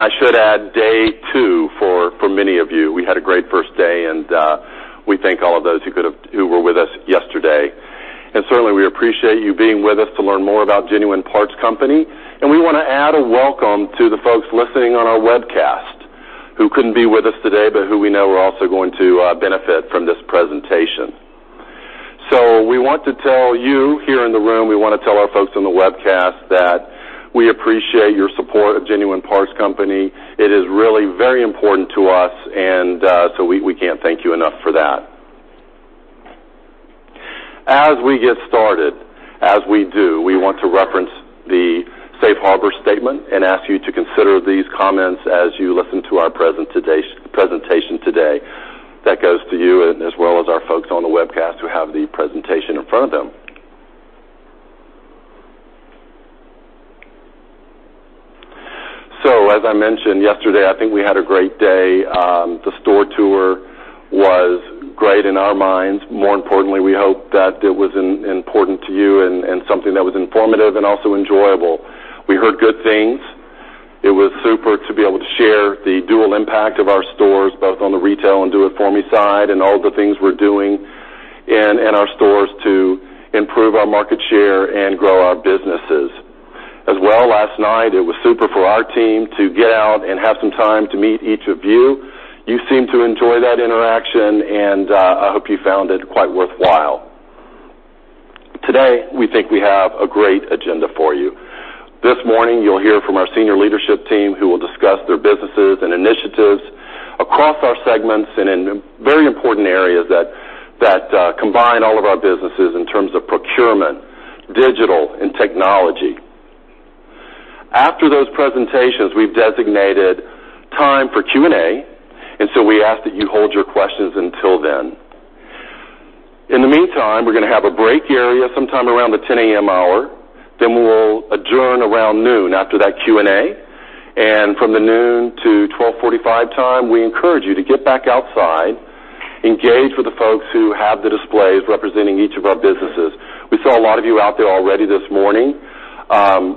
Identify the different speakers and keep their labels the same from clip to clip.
Speaker 1: I should add day two for many of you. We had a great first day, and we thank all of those who were with us yesterday. Certainly, we appreciate you being with us to learn more about Genuine Parts Company. We want to add a welcome to the folks listening on our webcast who couldn't be with us today, but who we know are also going to benefit from this presentation. We want to tell you here in the room, we want to tell our folks on the webcast that we appreciate your support of Genuine Parts Company. It is really very important to us, we can't thank you enough for that. As we get started, as we do, we want to reference the safe harbor statement and ask you to consider these comments as you listen to our presentation today. That goes to you as well as our folks on the webcast who have the presentation in front of them. As I mentioned yesterday, I think we had a great day. The store tour was great in our minds. More importantly, we hope that it was important to you and something that was informative and also enjoyable. We heard good things. It was super to be able to share the dual impact of our stores, both on the retail and do-it-for-me side and all the things we're doing in our stores to improve our market share and grow our businesses. As well, last night, it was super for our team to get out and have some time to meet each of you. You seemed to enjoy that interaction, I hope you found it quite worthwhile. Today, we think we have a great agenda for you. This morning, you'll hear from our senior leadership team who will discuss their businesses and initiatives across our segments and in very important areas that combine all of our businesses in terms of procurement, digital, and technology. After those presentations, we've designated time for Q&A, we ask that you hold your questions until then. In the meantime, we're going to have a break area sometime around the 10:00 A.M. hour. We will adjourn around noon after that Q&A. From the noon to 12:45 time, we encourage you to get back outside, engage with the folks who have the displays representing each of our businesses. We saw a lot of you out there already this morning.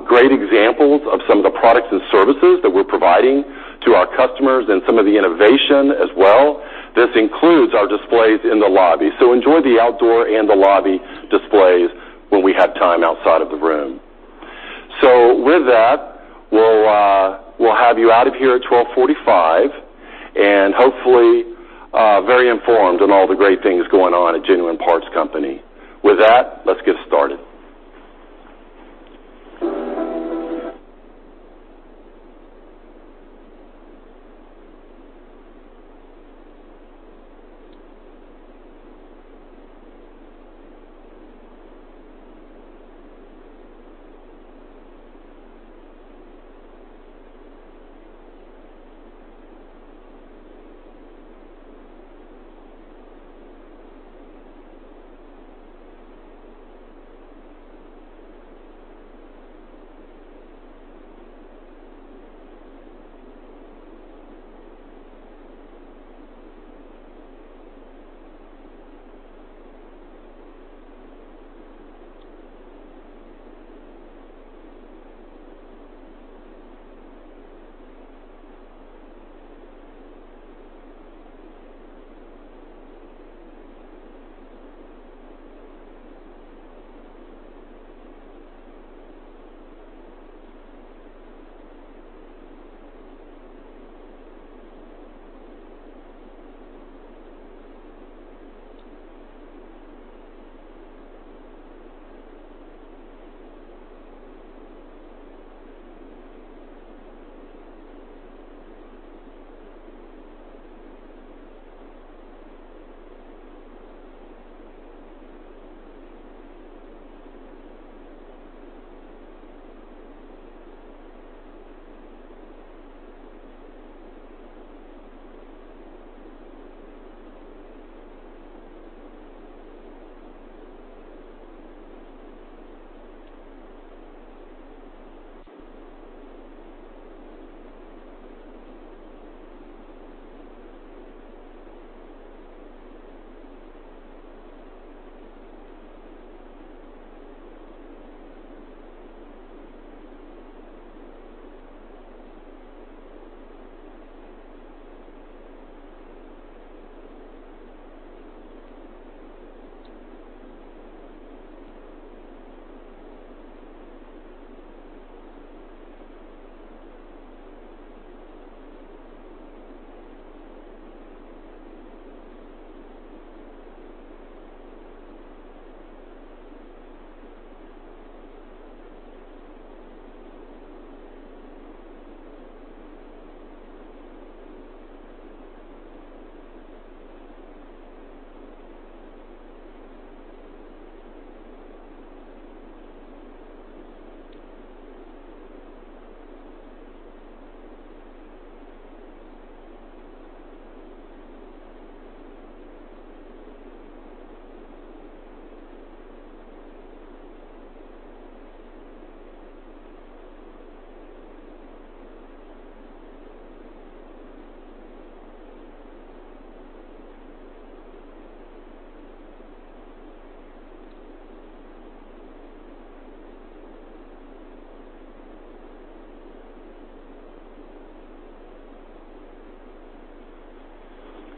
Speaker 1: Great examples of some of the products and services that we're providing to our customers and some of the innovation as well. This includes our displays in the lobby. Enjoy the outdoor and the lobby displays when we have time outside of the room. With that, we'll have you out of here at 12:45 and hopefully very informed on all the great things going on at Genuine Parts Company. With that, let's get started.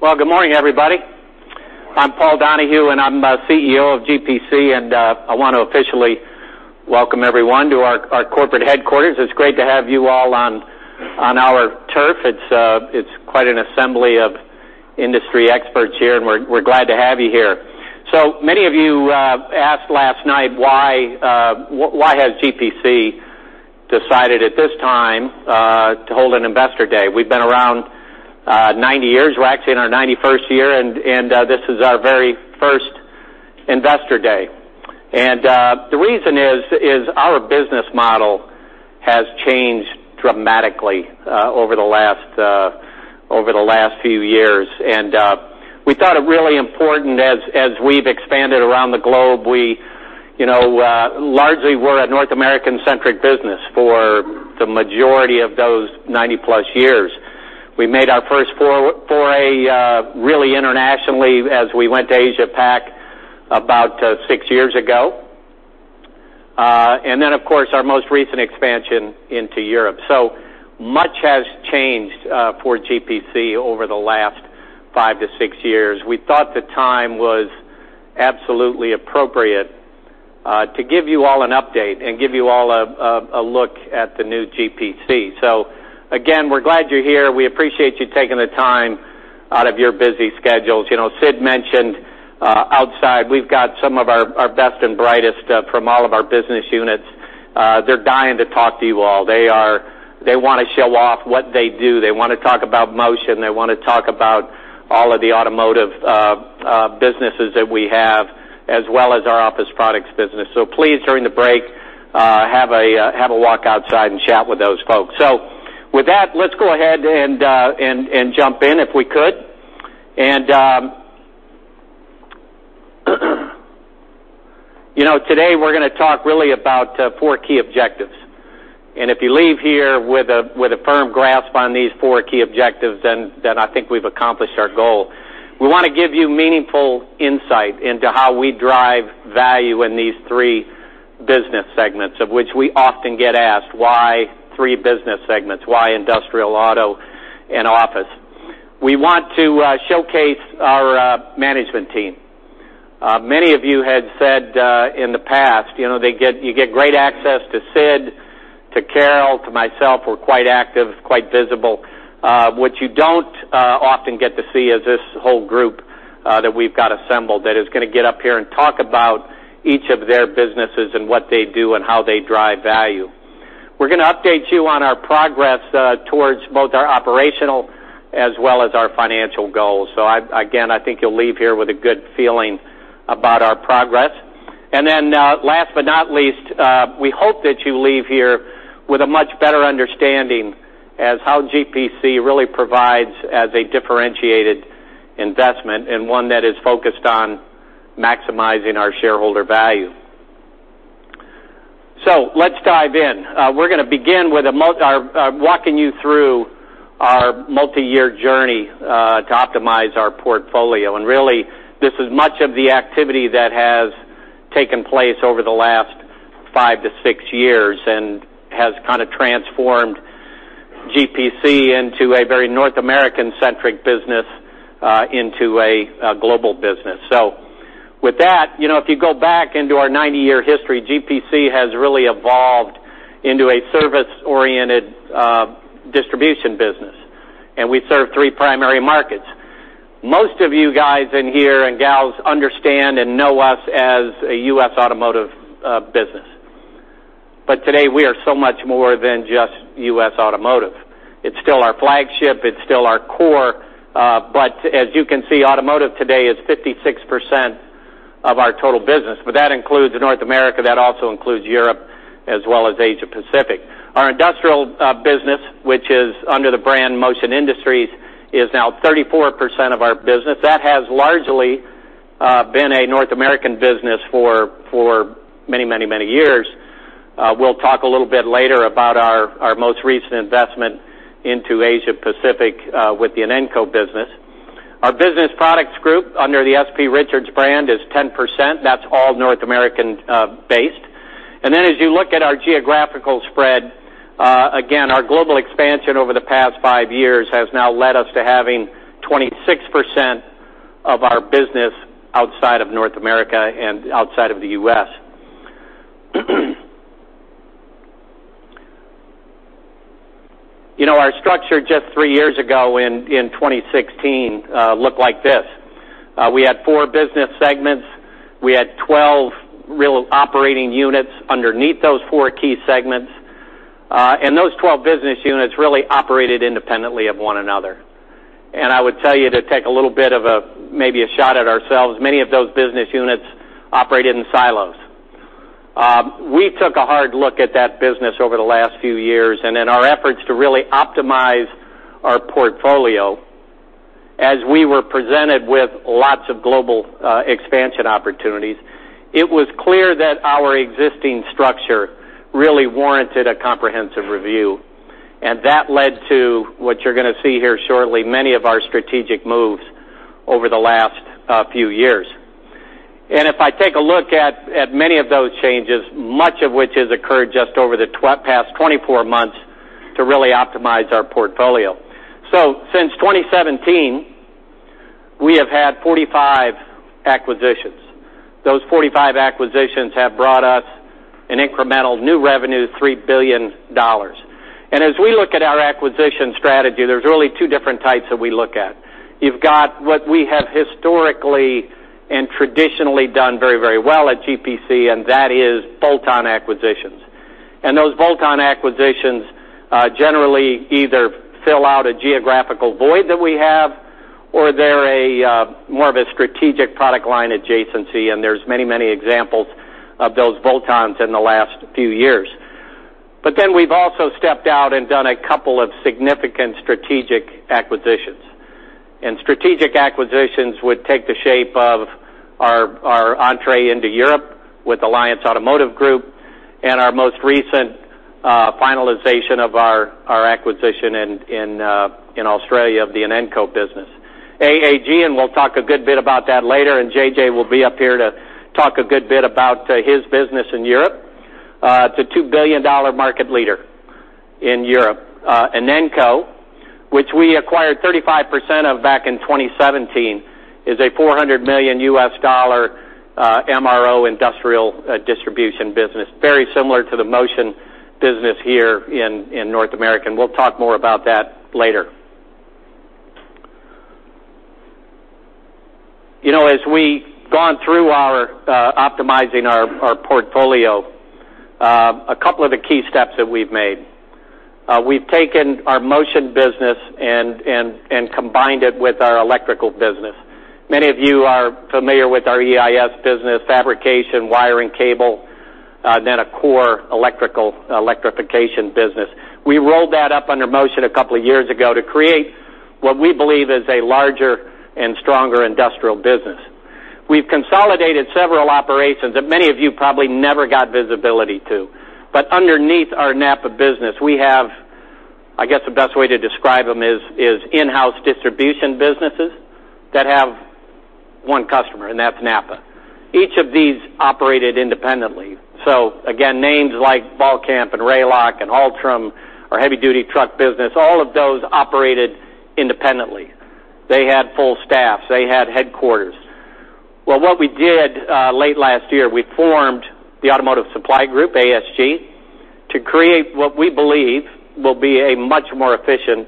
Speaker 2: Well, good morning, everybody. I'm Paul Donahue. I'm the CEO of GPC. I want to officially welcome everyone to our corporate headquarters. It's great to have you all on our turf. It's quite an assembly of industry experts here, and we're glad to have you here. Many of you asked last night why has GPC decided at this time to hold an investor day. We've been around 90 years. We're actually in our 91st year, and this is our very first investor day. The reason is our business model has changed dramatically over the last few years. We thought it really important as we've expanded around the globe. Largely, we're a North American-centric business for the majority of those 90-plus years. We made our first foray really internationally as we went to Asia Pac about six years ago. Of course, our most recent expansion into Europe. Much has changed for GPC over the last five to six years. We thought the time was absolutely appropriate to give you all an update and give you all a look at the new GPC. Again, we're glad you're here. We appreciate you taking the time out of your busy schedules. Sid mentioned outside we've got some of our best and brightest from all of our business units. They're dying to talk to you all. They want to show off what they do. They want to talk about Motion. They want to talk about all of the automotive businesses that we have, as well as our Office Products business. Please, during the break, have a walk outside and chat with those folks. With that, let's go ahead and jump in if we could. Today, we're going to talk really about four key objectives. If you leave here with a firm grasp on these four key objectives, then I think we've accomplished our goal. We want to give you meaningful insight into how we drive value in these three business segments, of which we often get asked, why three business segments? Why Industrial, Auto, and Office? We want to showcase our management team. Many of you had said in the past you get great access to Sid, to Carol, to myself. We're quite active, quite visible. What you don't often get to see is this whole group that we've got assembled that is going to get up here and talk about each of their businesses and what they do and how they drive value. We're going to update you on our progress towards both our operational as well as our financial goals. Again, I think you'll leave here with a good feeling about our progress. Last but not least, we hope that you leave here with a much better understanding as how GPC really provides as a differentiated investment and one that is focused on maximizing our shareholder value. Let's dive in. We're going to begin with walking you through our multi-year journey to optimize our portfolio. Really, this is much of the activity that has taken place over the last five to six years and has kind of transformed GPC into a very North American-centric business into a global business. With that, if you go back into our 90-year history, GPC has really evolved into a service-oriented distribution business, and we serve three primary markets. Most of you guys in here, and gals, understand and know us as a U.S. automotive business. Today, we are so much more than just U.S. automotive. It's still our flagship. It's still our core. As you can see, automotive today is 56% of our total business, but that includes North America. That also includes Europe as well as Asia Pacific. Our industrial business, which is under the brand Motion Industries, is now 34% of our business. That has largely been a North American business for many years. We'll talk a little bit later about our most recent investment into Asia Pacific with the Inenco business. Our business products group under the S.P. Richards brand is 10%. That's all North American based. As you look at our geographical spread, again, our global expansion over the past five years has now led us to having 26% of our business outside of North America and outside of the U.S. Our structure just three years ago in 2016 looked like this. We had four business segments. We had 12 real operating units underneath those four key segments. Those 12 business units really operated independently of one another. I would tell you to take a little bit of maybe a shot at ourselves. Many of those business units operated in silos. We took a hard look at that business over the last few years and in our efforts to really optimize our portfolio. As we were presented with lots of global expansion opportunities, it was clear that our existing structure really warranted a comprehensive review, that led to what you're going to see here shortly, many of our strategic moves over the last few years. If I take a look at many of those changes, much of which has occurred just over the past 24 months to really optimize our portfolio. Since 2017, we have had 45 acquisitions. Those 45 acquisitions have brought us an incremental new revenue, $3 billion. As we look at our acquisition strategy, there's really 2 different types that we look at. You've got what we have historically and traditionally done very, very well at GPC, that is bolt-on acquisitions. Those bolt-on acquisitions, generally either fill out a geographical void that we have, or they're more of a strategic product line adjacency, there's many, many examples of those bolt-ons in the last few years. We've also stepped out and done a couple of significant strategic acquisitions. Strategic acquisitions would take the shape of our entree into Europe with Alliance Automotive Group and our most recent finalization of our acquisition in Australia of the Inenco business. AAG, we'll talk a good bit about that later, J.J. will be up here to talk a good bit about his business in Europe. It's a $2 billion market leader in Europe. Inenco, which we acquired 35% of back in 2017, is a $400 million MRO industrial distribution business, very similar to the Motion business here in North America, we'll talk more about that later. We've gone through optimizing our portfolio, a couple of the key steps that we've made. We've taken our Motion business and combined it with our electrical business. Many of you are familiar with our EIS business, fabrication, wiring cable, then a core electrical electrification business. We rolled that up under Motion a couple of years ago to create what we believe is a larger and stronger industrial business. We've consolidated several operations that many of you probably never got visibility to. Underneath our NAPA business, we have, I guess, the best way to describe them is in-house distribution businesses that have one customer, and that's NAPA. Each of these operated independently. Again, names like Balkamp and Rayloc and Altrom, our heavy-duty truck business, all of those operated independently. They had full staffs. They had headquarters. What we did late last year, we formed the Automotive Supply Group, ASG, to create what we believe will be a much more efficient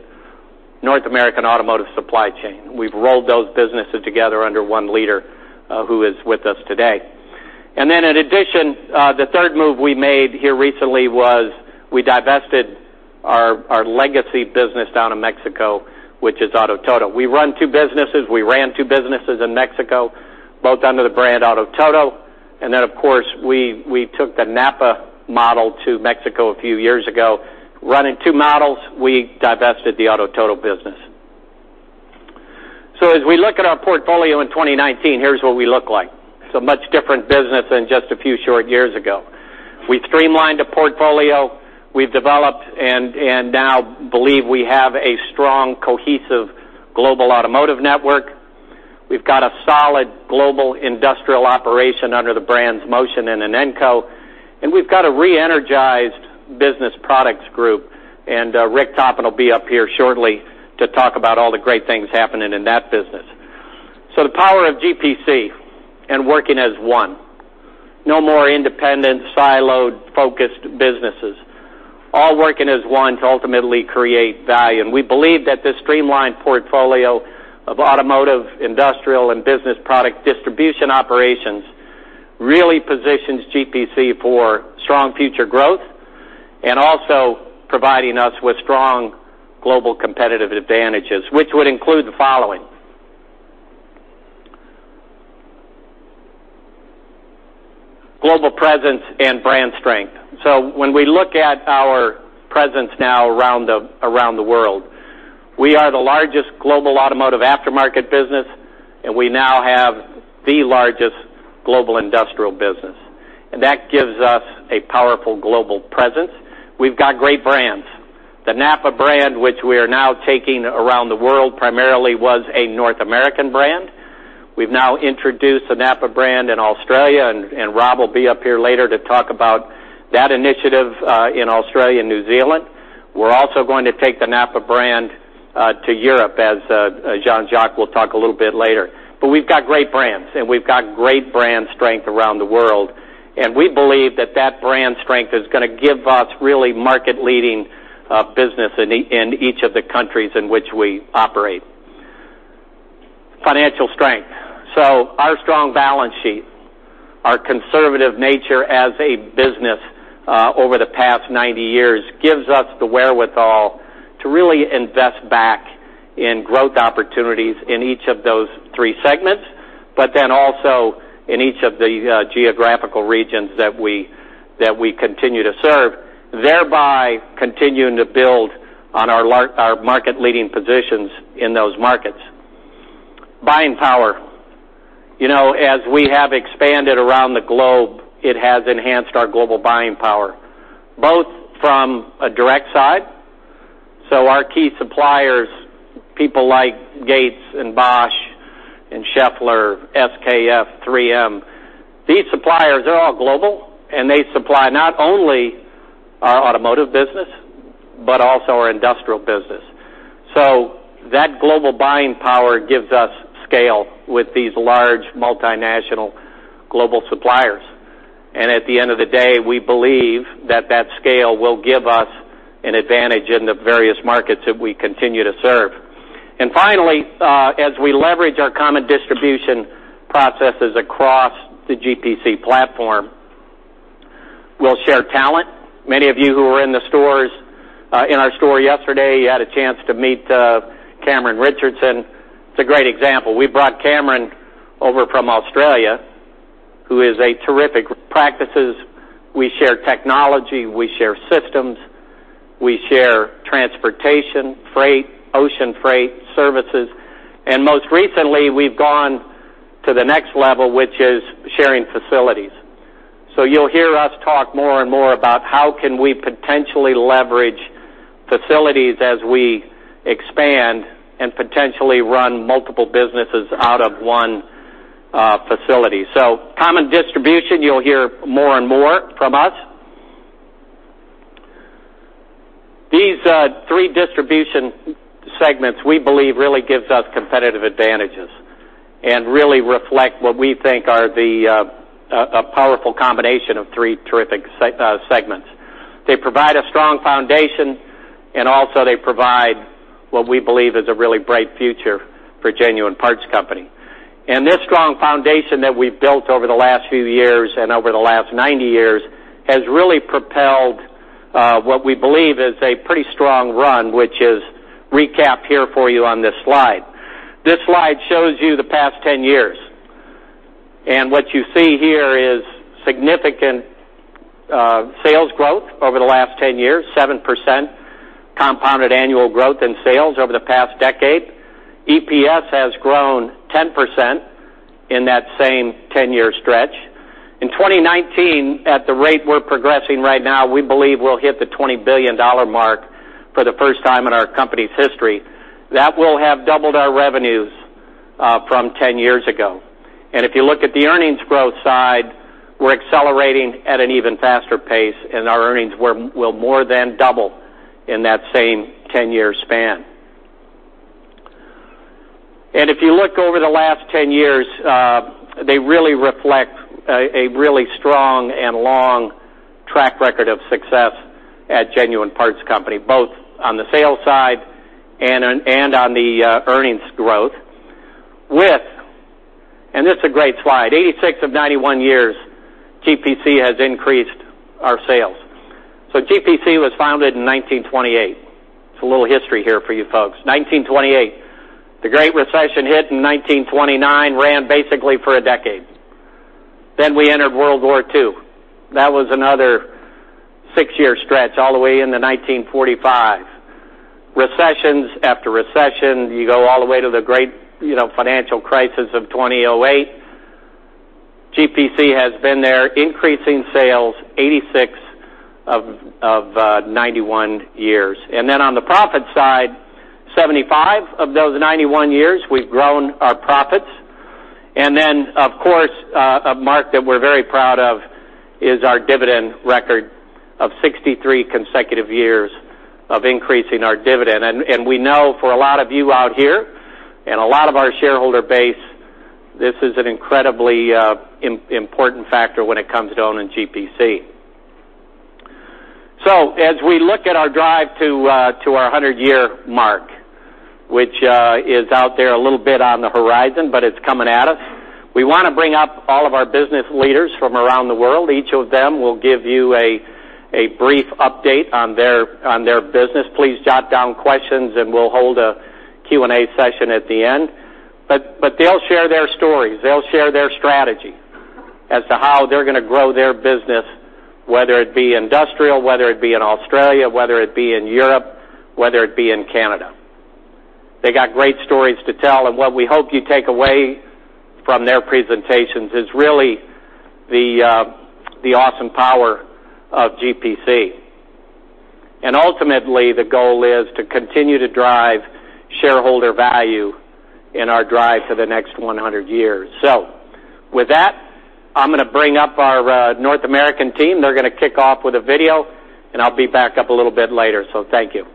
Speaker 2: North American automotive supply chain. We've rolled those businesses together under one leader who is with us today. In addition, the third move we made here recently was we divested our legacy business down in Mexico, which is Auto Todo. We run two businesses. We ran two businesses in Mexico, both under the brand Auto Todo. Of course, we took the NAPA model to Mexico a few years ago, running two models. We divested the Auto Todo business. As we look at our portfolio in 2019, here's what we look like. It's a much different business than just a few short years ago. We've streamlined a portfolio we've developed and now believe we have a strong, cohesive global automotive network. We've got a solid global industrial operation under the brands Motion and Inenco, and we've got a re-energized business products group. Rick Toppin will be up here shortly to talk about all the great things happening in that business. The power of GPC and working as one. No more independent, siloed, focused businesses, all working as one to ultimately create value. We believe that this streamlined portfolio of automotive, industrial, and business product distribution operations really positions GPC for strong future growth and also providing us with strong global competitive advantages, which would include the following. Global presence and brand strength. When we look at our presence now around the world, we are the largest global automotive aftermarket business, and we now have the largest global industrial business. That gives us a powerful global presence. We've got great brands. The NAPA brand, which we are now taking around the world, primarily was a North American brand. We've now introduced the NAPA brand in Australia, and Rob will be up here later to talk about that initiative in Australia and New Zealand. We're also going to take the NAPA brand to Europe, as Jean-Jacques will talk a little bit later. We've got great brands, and we've got great brand strength around the world. We believe that that brand strength is going to give us really market-leading business in each of the countries in which we operate. Financial strength. Our strong balance sheet, our conservative nature as a business over the past 90 years gives us the wherewithal to really invest back in growth opportunities in each of those three segments, but also in each of the geographical regions that we continue to serve, thereby continuing to build on our market leading positions in those markets. Buying power. As we have expanded around the globe, it has enhanced our global buying power. Our key suppliers, people like Gates and Bosch and Schaeffler, SKF, 3M, these suppliers are all global, and they supply not only our automotive business but also our industrial business. That global buying power gives us scale with these large multinational global suppliers. At the end of the day, we believe that scale will give us an advantage in the various markets that we continue to serve. Finally, as we leverage our common distribution processes across the GPC platform, we'll share talent. Many of you who were in our store yesterday had a chance to meet Cameron Richardson. It's a great example. We brought Cameron over from Australia, who is a terrific practices. We share technology, we share systems, we share transportation, freight, ocean freight services, and most recently, we've gone to the next level, which is sharing facilities. You'll hear us talk more and more about how can we potentially leverage facilities as we expand and potentially run multiple businesses out of one facility. Common distribution, you'll hear more and more from us. These three distribution segments, we believe, really gives us competitive advantages and really reflect what we think are the powerful combination of three terrific segments. They provide a strong foundation, and also they provide what we believe is a really bright future for Genuine Parts Company. This strong foundation that we've built over the last few years and over the last 90 years has really propelled what we believe is a pretty strong run, which is recapped here for you on this slide. This slide shows you the past 10 years. What you see here is significant sales growth over the last 10 years, 7% compounded annual growth in sales over the past decade. EPS has grown 10% in that same 10-year stretch. In 2019, at the rate we're progressing right now, we believe we'll hit the $20 billion mark for the first time in our company's history. That will have doubled our revenues from 10 years ago. If you look at the earnings growth side, we're accelerating at an even faster pace, and our earnings will more than double in that same 10-year span. If you look over the last 10 years, they really reflect a really strong and long track record of success at Genuine Parts Company, both on the sales side and on the earnings growth. This is a great slide. 86 of 91 years, GPC has increased our sales. GPC was founded in 1928. It's a little history here for you folks. 1928. The Great Recession hit in 1929, ran basically for a decade. We entered World War II. That was another six-year stretch, all the way into 1945. Recessions after recession, you go all the way to the great financial crisis of 2008. GPC has been there increasing sales 86 of 91 years. Then on the profit side, 75 of those 91 years, we've grown our profits. Then, of course, a mark that we're very proud of is our dividend record of 63 consecutive years of increasing our dividend. We know for a lot of you out here and a lot of our shareholder base, this is an incredibly important factor when it comes to owning GPC. As we look at our drive to our 100-year mark, which is out there a little bit on the horizon, but it's coming at us, we want to bring up all of our business leaders from around the world. Each of them will give you a brief update on their business. Please jot down questions, and we'll hold a Q&A session at the end. They'll share their stories. They'll share their strategy as to how they're going to grow their business, whether it be industrial, whether it be in Australia, whether it be in Europe, whether it be in Canada. They got great stories to tell, and what we hope you take away from their presentations is really the awesome power of GPC. Ultimately, the goal is to continue to drive shareholder value in our drive to the next 100 years. With that, I'm going to bring up our North American team. They're going to kick off with a video, and I'll be back up a little bit later. Thank you.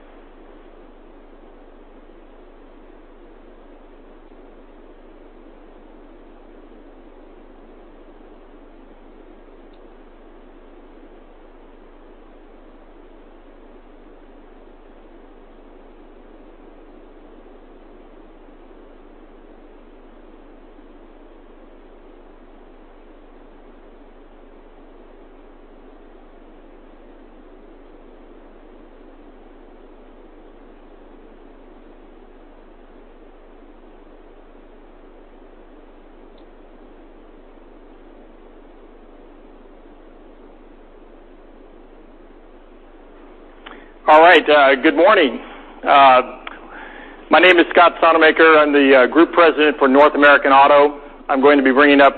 Speaker 2: All right. Good morning.
Speaker 3: My name is Scott Sonnemaker. I'm the Group President for North American Auto. I'm going to be bringing up,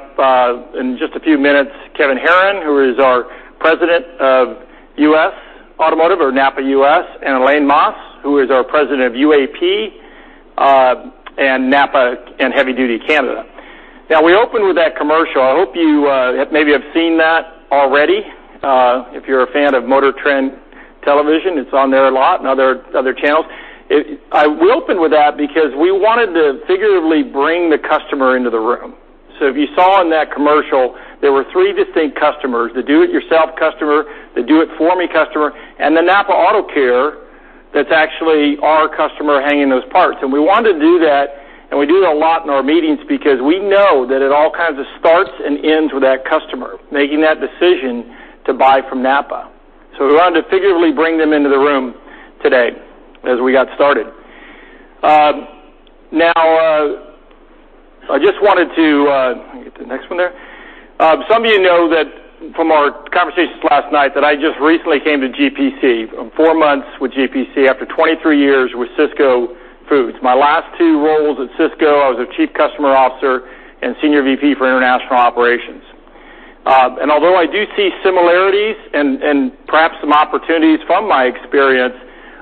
Speaker 3: in just a few minutes, Kevin Herron, who is our President of U.S. Automotive, or NAPA U.S., and Alain Masse, who is our President of UAP, and NAPA and Heavy Duty Canada. We opened with that commercial. I hope you maybe have seen that already. If you're a fan of MotorTrend television, it's on there a lot, and other channels. I opened with that because we wanted to figuratively bring the customer into the room. If you saw in that commercial, there were three distinct customers, the do-it-yourself customer, the do-it-for-me customer, and the NAPA AutoCare that's actually our customer hanging those parts. We wanted to do that, and we do it a lot in our meetings because we know that it all kind of starts and ends with that customer making that decision to buy from NAPA. We wanted to figuratively bring them into the room today as we got started. Let me get to the next one there. Some of you know that from our conversations last night, that I just recently came to GPC. I'm four months with GPC after 23 years with Sysco. My last two roles at Sysco, I was a Chief Customer Officer and Senior VP for International Operations. Although I do see similarities and perhaps some opportunities from my experience,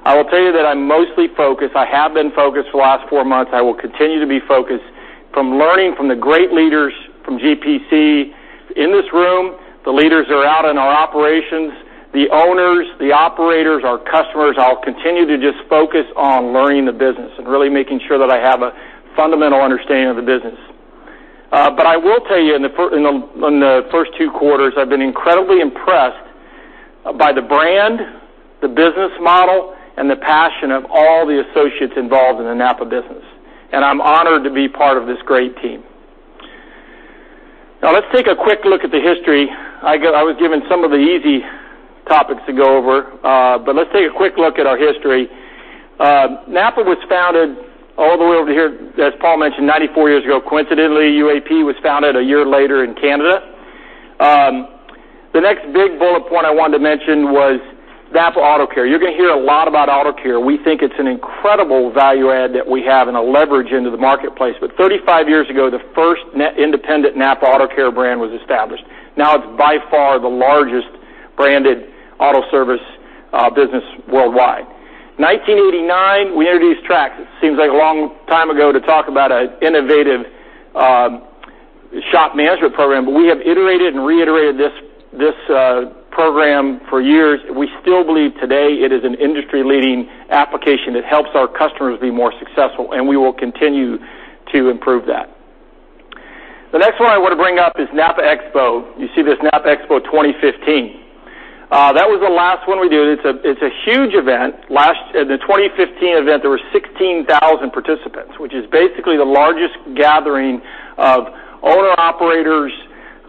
Speaker 3: I will tell you that I'm mostly focused, I have been focused for the last four months, I will continue to be focused from learning from the great leaders from GPC in this room, the leaders that are out in our operations, the owners, the operators, our customers. I'll continue to just focus on learning the business and really making sure that I have a fundamental understanding of the business. I will tell you, in the first two quarters, I've been incredibly impressed by the brand, the business model, and the passion of all the associates involved in the NAPA business, and I'm honored to be part of this great team. Now let's take a quick look at the history. I was given some of the easy topics to go over. Let's take a quick look at our history. NAPA was founded all the way over here, as Paul mentioned, 94 years ago. Coincidentally, UAP Inc. was founded a year later in Canada. The next big bullet point I wanted to mention was NAPA AutoCare. You're gonna hear a lot about AutoCare. We think it's an incredible value add that we have and a leverage into the marketplace. 35 years ago, the first independent NAPA AutoCare brand was established. Now it's by far the largest branded auto service business worldwide. 1989, we introduced NAPA TRACS. It seems like a long time ago to talk about an innovative shop management program, we have iterated and reiterated this program for years. We still believe today it is an industry-leading application that helps our customers be more successful. We will continue to improve that. The next one I want to bring up is NAPA Expo. You see this NAPA Expo 2015. That was the last one we did. It's a huge event. In the 2015 event, there were 16,000 participants, which is basically the largest gathering of owner-operators,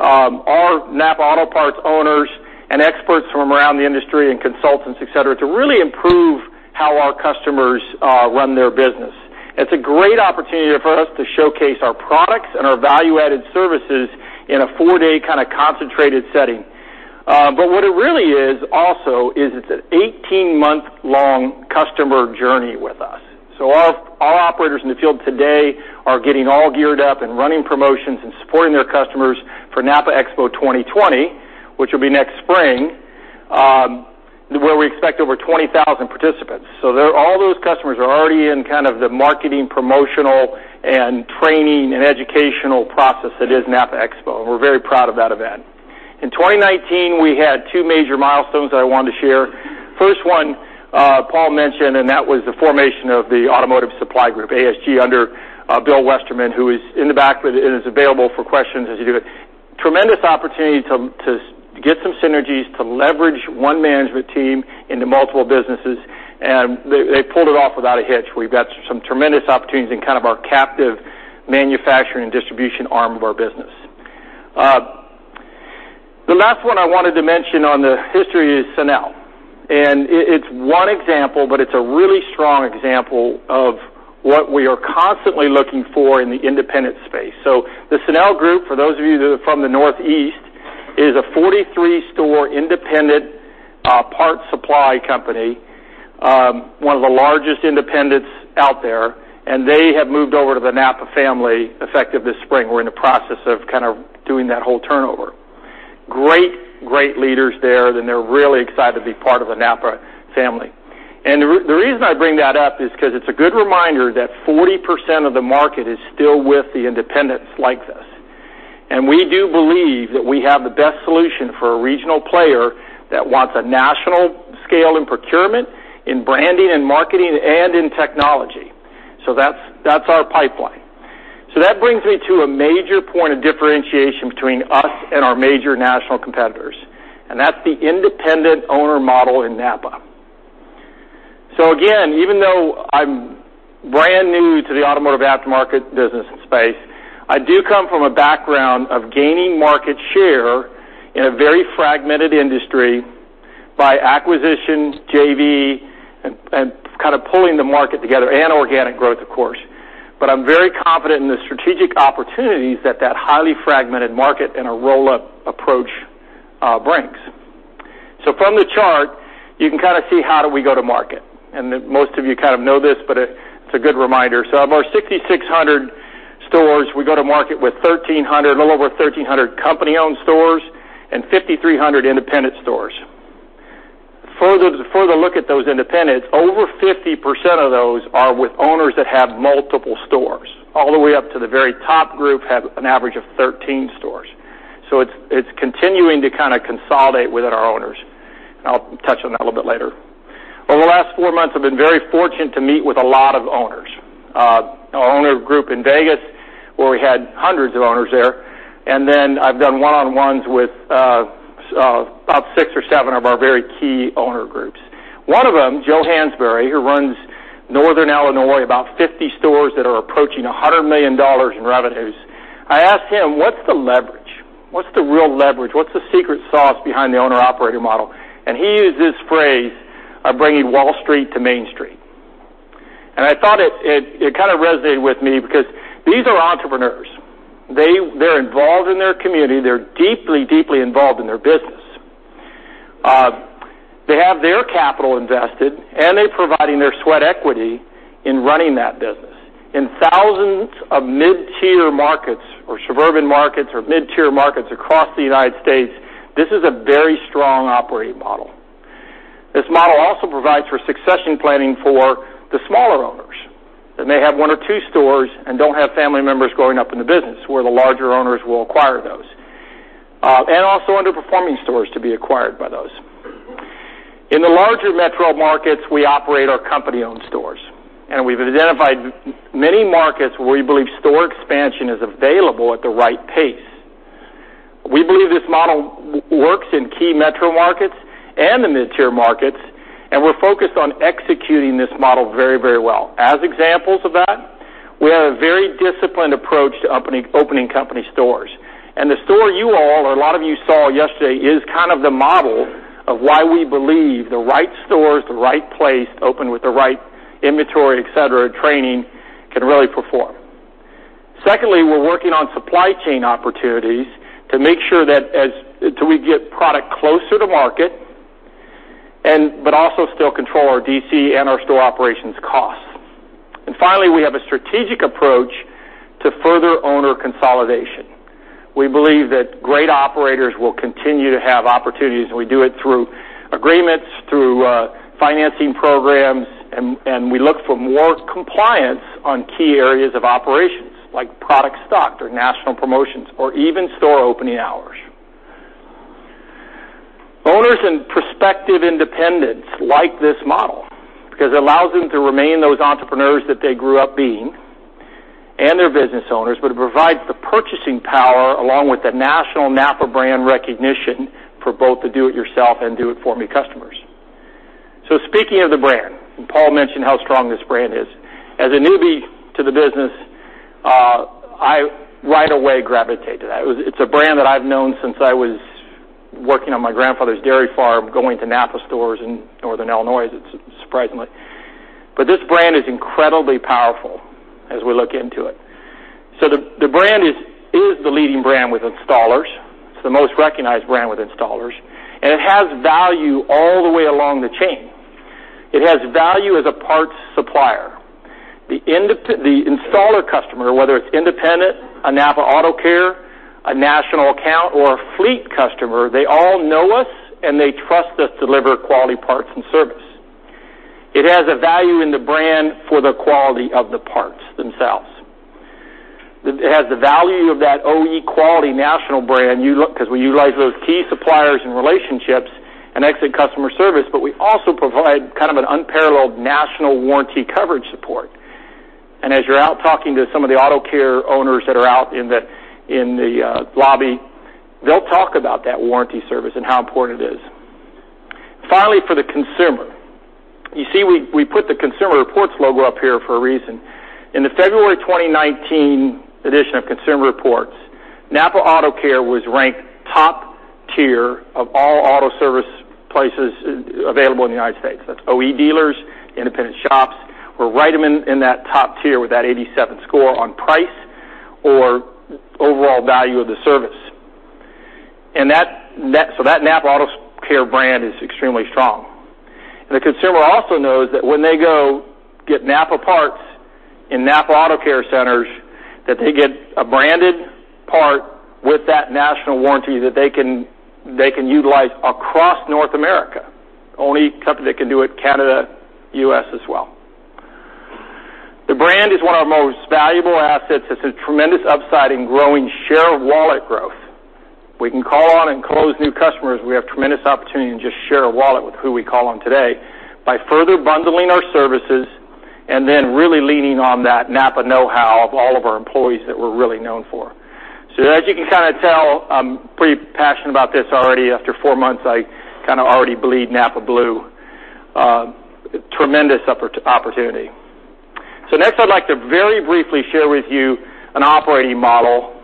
Speaker 3: our NAPA Auto Parts owners, and experts from around the industry, and consultants, et cetera, to really improve how our customers run their business. It's a great opportunity for us to showcase our products and our value-added services in a four-day kind of concentrated setting. What it really is also is it's an 18-month-long customer journey with us. Our operators in the field today are getting all geared up and running promotions and supporting their customers for NAPA Expo 2020, which will be next spring, where we expect over 20,000 participants. All those customers are already in kind of the marketing, promotional, and training, and educational process that is NAPA Expo, and we're very proud of that event. In 2019, we had two major milestones that I wanted to share. First one, Paul mentioned, and that was the formation of the Automotive Supply Group, ASG, under Bill Westerman, who is in the back and is available for questions as you do it. Tremendous opportunity to get some synergies to leverage one management team into multiple businesses, and they pulled it off without a hitch. We've got some tremendous opportunities in kind of our captive manufacturing and distribution arm of our business. The last one I wanted to mention on the history is Sanel. It is one example, but it is a really strong example of what we are constantly looking for in the independent space. The Sanel Group, for those of you that are from the Northeast, is a 43-store independent parts supply company, one of the largest independents out there, and they have moved over to the NAPA family effective this spring. We are in the process of kind of doing that whole turnover. Great leaders there, and they are really excited to be part of the NAPA family. The reason I bring that up is because it is a good reminder that 40% of the market is still with the independents like us. We do believe that we have the best solution for a regional player that wants a national scale in procurement, in branding and marketing, and in technology. That is our pipeline. That brings me to a major point of differentiation between us and our major national competitors, and that is the independent owner model in NAPA. Again, even though I am brand new to the automotive aftermarket business space, I do come from a background of gaining market share in a very fragmented industry by acquisition, JV, and kind of pulling the market together, and organic growth, of course. I am very confident in the strategic opportunities that that highly fragmented market in a roll-up approach brings. From the chart, you can see how do we go to market. Most of you know this, but it is a good reminder. Of our 6,600 stores, we go to market with a little over 1,300 company-owned stores and 5,300 independent stores. Further look at those independents, over 50% of those are with owners that have multiple stores, all the way up to the very top group have an average of 13 stores. It is continuing to consolidate within our owners, and I will touch on that a little bit later. Over the last four months, I have been very fortunate to meet with a lot of owners. Our owner group in Vegas, where we had hundreds of owners there, and then I have done one-on-ones with about six or seven of our very key owner groups. One of them, Joe Hansberry, who runs Northern Illinois, about 50 stores that are approaching $100 million in revenues, I asked him, "What is the leverage? What is the real leverage? What is the secret sauce behind the owner operator model?" He used this phrase of bringing Wall Street to Main Street. I thought it resonated with me because these are entrepreneurs. They are involved in their community. They are deeply involved in their business. They have their capital invested, and they are providing their sweat equity in running that business. In thousands of mid-tier markets or suburban markets or mid-tier markets across the U.S., this is a very strong operating model. This model also provides for succession planning for the smaller owners that may have one or two stores and do not have family members growing up in the business, where the larger owners will acquire those, and also underperforming stores to be acquired by those. In the larger metro markets, we operate our company-owned stores, and we have identified many markets where we believe store expansion is available at the right pace. We believe this model works in key metro markets and the mid-tier markets. We're focused on executing this model very, very well. As examples of that, we have a very disciplined approach to opening company stores. The store you all or a lot of you saw yesterday is the model of why we believe the right stores, the right place to open with the right inventory, et cetera, training, can really perform. Secondly, we're working on supply chain opportunities to make sure that as we get product closer to market, but also still control our DC and our store operations costs. Finally, we have a strategic approach to further owner consolidation. We believe that great operators will continue to have opportunities. We do it through agreements, through financing programs, and we look for more compliance on key areas of operations, like product stocked or national promotions, or even store opening hours. Owners and prospective independents like this model because it allows them to remain those entrepreneurs that they grew up being and their business owners, but it provides the purchasing power along with the national NAPA brand recognition for both the do-it-yourself and do-it-for-me customers. Speaking of the brand, Paul mentioned how strong this brand is. As a newbie to the business, I right away gravitated to that. It's a brand that I've known since I was working on my grandfather's dairy farm, going to NAPA stores in Northern Illinois, surprisingly. This brand is incredibly powerful as we look into it. The brand is the leading brand with installers. It's the most recognized brand with installers, and it has value all the way along the chain. It has value as a parts supplier. The installer customer, whether it's independent, a NAPA AutoCare, a national account, or a fleet customer, they all know us and they trust us to deliver quality parts and service. It has a value in the brand for the quality of the parts themselves. It has the value of that OE quality national brand. We utilize those key suppliers and relationships and excellent customer service, but we also provide an unparalleled national warranty coverage support. As you're out talking to some of the AutoCare owners that are out in the lobby, they'll talk about that warranty service and how important it is. Finally, for the consumer. You see, we put the Consumer Reports logo up here for a reason. In the February 2019 edition of Consumer Reports, NAPA AutoCare was ranked top tier of all auto service places available in the U.S. That's OE dealers, independent shops. We're right in that top tier with that 87 score on price or overall value of the service. That NAPA AutoCare brand is extremely strong. The consumer also knows that when they go get NAPA parts in NAPA AutoCare Centers, that they get a branded part with that national warranty that they can utilize across North America. Only company that can do it, Canada, U.S. as well. The brand is one of our most valuable assets. It's a tremendous upside in growing share of wallet growth. We can call on and close new customers. We have tremendous opportunity to just share a wallet with who we call on today by further bundling our services and then really leaning on that NAPA know-how of all of our employees that we're really known for. As you can tell, I'm pretty passionate about this already. After four months, I already bleed NAPA blue. Tremendous opportunity. Next, I'd like to very briefly share with you an operating model.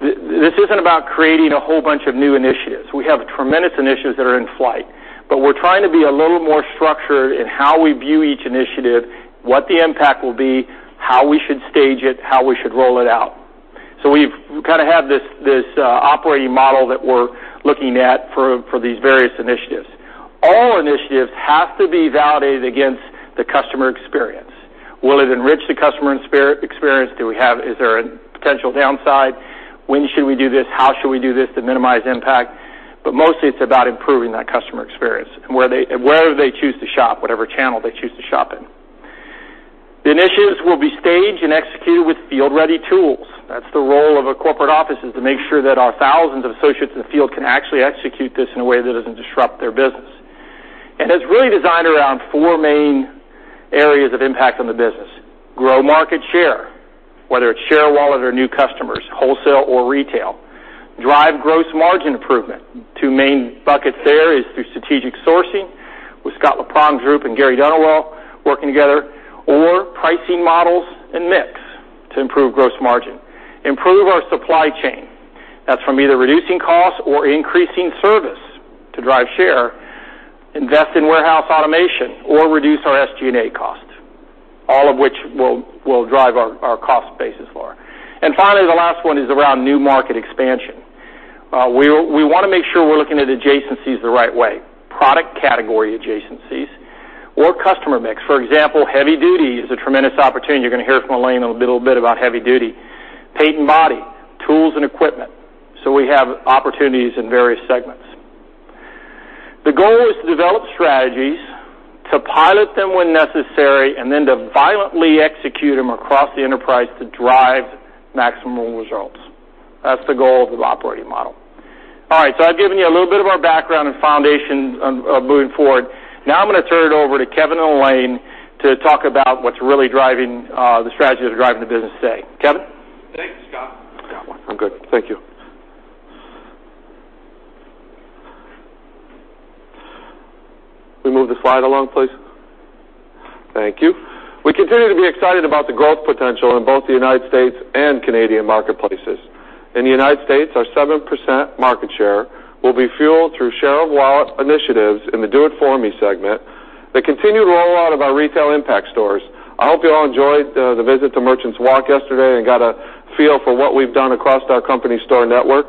Speaker 3: This isn't about creating a whole bunch of new initiatives. We have tremendous initiatives that are in flight, but we're trying to be a little more structured in how we view each initiative, what the impact will be, how we should stage it, how we should roll it out. We kind of have this operating model that we're looking at for these various initiatives. All initiatives have to be validated against the customer experience. Will it enrich the customer experience? Is there a potential downside? When should we do this? How should we do this to minimize impact? Mostly, it's about improving that customer experience and wherever they choose to shop, whatever channel they choose to shop in. Initiatives will be staged and executed with field-ready tools. That's the role of a corporate office, is to make sure that our thousands of associates in the field can actually execute this in a way that doesn't disrupt their business. It's really designed around four main areas of impact on the business. Grow market share, whether it's share of wallet or new customers, wholesale or retail. Drive gross margin improvement. Two main buckets there is through strategic sourcing with Scott Leprohon's group and Gary Dunwell working together or pricing models and mix to improve gross margin. Improve our supply chain. That's from either reducing costs or increasing service to drive share, invest in warehouse automation, or reduce our SG&A costs, all of which will drive our cost basis lower. Finally, the last one is around new market expansion. We want to make sure we're looking at adjacencies the right way, product category adjacencies or customer mix. For example, heavy duty is a tremendous opportunity. You're going to hear from Alain in a little bit about heavy duty. Paint and body, tools and equipment. We have opportunities in various segments. The goal is to develop strategies, to pilot them when necessary, and then to violently execute them across the enterprise to drive maximum results. That's the goal of the operating model. I've given you a little bit of our background and foundation moving forward. I'm going to turn it over to Kevin and Alain to talk about what's really the strategy that's driving the business today. Kevin?
Speaker 4: Thanks, Scott. I'm good. Thank you. Can we move the slide along, please? Thank you. We continue to be excited about the growth potential in both the U.S. and Canadian marketplaces. In the U.S., our 7% market share will be fueled through share-of-wallet initiatives in the Do It For Me segment that continue to roll out of our retail impact stores. I hope you all enjoyed the visit to Merchants Walk yesterday and got a feel for what we've done across our company store network.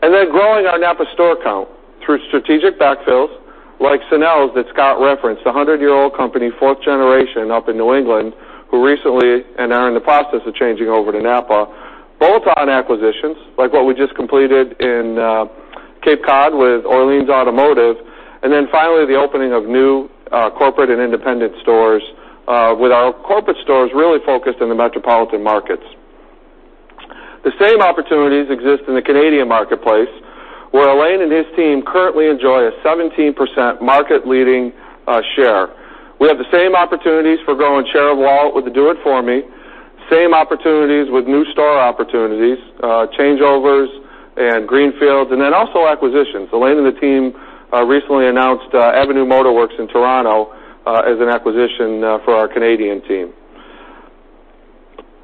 Speaker 4: Growing our NAPA store count through strategic backfills like Sanel that Scott referenced, a 100-year-old company, fourth generation up in New England, who recently and are in the process of changing over to NAPA, both on acquisitions like what we just completed in Cape Cod with Orleans Automotive, finally, the opening of new corporate and independent stores with our corporate stores really focused in the metropolitan markets. The same opportunities exist in the Canadian marketplace, where Alain and his team currently enjoy a 17% market-leading share. We have the same opportunities for growing share of wallet with the Do It For Me, same opportunities with new store opportunities, changeovers and greenfields, also acquisitions. Alain and the team recently announced Avenue Motor Works in Toronto as an acquisition for our Canadian team.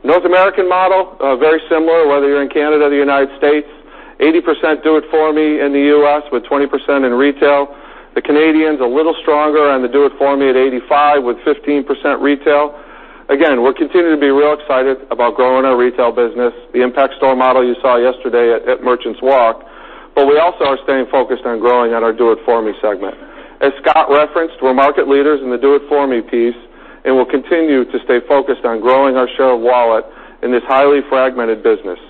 Speaker 4: North American model, very similar, whether you're in Canada or the U.S., 80% Do It For Me in the U.S., with 20% in retail. The Canadians, a little stronger on the Do It For Me at 85% with 15% retail. We're continuing to be real excited about growing our retail business, the impact store model you saw yesterday at Merchants Walk, but we also are staying focused on growing on our Do It For Me segment. As Scott referenced, we're market leaders in the Do It For Me piece, and we'll continue to stay focused on growing our share of wallet in this highly fragmented business.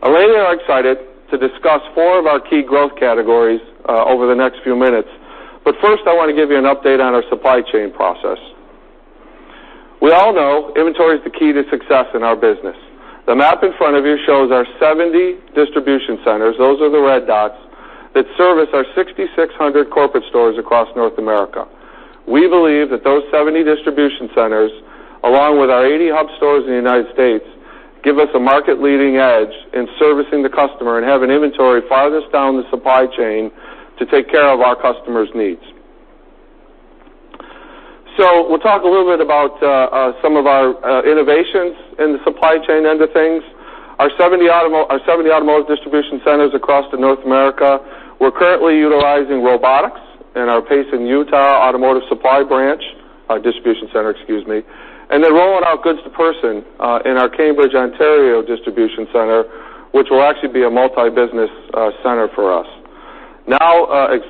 Speaker 4: Alain and I are excited to discuss four of our key growth categories over the next few minutes. I want to give you an update on our supply chain process. We all know inventory is the key to success in our business. The map in front of you shows our 70 distribution centers, those are the red dots, that service our 6,600 corporate stores across North America. We believe that those 70 distribution centers, along with our 80 hub stores in the U.S., give us a market-leading edge in servicing the customer and have an inventory farthest down the supply chain to take care of our customers' needs. We'll talk a little bit about some of our innovations in the supply chain end of things. Our 70 automotive distribution centers across the North America, we're currently utilizing robotics in our pace in Utah automotive supply branch, our distribution center, excuse me, rolling out goods to person in our Cambridge, Ontario distribution center, which will actually be a multi-business center for us. Now,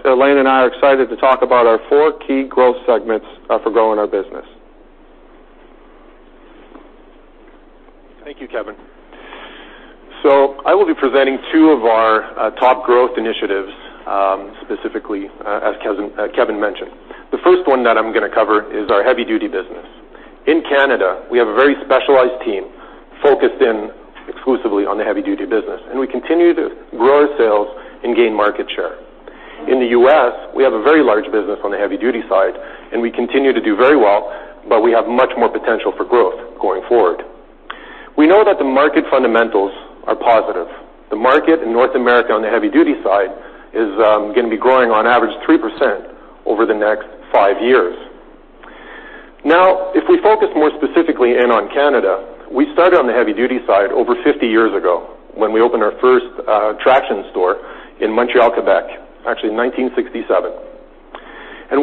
Speaker 4: Alain and I are excited to talk about our four key growth segments for growing our business.
Speaker 5: Thank you, Kevin. I will be presenting two of our top growth initiatives, specifically, as Kevin mentioned. The first one that I'm going to cover is our heavy duty business. In Canada, we have a very specialized team focused in exclusively on the heavy duty business, and we continue to grow our sales and gain market share. In the U.S., we have a very large business on the heavy duty side, and we continue to do very well, but we have much more potential for growth going forward. We know that the market fundamentals are positive. The market in North America on the heavy duty side is going to be growing on average 3% over the next five years. Now, if we focus more specifically in on Canada, we started on the heavy duty side over 50 years ago when we opened our first Traction store in Montreal, Quebec, actually in 1967.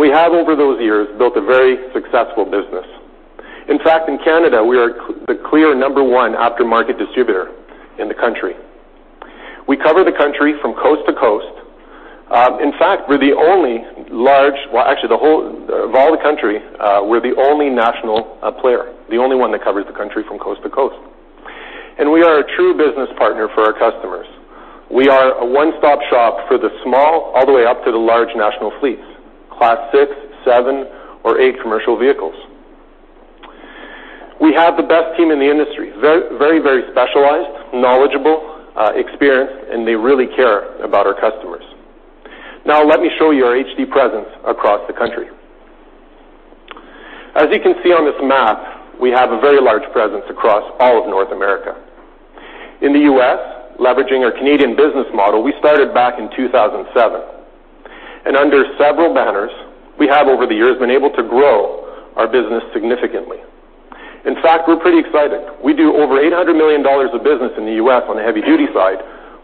Speaker 5: We have, over those years, built a very successful business. In fact, in Canada, we are the clear number one aftermarket distributor in the country. We cover the country from coast to coast. In fact, of all the country, we're the only national player, the only one that covers the country from coast to coast. We are a true business partner for our customers. We are a one-stop shop for the small, all the way up to the large national fleets, class 6, 7, or 8 commercial vehicles. We have the best team in the industry, very specialized, knowledgeable, experienced, and they really care about our customers. Now let me show you our HD presence across the country. As you can see on this map, we have a very large presence across all of North America. In the U.S., leveraging our Canadian business model, we started back in 2007. Under several banners, we have, over the years, been able to grow our business significantly. In fact, we're pretty excited. We do over $800 million of business in the U.S. on the heavy-duty side,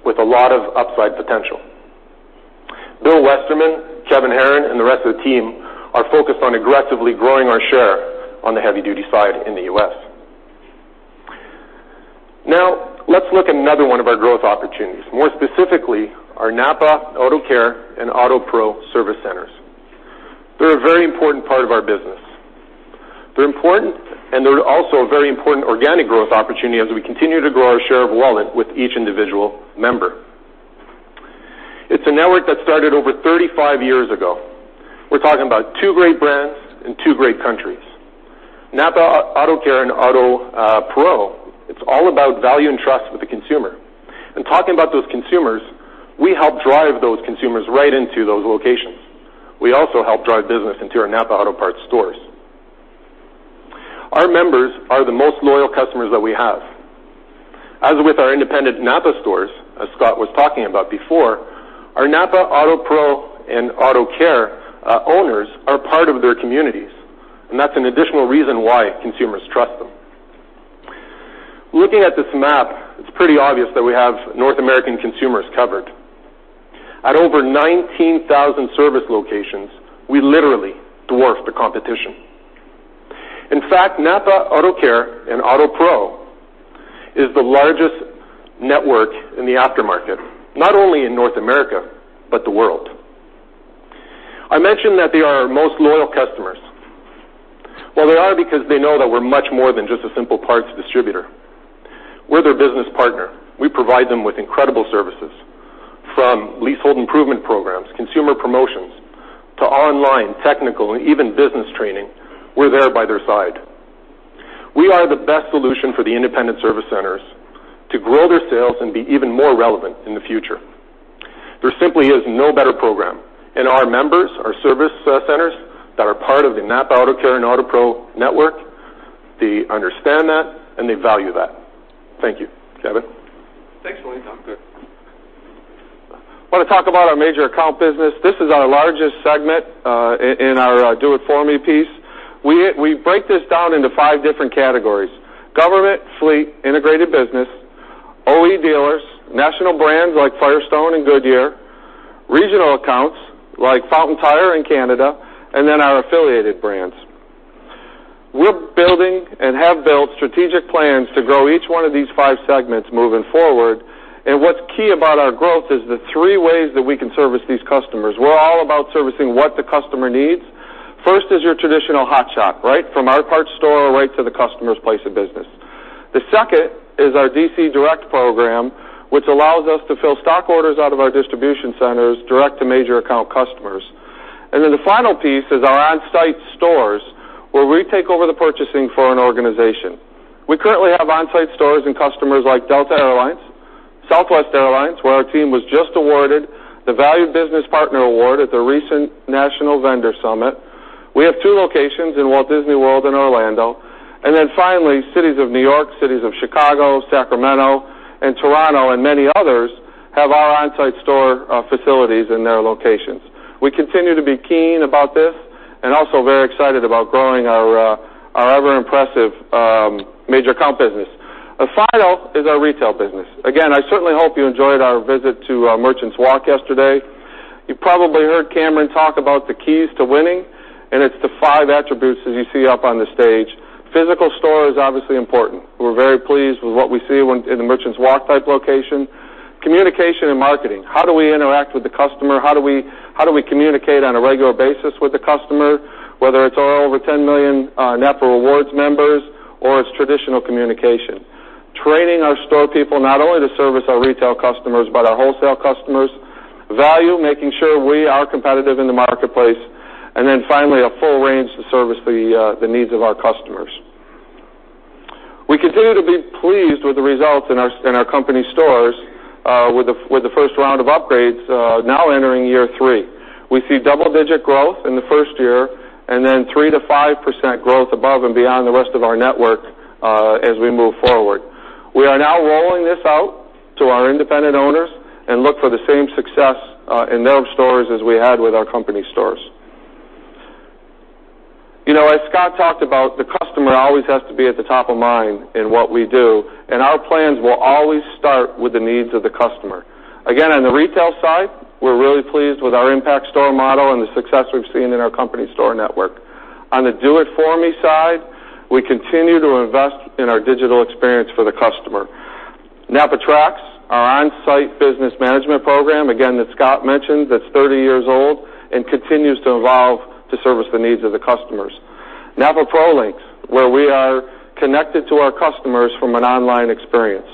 Speaker 5: with a lot of upside potential. Bill Westerman, Kevin Herron, and the rest of the team are focused on aggressively growing our share on the heavy-duty side in the U.S. Now, let's look at another one of our growth opportunities, more specifically, our NAPA AutoCare and AutoPro service centers. They're a very important part of our business. They're important, and they're also a very important organic growth opportunity as we continue to grow our share of wallet with each individual member. It's a network that started over 35 years ago. We're talking about two great brands in two great countries. NAPA AutoCare and NAPA AUTOPRO, it's all about value and trust with the consumer. Talking about those consumers, we help drive those consumers right into those locations. We also help drive business into our NAPA Auto Parts stores. Our members are the most loyal customers that we have. As with our independent NAPA stores, as Scott was talking about before, our NAPA AUTOPRO and AutoCare owners are part of their communities, and that's an additional reason why consumers trust them. Looking at this map, it's pretty obvious that we have North American consumers covered. At over 19,000 service locations, we literally dwarf the competition. In fact, NAPA AutoCare and NAPA AUTOPRO is the largest network in the aftermarket, not only in North America, but the world. I mentioned that they are our most loyal customers. Well, they are because they know that we're much more than just a simple parts distributor. We're their business partner. We provide them with incredible services, from leasehold improvement programs, consumer promotions, to online, technical, and even business training. We're there by their side. We are the best solution for the independent service centers to grow their sales and be even more relevant in the future. There simply is no better program, and our members, our service centers, that are part of the NAPA AutoCare and NAPA AUTOPRO network, they understand that, and they value that. Thank you. Kevin.
Speaker 4: Thanks, Alain.
Speaker 5: You're good.
Speaker 4: I want to talk about our major account business. This is our largest segment, in our do-it-for-me piece. We break this down into 5 different categories: government, fleet, integrated business, OE dealers, national brands like Firestone and Goodyear, regional accounts like Fountain Tire in Canada, and then our affiliated brands. We're building, and have built, strategic plans to grow each one of these 5 segments moving forward, and what's key about our growth is the 3 ways that we can service these customers. We're all about servicing what the customer needs. First is your traditional hotshot. From our parts store right to the customer's place of business. The second is our DC Direct program, which allows us to fill stock orders out of our distribution centers direct to major account customers. The final piece is our on-site stores, where we take over the purchasing for an organization. We currently have on-site stores in customers like Delta Air Lines, Southwest Airlines, where our team was just awarded the Value Business Partner Award at the recent National Vendor Summit. We have two locations in Walt Disney World in Orlando. Finally, cities of New York, cities of Chicago, Sacramento, and Toronto, and many others have our on-site store facilities in their locations. We continue to be keen about this and also very excited about growing our ever-impressive major account business. The final is our retail business. Again, I certainly hope you enjoyed our visit to Merchants Walk yesterday. You probably heard Cameron talk about the keys to winning, and it's the 5 attributes that you see up on the stage. Physical store is obviously important. We're very pleased with what we see in the Merchants Walk-type location. Communication and marketing. How do we interact with the customer? How do we communicate on a regular basis with the customer, whether it's our over 10 million NAPA Rewards members or it's traditional communication. Training our store people, not only to service our retail customers, but our wholesale customers. Value, making sure we are competitive in the marketplace. Finally, a full range to service the needs of our customers. We continue to be pleased with the results in our company stores, with the first round of upgrades now entering year three. We see double-digit growth in the first year and then 3%-5% growth above and beyond the rest of our network as we move forward. We are now rolling this out to our independent owners and look for the same success in their stores as we had with our company stores. As Scott talked about, the customer always has to be at the top of mind in what we do, and our plans will always start with the needs of the customer. Again, on the do-it-for-me side, we're really pleased with our impact store model and the success we've seen in our company store network. On the do-it-for-me side, we continue to invest in our digital experience for the customer. NAPA TRACS, our on-site business management program, again, that Scott mentioned, that's 30 years old and continues to evolve to service the needs of the customers. NAPA PROLink, where we are connected to our customers from an online experience.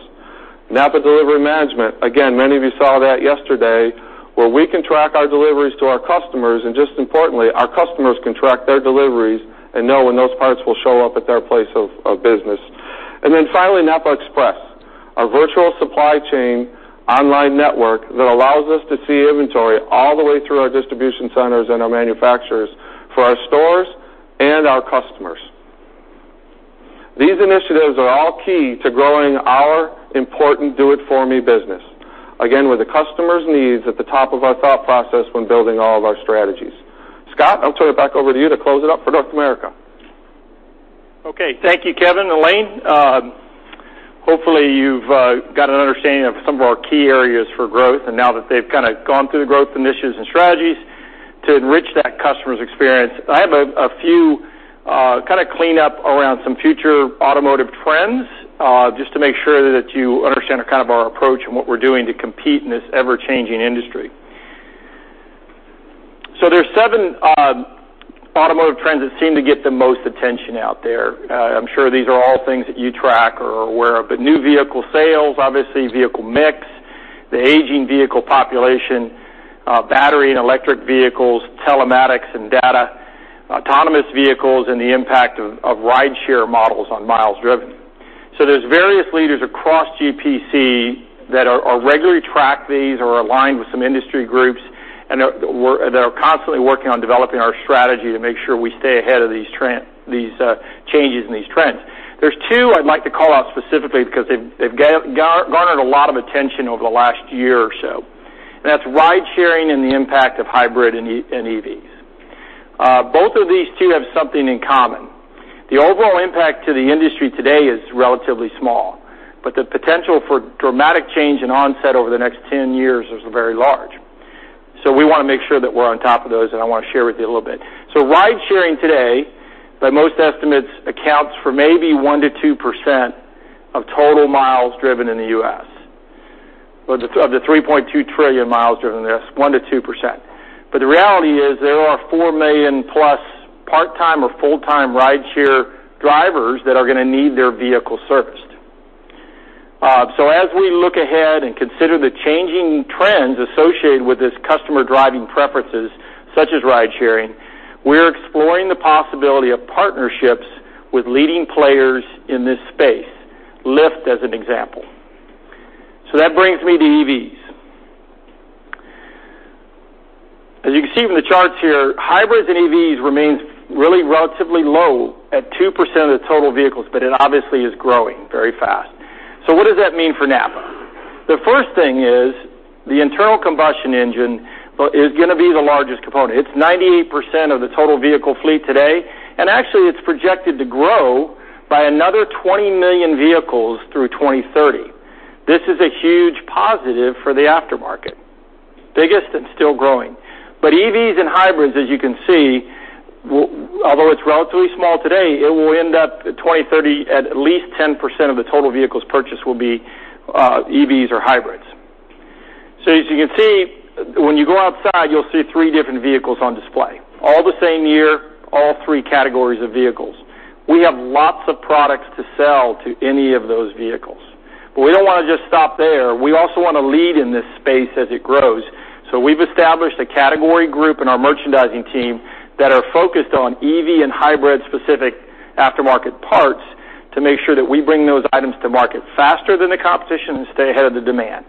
Speaker 4: NAPA Delivery Management, again, many of you saw that yesterday, where we can track our deliveries to our customers, just as importantly, our customers can track their deliveries and know when those parts will show up at their place of business. Finally, NAPA Express, our virtual supply chain online network that allows us to see inventory all the way through our distribution centers and our manufacturers for our stores and our customers. These initiatives are all key to growing our important Do It For Me business. Again, with the customer's needs at the top of our thought process when building all of our strategies. Scott, I'll turn it back over to you to close it up for North America.
Speaker 3: Okay. Thank you, Kevin and Alain. Hopefully, you've got an understanding of some of our key areas for growth, now that they've kind of gone through the growth initiatives and strategies to enrich that customer's experience. I have a few kind of clean up around some future automotive trends, just to make sure that you understand our approach and what we're doing to compete in this ever-changing industry. There's seven automotive trends that seem to get the most attention out there. I'm sure these are all things that you track or are aware of. New vehicle sales, obviously, vehicle mix, the aging vehicle population, battery and electric vehicles, telematics and data, autonomous vehicles, and the impact of ride-share models on miles driven. There's various leaders across GPC that regularly track these or are aligned with some industry groups, that are constantly working on developing our strategy to make sure we stay ahead of these changes and these trends. There's two I'd like to call out specifically because they've garnered a lot of attention over the last year or so, that's ride-sharing and the impact of hybrid and EVs. Both of these two have something in common. The overall impact to the industry today is relatively small, but the potential for dramatic change in onset over the next 10 years is very large. We want to make sure that we're on top of those, and I want to share with you a little bit. Ride-sharing today, by most estimates, accounts for maybe 1%-2% of total miles driven in the U.S. Of the 3.2 trillion miles driven in the U.S., 1%-2%. The reality is there are 4 million plus part-time or full-time ride-share drivers that are going to need their vehicle serviced. As we look ahead and consider the changing trends associated with this customer driving preferences, such as ride-sharing, we're exploring the possibility of partnerships with leading players in this space, Lyft, as an example. That brings me to EVs. As you can see from the charts here, hybrids and EVs remains really relatively low at 2% of the total vehicles, but it obviously is growing very fast. What does that mean for NAPA? The first thing is the internal combustion engine is going to be the largest component. It's 98% of the total vehicle fleet today, and actually it's projected to grow by another 20 million vehicles through 2030. This is a huge positive for the aftermarket. Biggest and still growing. EVs and hybrids, as you can see, although it's relatively small today, it will end up at 2030 at least 10% of the total vehicles purchased will be EVs or hybrids. As you can see, when you go outside, you'll see three different vehicles on display. All the same year, all 3 categories of vehicles. We have lots of products to sell to any of those vehicles. We don't want to just stop there. We also want to lead in this space as it grows. We've established a category group in our merchandising team that are focused on EV and hybrid-specific aftermarket parts to make sure that we bring those items to market faster than the competition and stay ahead of the demand.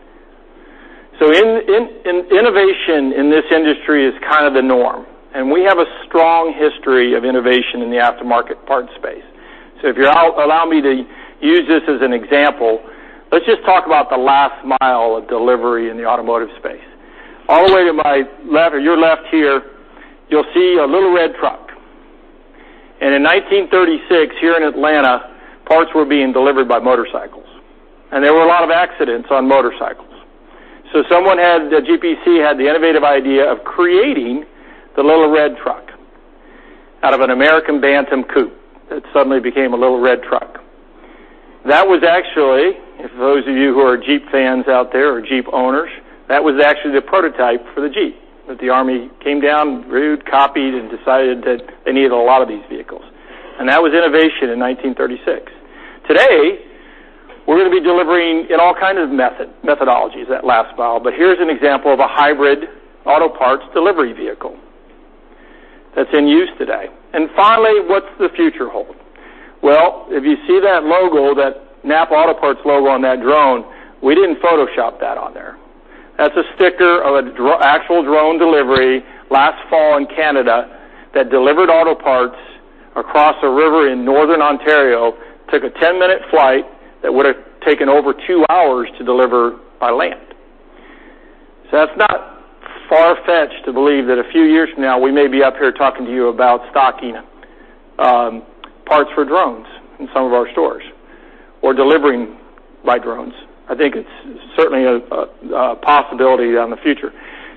Speaker 3: Innovation in this industry is kind of the norm, and we have a strong history of innovation in the aftermarket parts space. If you allow me to use this as an example, let's just talk about the last mile of delivery in the automotive space. All the way to your left here, you'll see a little red truck. In 1936, here in Atlanta, parts were being delivered by motorcycles, and there were a lot of accidents on motorcycles. Someone at GPC had the innovative idea of creating the little red truck out of an American Bantam coupe. It suddenly became a little red truck. That was actually, for those of you who are Jeep fans out there or Jeep owners, that was actually the prototype for the Jeep, that the army came down, viewed, copied, and decided that they needed a lot of these vehicles. That was innovation in 1936. Today, we're going to be delivering in all kind of methodologies that last mile. Here's an example of a hybrid auto parts delivery vehicle that's in use today. Finally, what's the future hold? Well, if you see that logo, that NAPA Auto Parts logo on that drone, we didn't Photoshop that on there. That's a sticker of an actual drone delivery last fall in Canada that delivered auto parts across a river in northern Ontario. Took a 10-minute flight that would've taken over two hours to deliver by land. So it's not far-fetched to believe that a few years from now, we may be up here talking to you about stocking parts for drones in some of our stores, or delivering by drones. I think it's certainly a possibility in the future.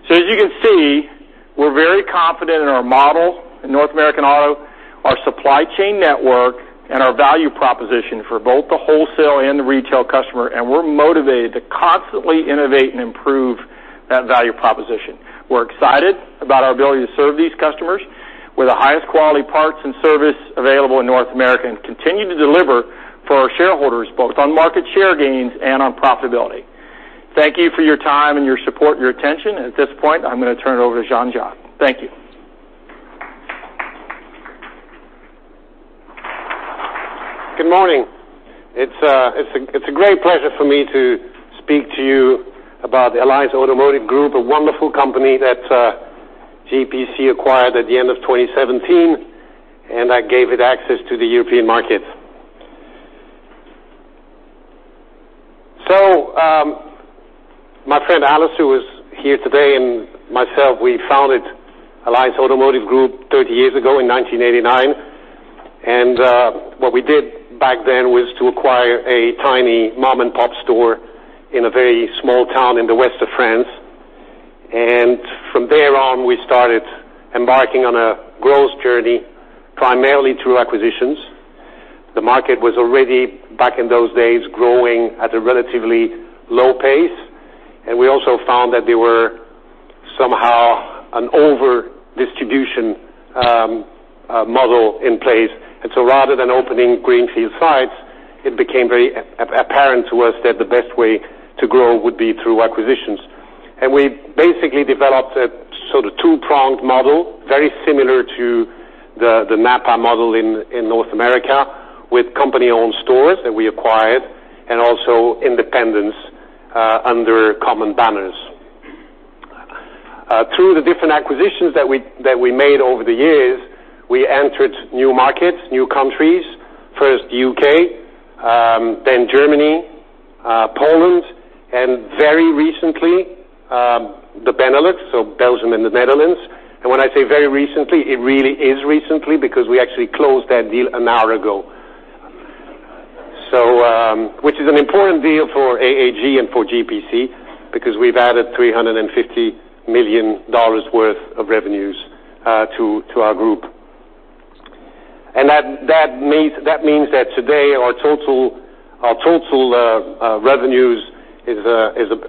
Speaker 3: As you can see, we're very confident in our model in North American Auto, our supply chain network, and our value proposition for both the wholesale and the retail customer, and we're motivated to constantly innovate and improve that value proposition. We're excited about our ability to serve these customers with the highest quality parts and service available in North America, and continue to deliver for our shareholders, both on market share gains and on profitability. Thank you for your time and your support and your attention, and at this point, I'm going to turn it over to Jean-Jacques. Thank you.
Speaker 6: Good morning. It's a great pleasure for me to speak to you about Alliance Automotive Group, a wonderful company that GPC acquired at the end of 2017, and that gave it access to the European market. My friend Alistair, who is here today, and myself, we founded Alliance Automotive Group 30 years ago in 1989. What we did back then was to acquire a tiny mom-and-pop store in a very small town in the west of France. From there on, we started embarking on a growth journey, primarily through acquisitions. The market was already, back in those days, growing at a relatively low pace. We also found that there were somehow an over-distribution model in place. Rather than opening greenfield sites, it became very apparent to us that the best way to grow would be through acquisitions. We basically developed a sort of two-pronged model, very similar to the NAPA model in North America, with company-owned stores that we acquired, and also independents under common banners. Through the different acquisitions that we made over the years, we entered new markets, new countries. First U.K., then Germany, Poland, and very recently, the Benelux, so Belgium and the Netherlands. When I say very recently, it really is recently because we actually closed that deal an hour ago. Which is an important deal for AAG and for GPC because we've added $350 million worth of revenues to our group. That means that today our total revenues is,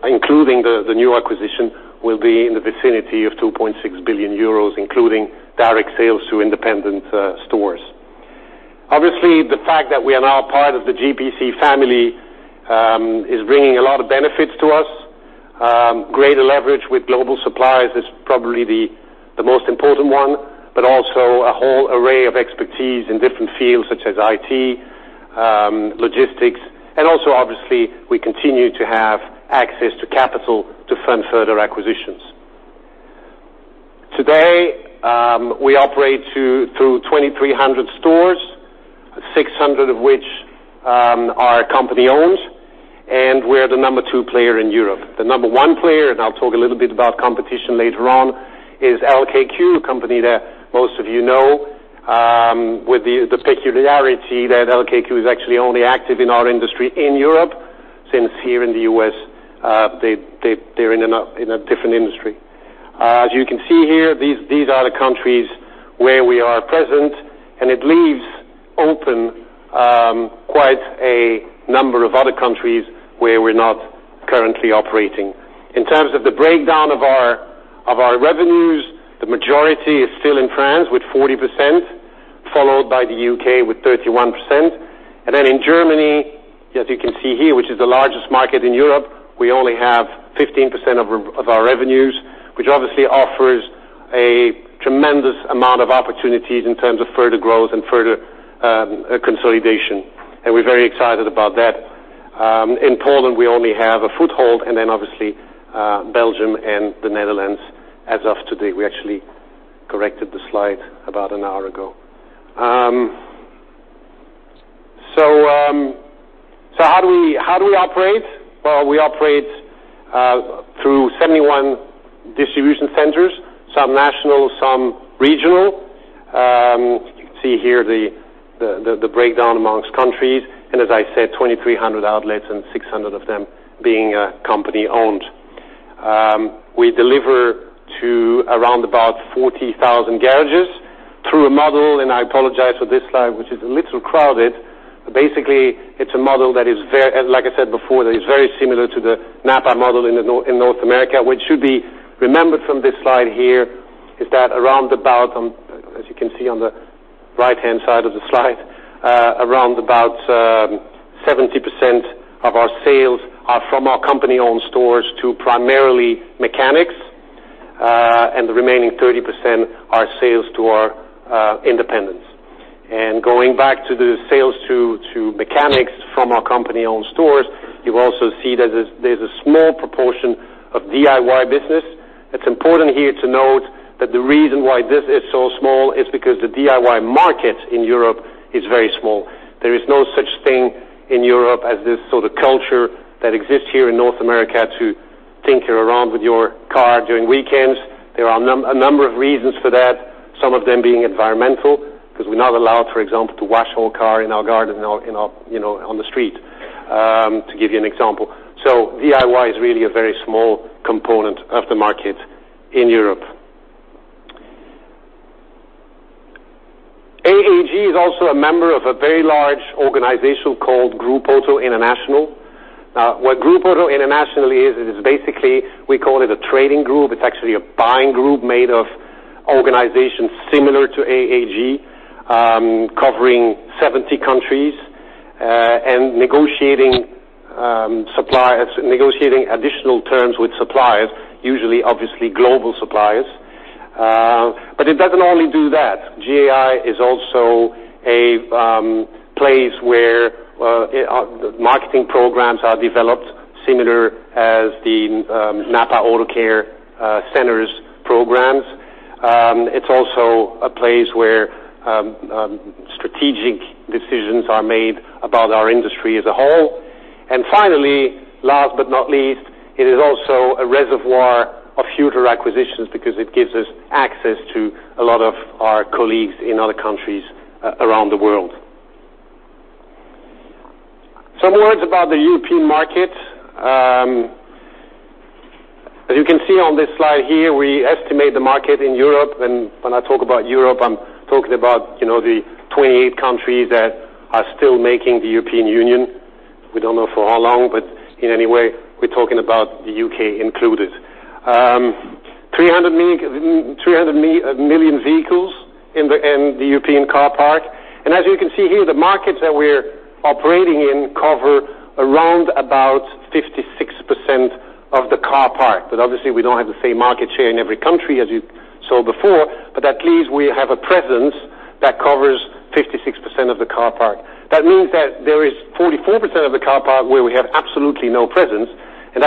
Speaker 6: including the new acquisition, will be in the vicinity of €2.6 billion including direct sales to independent stores. Obviously, the fact that we are now part of the GPC family is bringing a lot of benefits to us. Greater leverage with global suppliers is probably the most important one, but also a whole array of expertise in different fields such as IT, logistics, and also, obviously, we continue to have access to capital to fund further acquisitions. Today, we operate through 2,300 stores, 600 of which are company-owned, and we're the number 2 player in Europe. The number 1 player, and I'll talk a little bit about competition later on, is LKQ, a company that most of you know, with the peculiarity that LKQ is actually only active in our industry in Europe since here in the U.S. they're in a different industry. As you can see here, these are the countries where we are present, and it leaves open quite a number of other countries where we're not currently operating. In terms of the breakdown of our revenues, the majority is still in France with 40%, followed by the U.K. with 31%. In Germany, as you can see here, which is the largest market in Europe, we only have 15% of our revenues, which obviously offers a tremendous amount of opportunities in terms of further growth and further consolidation. We're very excited about that. In Poland, we only have a foothold, and then obviously Belgium and the Netherlands as of today. We actually corrected the slide about an hour ago. How do we operate? Well, we operate through 71 distribution centers, some national, some regional. You can see here the breakdown amongst countries. As I said, 2,300 outlets and 600 of them being company-owned. We deliver to around about 40,000 garages through a model, and I apologize for this slide, which is a little crowded. Basically, it is a model that is, like I said before, that is very similar to the NAPA model in North America. What should be remembered from this slide here is that around about, as you can see on the right-hand side of the slide, around about 70% of our sales are from our company-owned stores to primarily mechanics, and the remaining 30% are sales to our independents. Going back to the sales to mechanics from our company-owned stores, you also see that there is a small proportion of DIY business. It is important here to note that the reason why this is so small is because the DIY market in Europe is very small. There is no such thing as this sort of culture that exists here in North America to tinker around with your car during weekends. There are a number of reasons for that, some of them being environmental, because we are not allowed, for example, to wash our car in our garden on the street, to give you an example. So DIY is really a very small component of the market in Europe. AAG is also a member of a very large organization called GROUPAUTO International. What GROUPAUTO International is, it is basically, we call it a trading group. It is actually a buying group made of organizations similar to AAG, covering 70 countries, and negotiating additional terms with suppliers, usually, obviously, global suppliers. It does not only do that. GAI is also a place where marketing programs are developed, similar as the NAPA AutoCare Centers programs. It is also a place where strategic decisions are made about our industry as a whole. Finally, last but not least, it is also a reservoir of future acquisitions because it gives us access to a lot of our colleagues in other countries around the world. Some words about the European market. As you can see on this slide here, we estimate the market in Europe. When I talk about Europe, I am talking about the 28 countries that are still making the European Union. We do not know for how long, but in any way, we are talking about the U.K. included. 300 million vehicles in the European car park. As you can see here, the markets that we are operating in cover around about 56% of the car park. Obviously, we do not have the same market share in every country as you saw before, but at least we have a presence that covers 56% of the car park. That means that there is 44% of the car park where we have absolutely no presence, and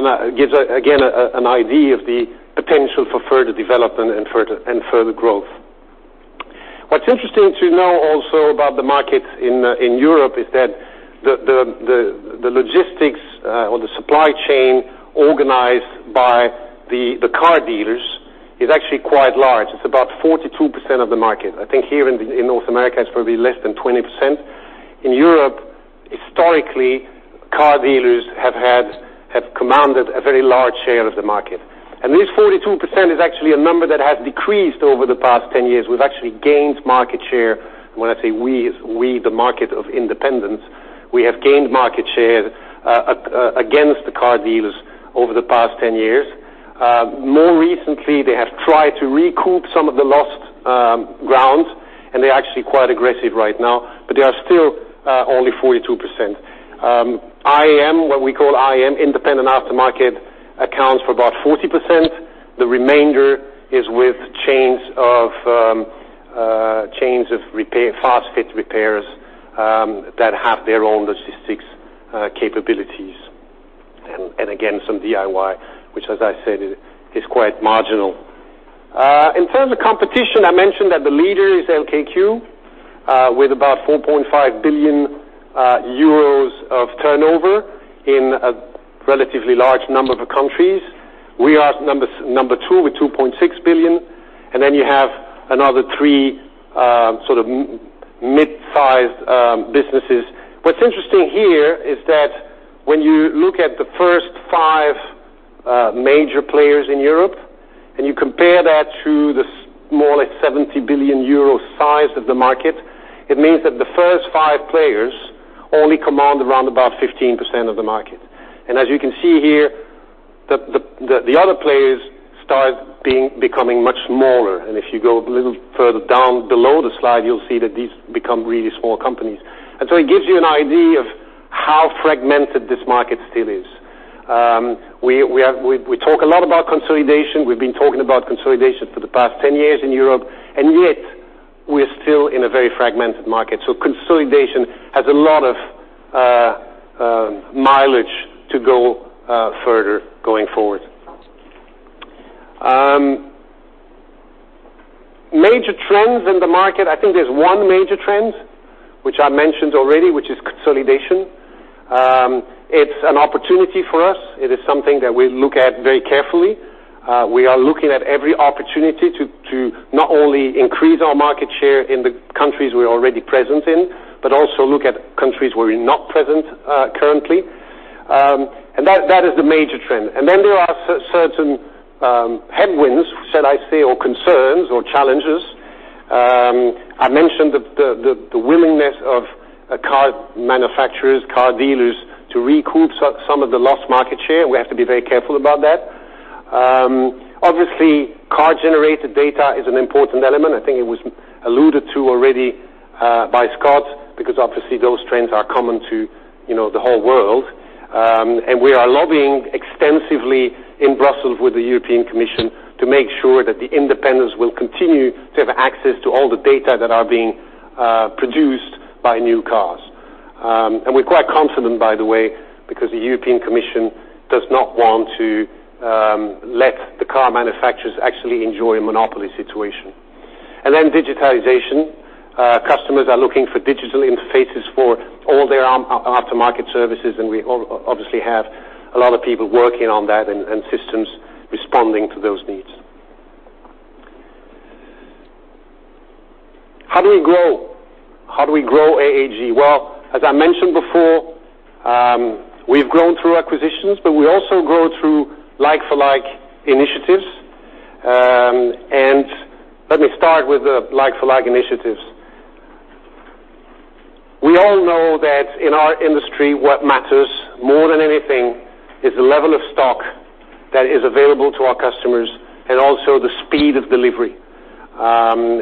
Speaker 6: that gives, again, an idea of the potential for further development and further growth. What is interesting to know also about the market in Europe is that the logistics or the supply chain organized by the car dealers is actually quite large. It is about 42% of the market. I think here in North America, it is probably less than 20%. In Europe, historically, car dealers have commanded a very large share of the market. This 42% is actually a number that has decreased over the past 10 years. We have actually gained market share. When I say we, the market of independents, we have gained market share against the car dealers over the past 10 years. More recently, they have tried to recoup some of the lost ground. They're actually quite aggressive right now, but they are still only 42%. IAM, what we call IAM, independent aftermarket, accounts for about 40%. The remainder is with chains of fast fit repairs that have their own logistics capabilities. Again, some DIY, which as I said, is quite marginal. In terms of competition, I mentioned that the leader is LKQ, with about 4.5 billion euros of turnover in a relatively large number of countries. We are number two with 2.6 billion, and then you have another three mid-sized businesses. What's interesting here is that when you look at the first five major players in Europe, and you compare that to the more or less 70 billion euro size of the market, it means that the first five players only command around about 15% of the market. As you can see here, the other players start becoming much smaller. If you go a little further down below the slide, you'll see that these become really small companies. It gives you an idea of how fragmented this market still is. We talk a lot about consolidation. We've been talking about consolidation for the past 10 years in Europe, yet we're still in a very fragmented market. Consolidation has a lot of mileage to go further going forward. Major trends in the market. I think there's one major trend, which I mentioned already, which is consolidation. It's an opportunity for us. It is something that we look at very carefully. We are looking at every opportunity to not only increase our market share in the countries we're already present in, but also look at countries where we're not present currently. That is the major trend. There are certain headwinds, should I say, or concerns or challenges. I mentioned the willingness of car manufacturers, car dealers, to recoup some of the lost market share. We have to be very careful about that. Obviously, car-generated data is an important element. I think it was alluded to already by Scott, because obviously, those trends are common to the whole world. We are lobbying extensively in Brussels with the European Commission to make sure that the independents will continue to have access to all the data that are being produced by new cars. We're quite confident, by the way, because the European Commission does not want to let the car manufacturers actually enjoy a monopoly situation. Digitization. Customers are looking for digital interfaces for all their aftermarket services. We obviously have a lot of people working on that and systems responding to those needs. How do we grow? How do we grow AAG? Well, as I mentioned before, we've grown through acquisitions, but we also grow through like-for-like initiatives. Let me start with the like-for-like initiatives. We all know that in our industry, what matters more than anything is the level of stock that is available to our customers and also the speed of delivery.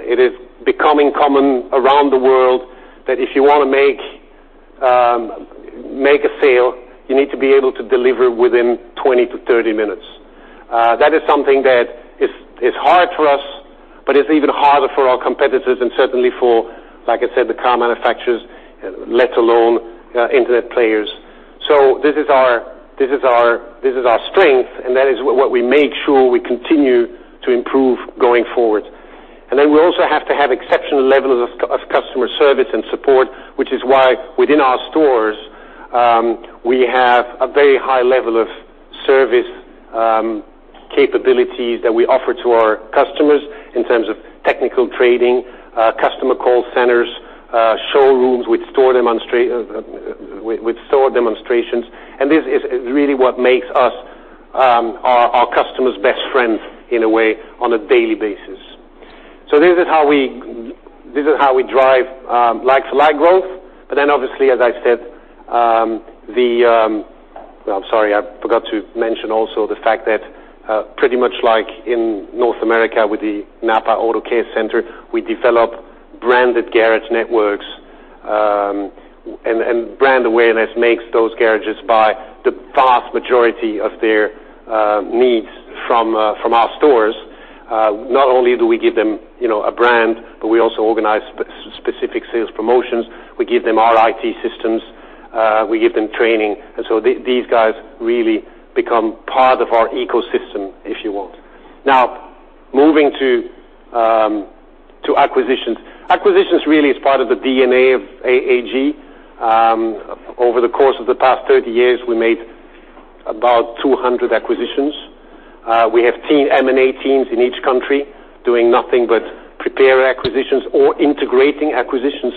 Speaker 6: It is becoming common around the world that if you want to make a sale, you need to be able to deliver within 20 to 30 minutes. That is something that is hard for us, but it's even harder for our competitors and certainly for, like I said, the car manufacturers, let alone internet players. This is our strength, and that is what we make sure we continue to improve going forward. We also have to have exceptional levels of customer service and support, which is why within our stores, we have a very high level of service capabilities that we offer to our customers in terms of technical training, customer call centers, showrooms with store demonstrations. This is really what makes us our customers' best friend in a way on a daily basis. This is how we drive like-for-like growth. Obviously, as I said, I'm sorry, I forgot to mention also the fact that pretty much like in North America with the NAPA AutoCare Center, we develop branded garage networks. Brand awareness makes those garages buy the vast majority of their needs from our stores. Not only do we give them a brand, we also organize specific sales promotions. We give them our IT systems. We give them training. These guys really become part of our ecosystem, if you will. Now, moving to acquisitions. Acquisitions really is part of the DNA of AAG. Over the course of the past 30 years, we made about 200 acquisitions. We have M&A teams in each country doing nothing but prepare acquisitions or integrating acquisitions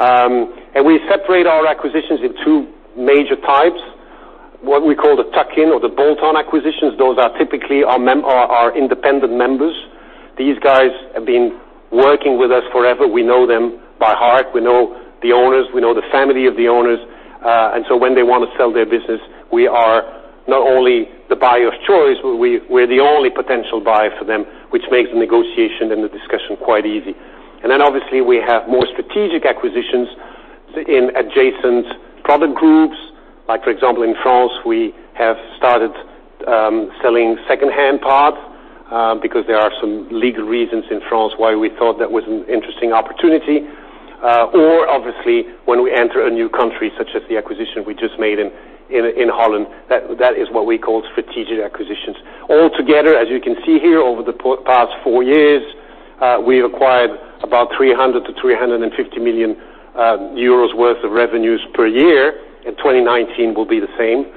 Speaker 6: post-deals. We separate our acquisitions in 2 major types, what we call the tuck-in or the bolt-on acquisitions. Those are typically our independent members. These guys have been working with us forever. We know them by heart. We know the owners. We know the family of the owners. When they want to sell their business, we are not only the buyer of choice, we're the only potential buyer for them, which makes the negotiation and the discussion quite easy. Obviously, we have more strategic acquisitions in adjacent product groups. For example, in France, we have started selling secondhand parts because there are some legal reasons in France why we thought that was an interesting opportunity. Or obviously, when we enter a new country, such as the acquisition we just made in Holland, that is what we call strategic acquisitions. All together, as you can see here, over the past four years, we've acquired about 300 million-350 million euros worth of revenues per year. 2019 will be the same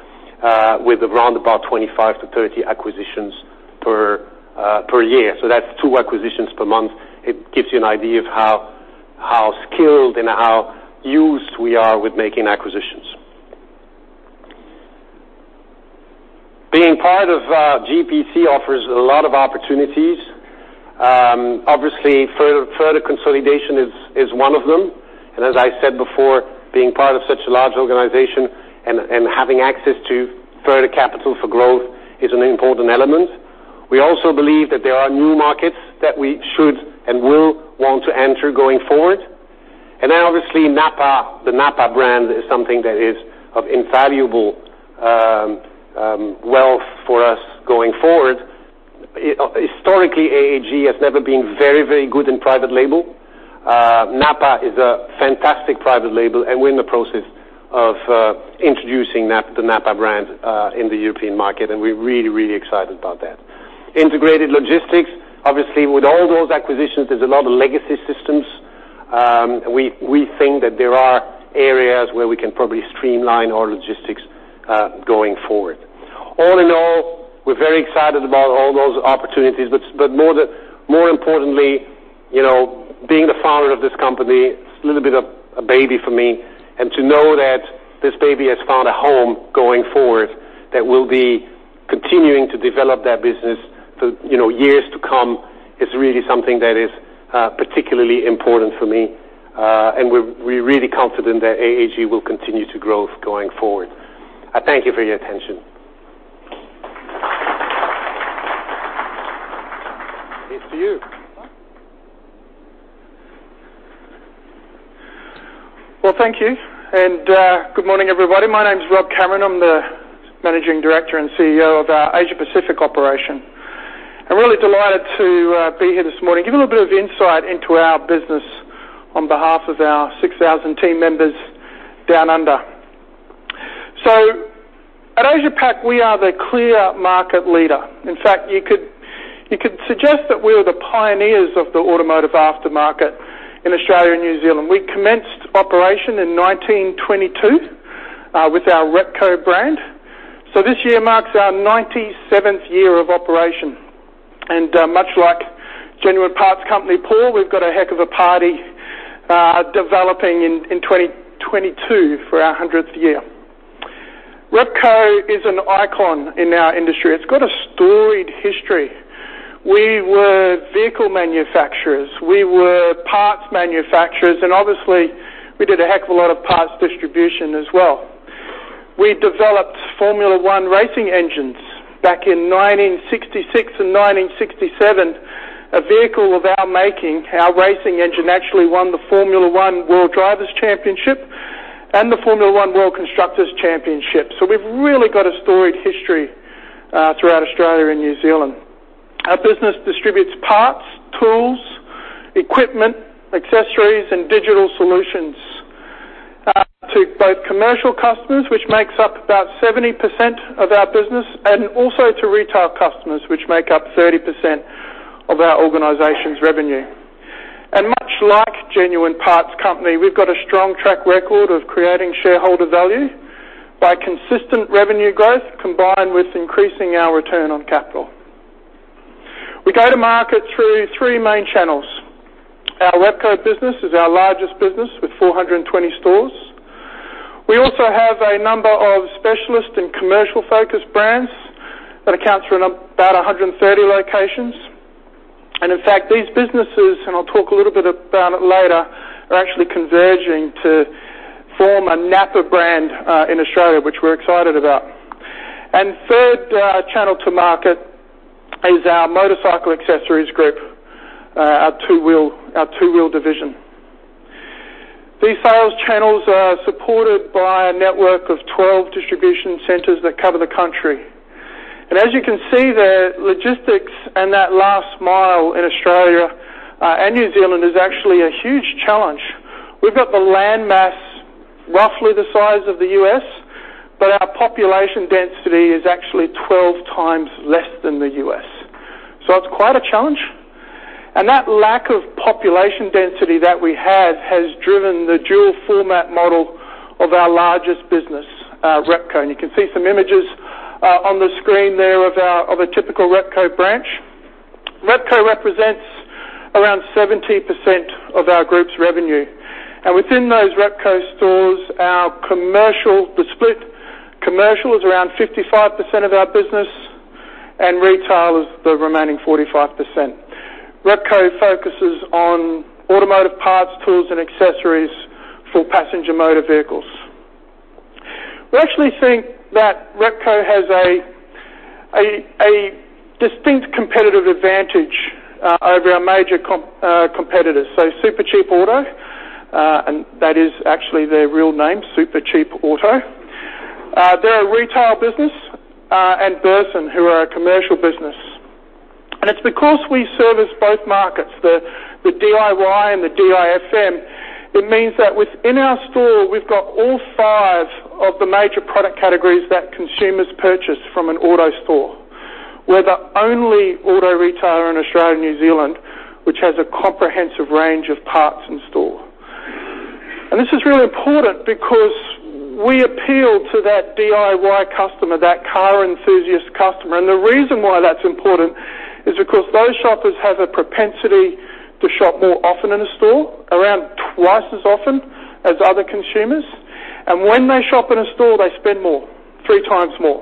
Speaker 6: with around about 25-30 acquisitions per year. That's two acquisitions per month. It gives you an idea of how skilled and how used we are with making acquisitions. Being part of GPC offers a lot of opportunities. Obviously, further consolidation is one of them. As I said before, being part of such a large organization and having access to further capital for growth is an important element. We also believe that there are new markets that we should and will want to enter going forward. Obviously, the NAPA brand is something that is of invaluable wealth for us going forward. Historically, AAG has never been very good in private label. NAPA is a fantastic private label, we're in the process of introducing the NAPA brand in the European market, we're really excited about that. Integrated logistics. Obviously, with all those acquisitions, there's a lot of legacy systems. We think that there are areas where we can probably streamline our logistics going forward. All in all, we're very excited about all those opportunities, but more importantly, being the founder of this company, it's a little bit of a baby for me. To know that this baby has found a home going forward, that we'll be continuing to develop that business for years to come is really something that is particularly important for me. We're really confident that Alliance Automotive Group will continue to grow going forward. I thank you for your attention. It's to you.
Speaker 7: Well, thank you. Good morning, everybody. My name is Rob Cameron. I'm the Managing Director and CEO of our Asia Pacific operation. I'm really delighted to be here this morning, give you a little bit of insight into our business on behalf of our 6,000 team members down under. At Repco, we are the clear market leader. In fact, you could suggest that we are the pioneers of the automotive aftermarket in Australia and New Zealand. We commenced operation in 1922 with our Repco brand. This year marks our 97th year of operation. Much like Genuine Parts Company, Paul, we've got a heck of a party developing in 2022 for our 100th year. Repco is an icon in our industry. It's got a storied history. We were vehicle manufacturers, we were parts manufacturers, and obviously, we did a heck of a lot of parts distribution as well. We developed Formula One racing engines back in 1966 and 1967. A vehicle of our making, our racing engine, actually won the Formula One World Drivers' Championship and the Formula One World Constructors' Championship. We've really got a storied history throughout Australia and New Zealand. Our business distributes parts, tools, equipment, accessories, and digital solutions to both commercial customers, which makes up about 70% of our business, and also to retail customers, which make up 30% of our organization's revenue. Much like Genuine Parts Company, we've got a strong track record of creating shareholder value by consistent revenue growth, combined with increasing our return on capital. We go to market through three main channels. Our Repco business is our largest business with 420 stores. We also have a number of specialist and commercial-focused brands that account for about 130 locations. In fact, these businesses, and I'll talk a little bit about it later, are actually converging to form a NAPA brand in Australia, which we're excited about. Third channel to market is our motorcycle accessories group, our two-wheel division. These sales channels are supported by a network of 12 distribution centers that cover the country. As you can see there, logistics and that last mile in Australia and New Zealand is actually a huge challenge. We've got the land mass roughly the size of the U.S., but our population density is actually 12 times less than the U.S. So it's quite a challenge. That lack of population density that we have has driven the dual-format model of our largest business, Repco. You can see some images on the screen there of a typical Repco branch. Repco represents around 70% of our group's revenue. Within those Repco stores, the split commercial is around 55% of our business and retail is the remaining 45%. Repco focuses on automotive parts, tools, and accessories for passenger motor vehicles. We actually think that Repco has a distinct competitive advantage over our major competitors. Supercheap Auto, and that is actually their real name, Supercheap Auto, they're a retail business, and Burson, who are a commercial business. It's because we service both markets, the DIY and the DIFM, it means that within our store, we've got all five of the major product categories that consumers purchase from an auto store. We're the only auto retailer in Australia and New Zealand which has a comprehensive range of parts in store. This is really important because we appeal to that DIY customer, that car enthusiast customer. The reason why that's important is because those shoppers have a propensity to shop more often in a store, around twice as often as other consumers. When they shop in a store, they spend more, three times more.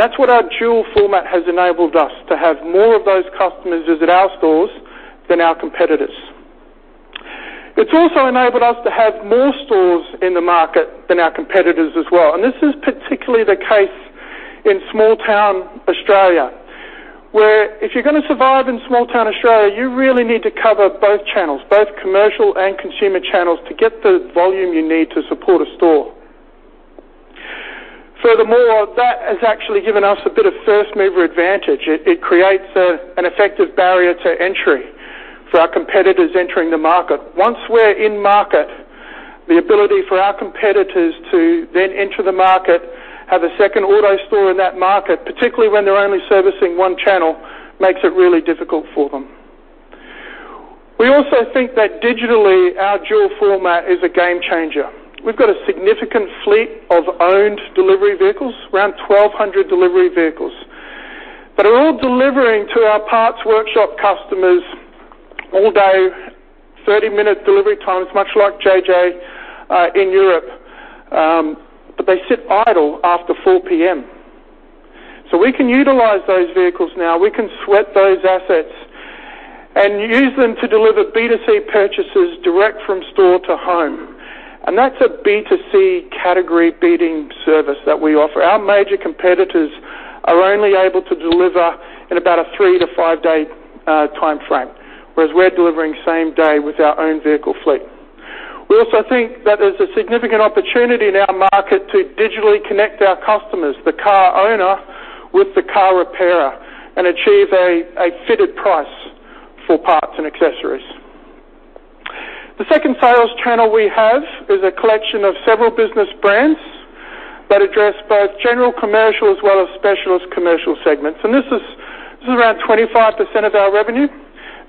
Speaker 7: That's what our dual format has enabled us to have more of those customers visit our stores than our competitors. It's also enabled us to have more stores in the market than our competitors as well. This is particularly the case in small town Australia, where if you're going to survive in small town Australia, you really need to cover both channels, both commercial and consumer channels, to get the volume you need to support a store. Furthermore, that has actually given us a bit of first-mover advantage. It creates an effective barrier to entry for our competitors entering the market. Once we're in market, the ability for our competitors to then enter the market, have a second auto store in that market, particularly when they're only servicing one channel, makes it really difficult for them. We also think that digitally, our dual format is a game changer. We've got a significant fleet of owned delivery vehicles, around 1,200 delivery vehicles, that are all delivering to our parts workshop customers all day, 30-minute delivery times, much like JJ in Europe, but they sit idle after 4:00 P.M. We can utilize those vehicles now. We can sweat those assets and use them to deliver B2C purchases direct from store to home. That's a B2C category-beating service that we offer. Our major competitors are only able to deliver in about a three to five-day timeframe, whereas we're delivering same day with our own vehicle fleet. We also think that there's a significant opportunity in our market to digitally connect our customers, the car owner, with the car repairer, and achieve a fitted price for parts and accessories. The second sales channel we have is a collection of several business brands that address both general commercial as well as specialist commercial segments. This is around 25% of our revenue.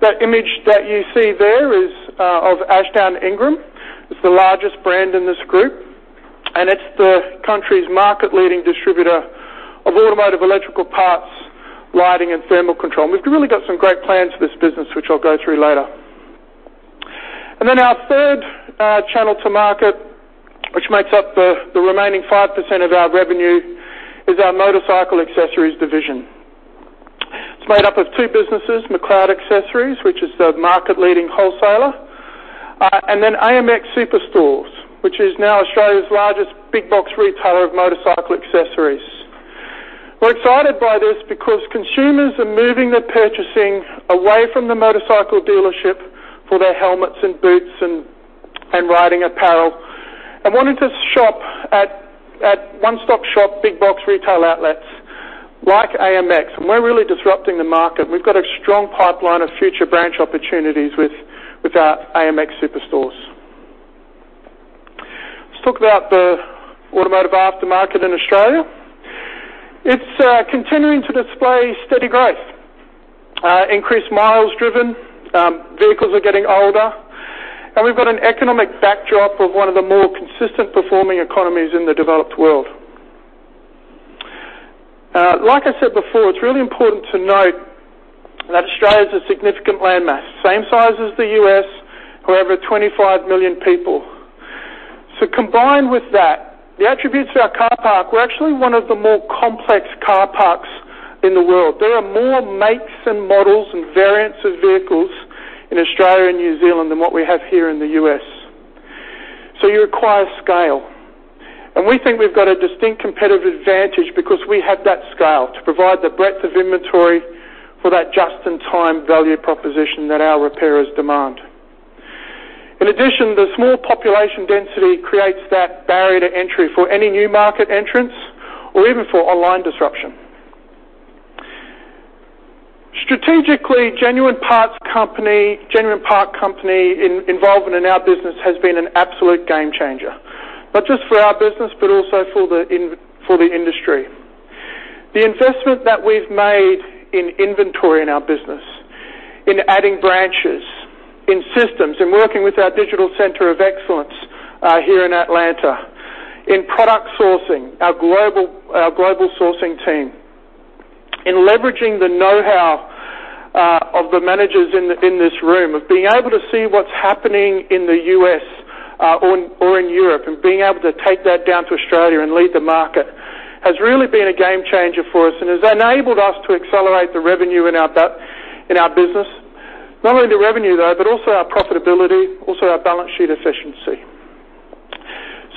Speaker 7: That image that you see there is of Ashdown-Ingram. It's the largest brand in this group, and it's the country's market-leading distributor of automotive electrical parts, lighting, and thermal control. We've really got some great plans for this business, which I'll go through later. Then our third channel to market, which makes up the remaining 5% of our revenue, is our motorcycle accessories division. It's made up of two businesses, McLeod Accessories, which is the market-leading wholesaler, AMX Superstores, which is now Australia's largest big box retailer of motorcycle accessories. We're excited by this because consumers are moving their purchasing away from the motorcycle dealership for their helmets and boots and riding apparel and wanting to shop at one-stop-shop big box retail outlets like AMX. We're really disrupting the market. We've got a strong pipeline of future branch opportunities with our AMX Superstores. Let's talk about the automotive aftermarket in Australia. It's continuing to display steady growth. Increased miles driven, vehicles are getting older, and we've got an economic backdrop of one of the more consistent performing economies in the developed world. Like I said before, it's really important to note that Australia is a significant landmass, same size as the U.S. We're over 25 million people. Combined with that, the attributes of our car park, we're actually one of the more complex car parks in the world. There are more makes and models and variants of vehicles in Australia and New Zealand than what we have here in the U.S. You require scale. We think we've got a distinct competitive advantage because we have that scale to provide the breadth of inventory for that just-in-time value proposition that our repairers demand. In addition, the small population density creates that barrier to entry for any new market entrants or even for online disruption. Strategically, Genuine Parts Company involvement in our business has been an absolute game changer, not just for our business, but also for the industry. The investment that we've made in inventory in our business, in adding branches, in systems, in working with our digital center of excellence here in Atlanta, in product sourcing, our global sourcing team, in leveraging the know-how of the managers in this room, of being able to see what's happening in the U.S. or in Europe and being able to take that down to Australia and lead the market has really been a game changer for us and has enabled us to accelerate the revenue in our business. Not only the revenue, though, but also our profitability, also our balance sheet efficiency.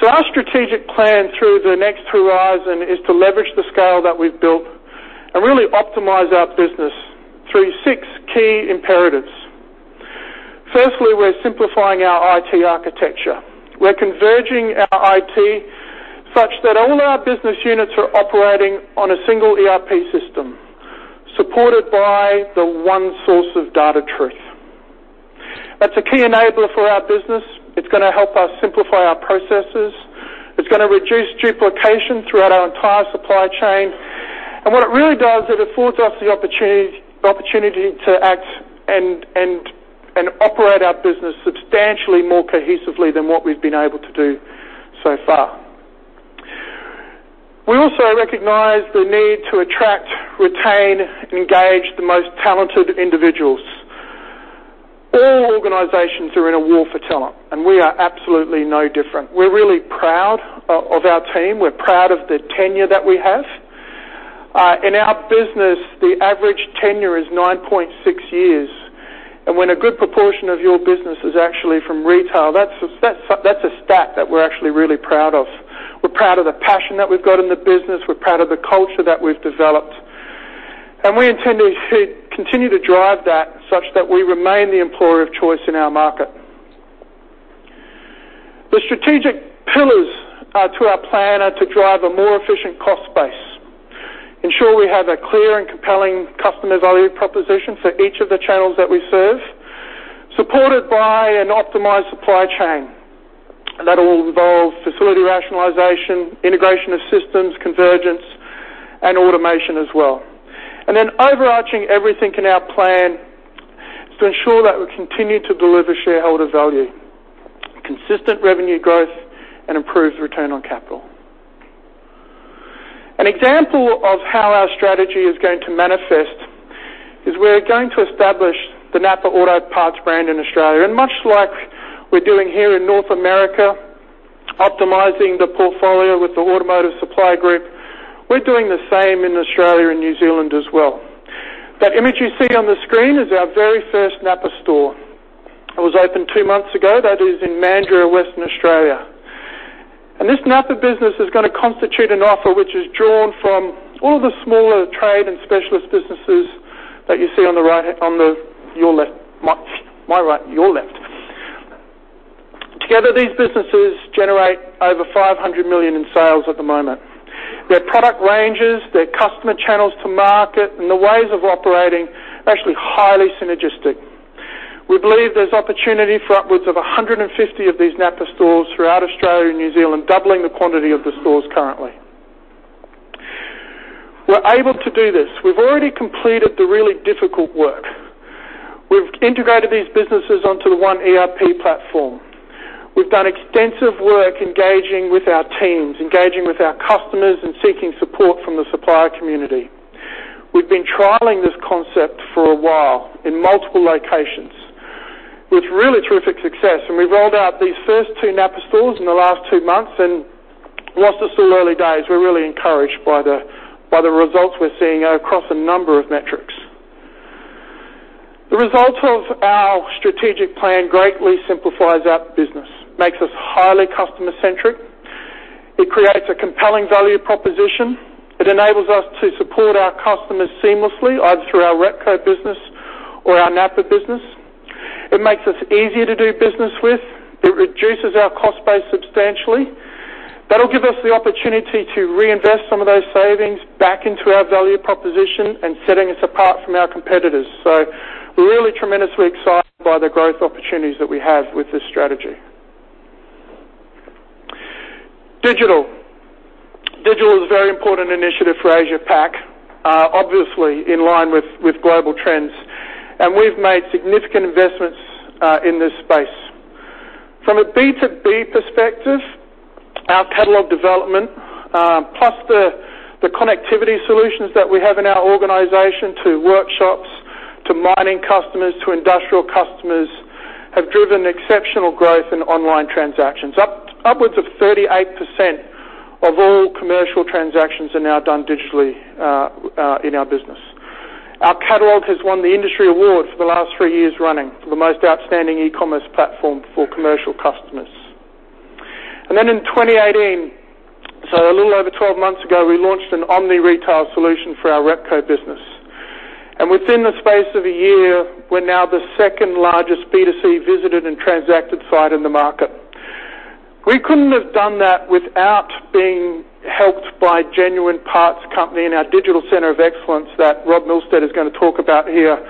Speaker 7: Our strategic plan through the next horizon is to leverage the scale that we've built and really optimize our business through six key imperatives. Firstly, we're simplifying our IT architecture. We're converging our IT such that all our business units are operating on a single ERP system supported by the one source of data truth. That's a key enabler for our business. It's going to help us simplify our processes. It's going to reduce duplication throughout our entire supply chain. What it really does, it affords us the opportunity to act and operate our business substantially more cohesively than what we've been able to do so far. We also recognize the need to attract, retain, engage the most talented individuals. All organizations are in a war for talent, and we are absolutely no different. We're really proud of our team. We're proud of the tenure that we have. In our business, the average tenure is nine point six years, and when a good proportion of your business is actually from retail, that's a stat that we're actually really proud of. We're proud of the passion that we've got in the business. We're proud of the culture that we've developed. We intend to continue to drive that such that we remain the employer of choice in our market. The strategic pillars to our plan are to drive a more efficient cost base, ensure we have a clear and compelling customer value proposition for each of the channels that we serve, supported by an optimized supply chain. That will involve facility rationalization, integration of systems, convergence, and automation as well. Overarching everything in our plan is to ensure that we continue to deliver shareholder value, consistent revenue growth, and improved return on capital. An example of how our strategy is going to manifest is we're going to establish the NAPA Auto Parts brand in Australia. Much like we're doing here in North America, optimizing the portfolio with the Automotive Supply Group, we're doing the same in Australia and New Zealand as well. That image you see on the screen is our very first NAPA store. It was opened two months ago. That is in Mandurah, Western Australia. This NAPA business is going to constitute an offer which is drawn from all the smaller trade and specialist businesses that you see on the right, on your left. My right, your left. Together, these businesses generate over 500 million in sales at the moment. Their product ranges, their customer channels to market, and the ways of operating are actually highly synergistic. We believe there's opportunity for upwards of 150 of these NAPA stores throughout Australia and New Zealand, doubling the quantity of the stores currently. We're able to do this. We've already completed the really difficult work. We've integrated these businesses onto the one ERP platform. We've done extensive work engaging with our teams, engaging with our customers, and seeking support from the supplier community. We've been trialing this concept for a while in multiple locations with really terrific success, and we've rolled out these first two NAPA stores in the last two months. Whilst they're still early days, we're really encouraged by the results we're seeing across a number of metrics. The results of our strategic plan greatly simplifies our business, makes us highly customer-centric. It creates a compelling value proposition. It enables us to support our customers seamlessly, either through our Repco business or our NAPA business. It makes us easier to do business with. It reduces our cost base substantially. That'll give us the opportunity to reinvest some of those savings back into our value proposition and setting us apart from our competitors. We're really tremendously excited by the growth opportunities that we have with this strategy. Digital. Digital is a very important initiative for Asia Pac, obviously in line with global trends, and we've made significant investments in this space. From a B2B perspective, our catalog development, plus the connectivity solutions that we have in our organization to workshops, to mining customers, to industrial customers, have driven exceptional growth in online transactions. Upwards of 38% of all commercial transactions are now done digitally in our business. Our catalog has won the industry award for the last three years running for the most outstanding e-commerce platform for commercial customers. In 2018, a little over 12 months ago, we launched an omni-retail solution for our Repco business. Within the space of a year, we're now the second-largest B2C visited and transacted site in the market. We couldn't have done that without being helped by Genuine Parts Company and our digital center of excellence that Rob Milstead is going to talk about here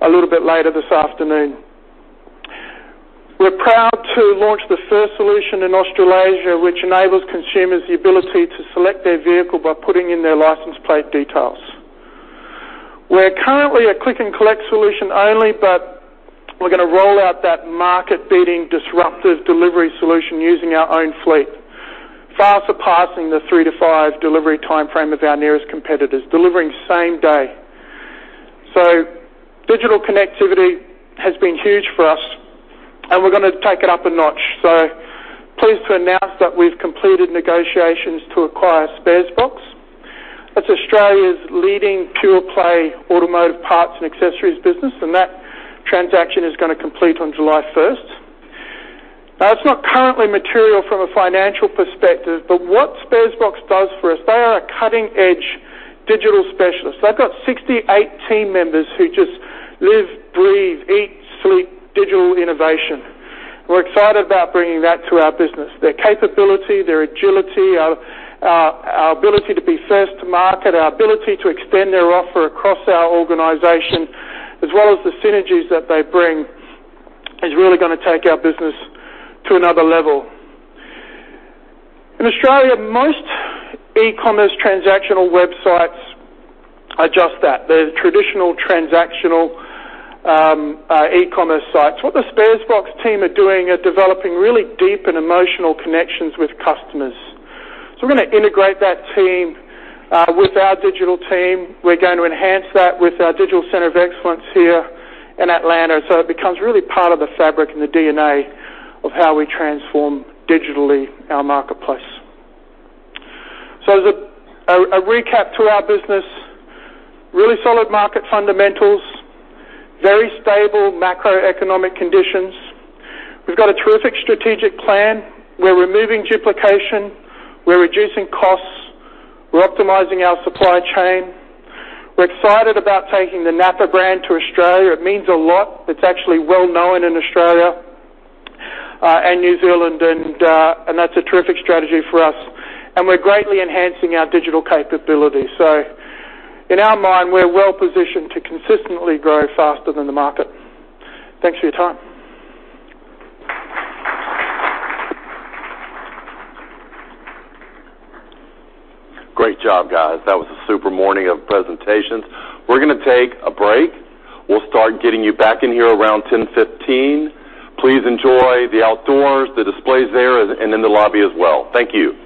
Speaker 7: a little bit later this afternoon. We're proud to launch the first solution in Australasia, which enables consumers the ability to select their vehicle by putting in their license plate details. We're currently a click-and-collect solution only, but we're going to roll out that market-beating disruptive delivery solution using our own fleet, far surpassing the three to five delivery timeframe of our nearest competitors, delivering same day. Digital connectivity has been huge for us, and we're going to take it up a notch. Pleased to announce that we've completed negotiations to acquire Sparesbox. That's Australia's leading pure-play automotive parts and accessories business, and that transaction is going to complete on July 1st. That's not currently material from a financial perspective, but what Sparesbox does for us, they are a cutting-edge digital specialist. They've got 68 team members who just live, breathe, eat, sleep digital innovation. We're excited about bringing that to our business. Their capability, their agility, our ability to be first to market, our ability to extend their offer across our organization, as well as the synergies that they bring, is really going to take our business to another level. In Australia, most e-commerce transactional websites are just that. They're traditional transactional e-commerce sites. What the Sparesbox team are doing are developing really deep and emotional connections with customers. We're going to integrate that team with our digital team. We're going to enhance that with our digital center of excellence here in Atlanta, so it becomes really part of the fabric and the DNA of how we transform digitally our marketplace. As a recap to our business, really solid market fundamentals, very stable macroeconomic conditions. We've got a terrific strategic plan. We're removing duplication. We're reducing costs. We're optimizing our supply chain. We're excited about taking the NAPA brand to Australia. It means a lot. It's actually well-known in Australia and New Zealand, and that's a terrific strategy for us. We're greatly enhancing our digital capability. In our mind, we're well-positioned to consistently grow faster than the market. Thanks for your time.
Speaker 1: Great job, guys. That was a super morning of presentations. We're going to take a break. We'll start getting you back in here around 10:15. Please enjoy the outdoors, the displays there, and in the lobby as well. Thank you.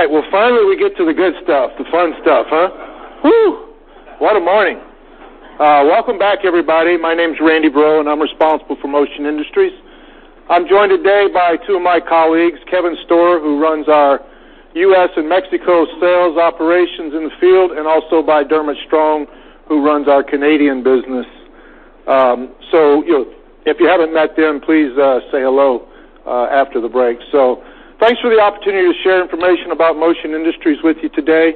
Speaker 8: All right. Well, finally we get to the good stuff, the fun stuff. What a morning. Welcome back, everybody. My name's Randy Breaux, and I'm responsible for Motion Industries. I'm joined today by two of my colleagues, Kevin Storer, who runs our U.S. and Mexico sales operations in the field, and also by Dermot Strong, who runs our Canadian business. If you haven't met them, please say hello after the break. Thanks for the opportunity to share information about Motion Industries with you today.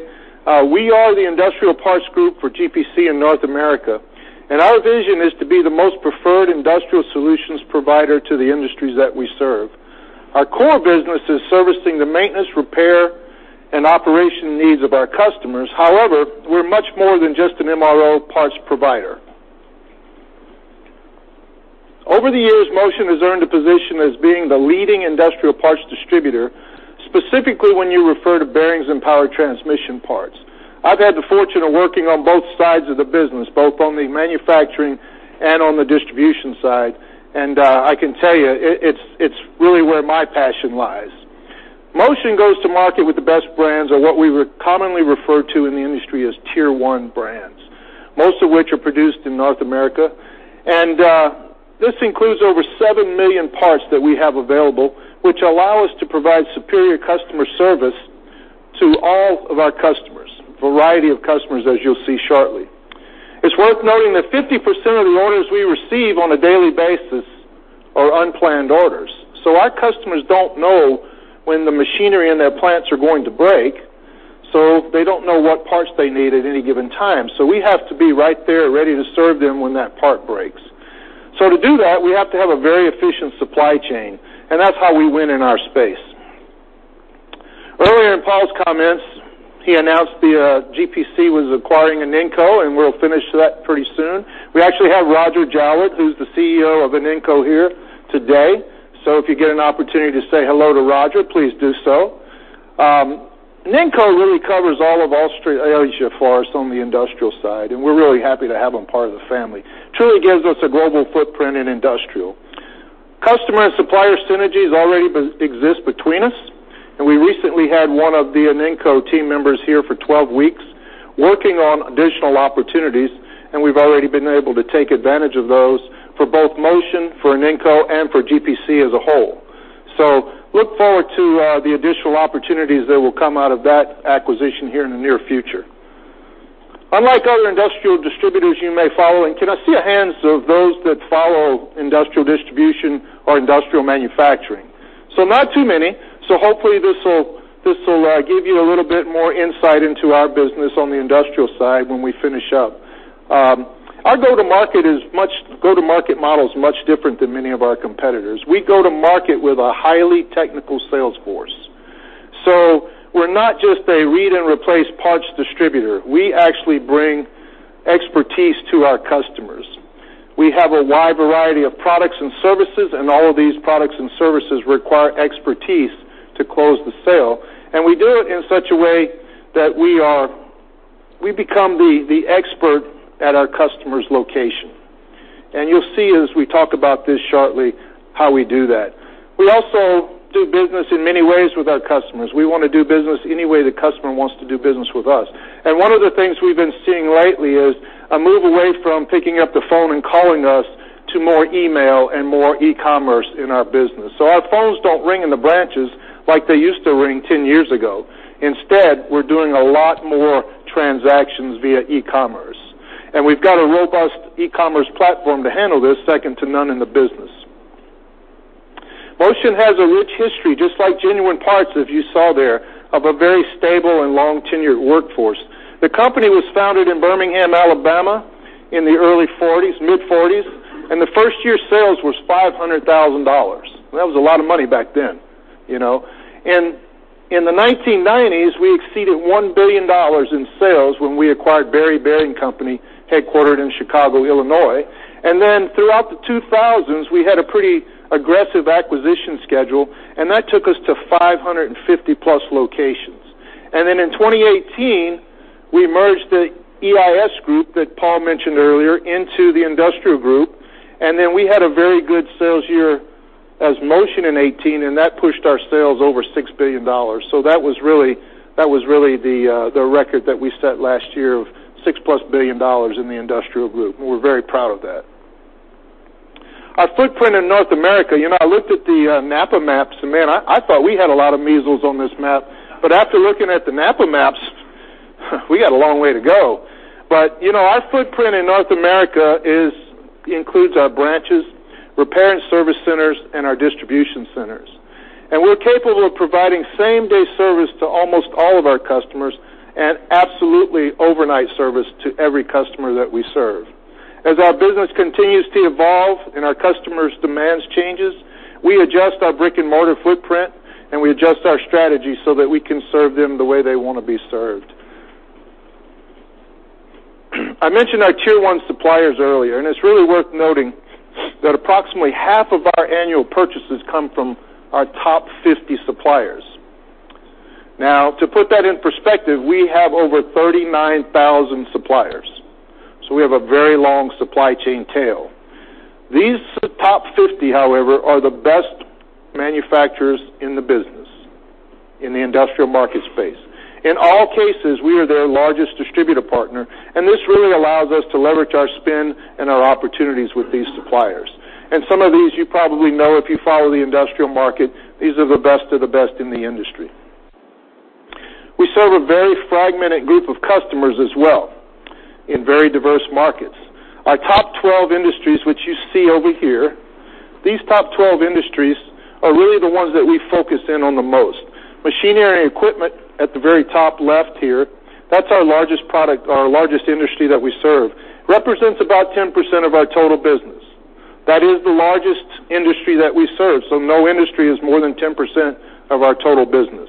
Speaker 8: We are the industrial parts group for GPC in North America, and our vision is to be the most preferred industrial solutions provider to the industries that we serve. Our core business is servicing the maintenance, repair, and operation needs of our customers. However, we're much more than just an MRO parts provider. Over the years, Motion has earned a position as being the leading industrial parts distributor, specifically when you refer to bearings and power transmission parts. I've had the fortune of working on both sides of the business, both on the manufacturing and on the distribution side, and I can tell you, it's really where my passion lies. Motion goes to market with the best brands or what we commonly refer to in the industry as Tier 1 brands, most of which are produced in North America. This includes over 7 million parts that we have available, which allow us to provide superior customer service to all of our customers, variety of customers, as you'll see shortly. It's worth noting that 50% of the orders we receive on a daily basis are unplanned orders. Our customers don't know when the machinery in their plants are going to break, so they don't know what parts they need at any given time. We have to be right there, ready to serve them when that part breaks. To do that, we have to have a very efficient supply chain, and that's how we win in our space. Earlier in Paul's comments, he announced the GPC was acquiring Inenco, and we'll finish that pretty soon. We actually have Roger Jowett, who's the CEO of Inenco, here today. If you get an opportunity to say hello to Roger, please do so. Inenco really covers all of Australasia for us on the industrial side, and we're really happy to have them part of the family. Truly gives us a global footprint in industrial. Customer and supplier synergies already exist between us, and we recently had one of the Inenco team members here for 12 weeks working on additional opportunities, and we've already been able to take advantage of those for both Motion, for Inenco, and for GPC as a whole. Look forward to the additional opportunities that will come out of that acquisition here in the near future. Unlike other industrial distributors you may follow, and can I see a hands of those that follow industrial distribution or industrial manufacturing? Not too many. Hopefully, this will give you a little bit more insight into our business on the industrial side when we finish up. Our go-to-market model is much different than many of our competitors. We go to market with a highly technical sales force. We're not just a read and replace parts distributor. We actually bring expertise to our customers. We have a wide variety of products and services, and all of these products and services require expertise to close the sale. We do it in such a way that we become the expert at our customer's location. You will see as we talk about this shortly, how we do that. We also do business in many ways with our customers. We want to do business any way the customer wants to do business with us. One of the things we have been seeing lately is a move away from picking up the phone and calling us to more email and more e-commerce in our business. Our phones do not ring in the branches like they used to ring 10 years ago. Instead, we are doing a lot more transactions via e-commerce. We have got a robust e-commerce platform to handle this, second to none in the business. Motion has a rich history, just like Genuine Parts, as you saw there, of a very stable and long-tenured workforce. The company was founded in Birmingham, Alabama, in the early '40s, mid-'40s, and the first-year sales was $500,000. That was a lot of money back then. In the 1990s, we exceeded $1 billion in sales when we acquired Berry Bearing Company, headquartered in Chicago, Illinois. Throughout the 2000s, we had a pretty aggressive acquisition schedule, and that took us to 550-plus locations. In 2018, we merged the EIS group that Paul mentioned earlier into the industrial group. We had a very good sales year as Motion in 2018, and that pushed our sales over $6 billion. That was really the record that we set last year of $6-plus billion in the industrial group, and we are very proud of that. Our footprint in North America, I looked at the NAPA maps, and man, I thought we had a lot of measles on this map, but after looking at the NAPA maps, we got a long way to go. Our footprint in North America includes our branches, repair and service centers, and our distribution centers. We are capable of providing same-day service to almost all of our customers and absolutely overnight service to every customer that we serve. As our business continues to evolve and our customers' demands changes, we adjust our brick-and-mortar footprint, and we adjust our strategy so that we can serve them the way they want to be served. I mentioned our Tier 1 suppliers earlier, and it is really worth noting that approximately half of our annual purchases come from our top 50 suppliers. To put that in perspective, we have over 39,000 suppliers. We have a very long supply chain tail. These top 50, however, are the best manufacturers in the business, in the industrial market space. In all cases, we are their largest distributor partner, and this really allows us to leverage our spend and our opportunities with these suppliers. Some of these you probably know if you follow the industrial market. These are the best of the best in the industry. We serve a very fragmented group of customers as well, in very diverse markets. Our top 12 industries, which you see over here, these top 12 industries are really the ones that we focus in on the most. Machinery and equipment at the very top left here, that's our largest industry that we serve. Represents about 10% of our total business. That is the largest industry that we serve, so no industry is more than 10% of our total business.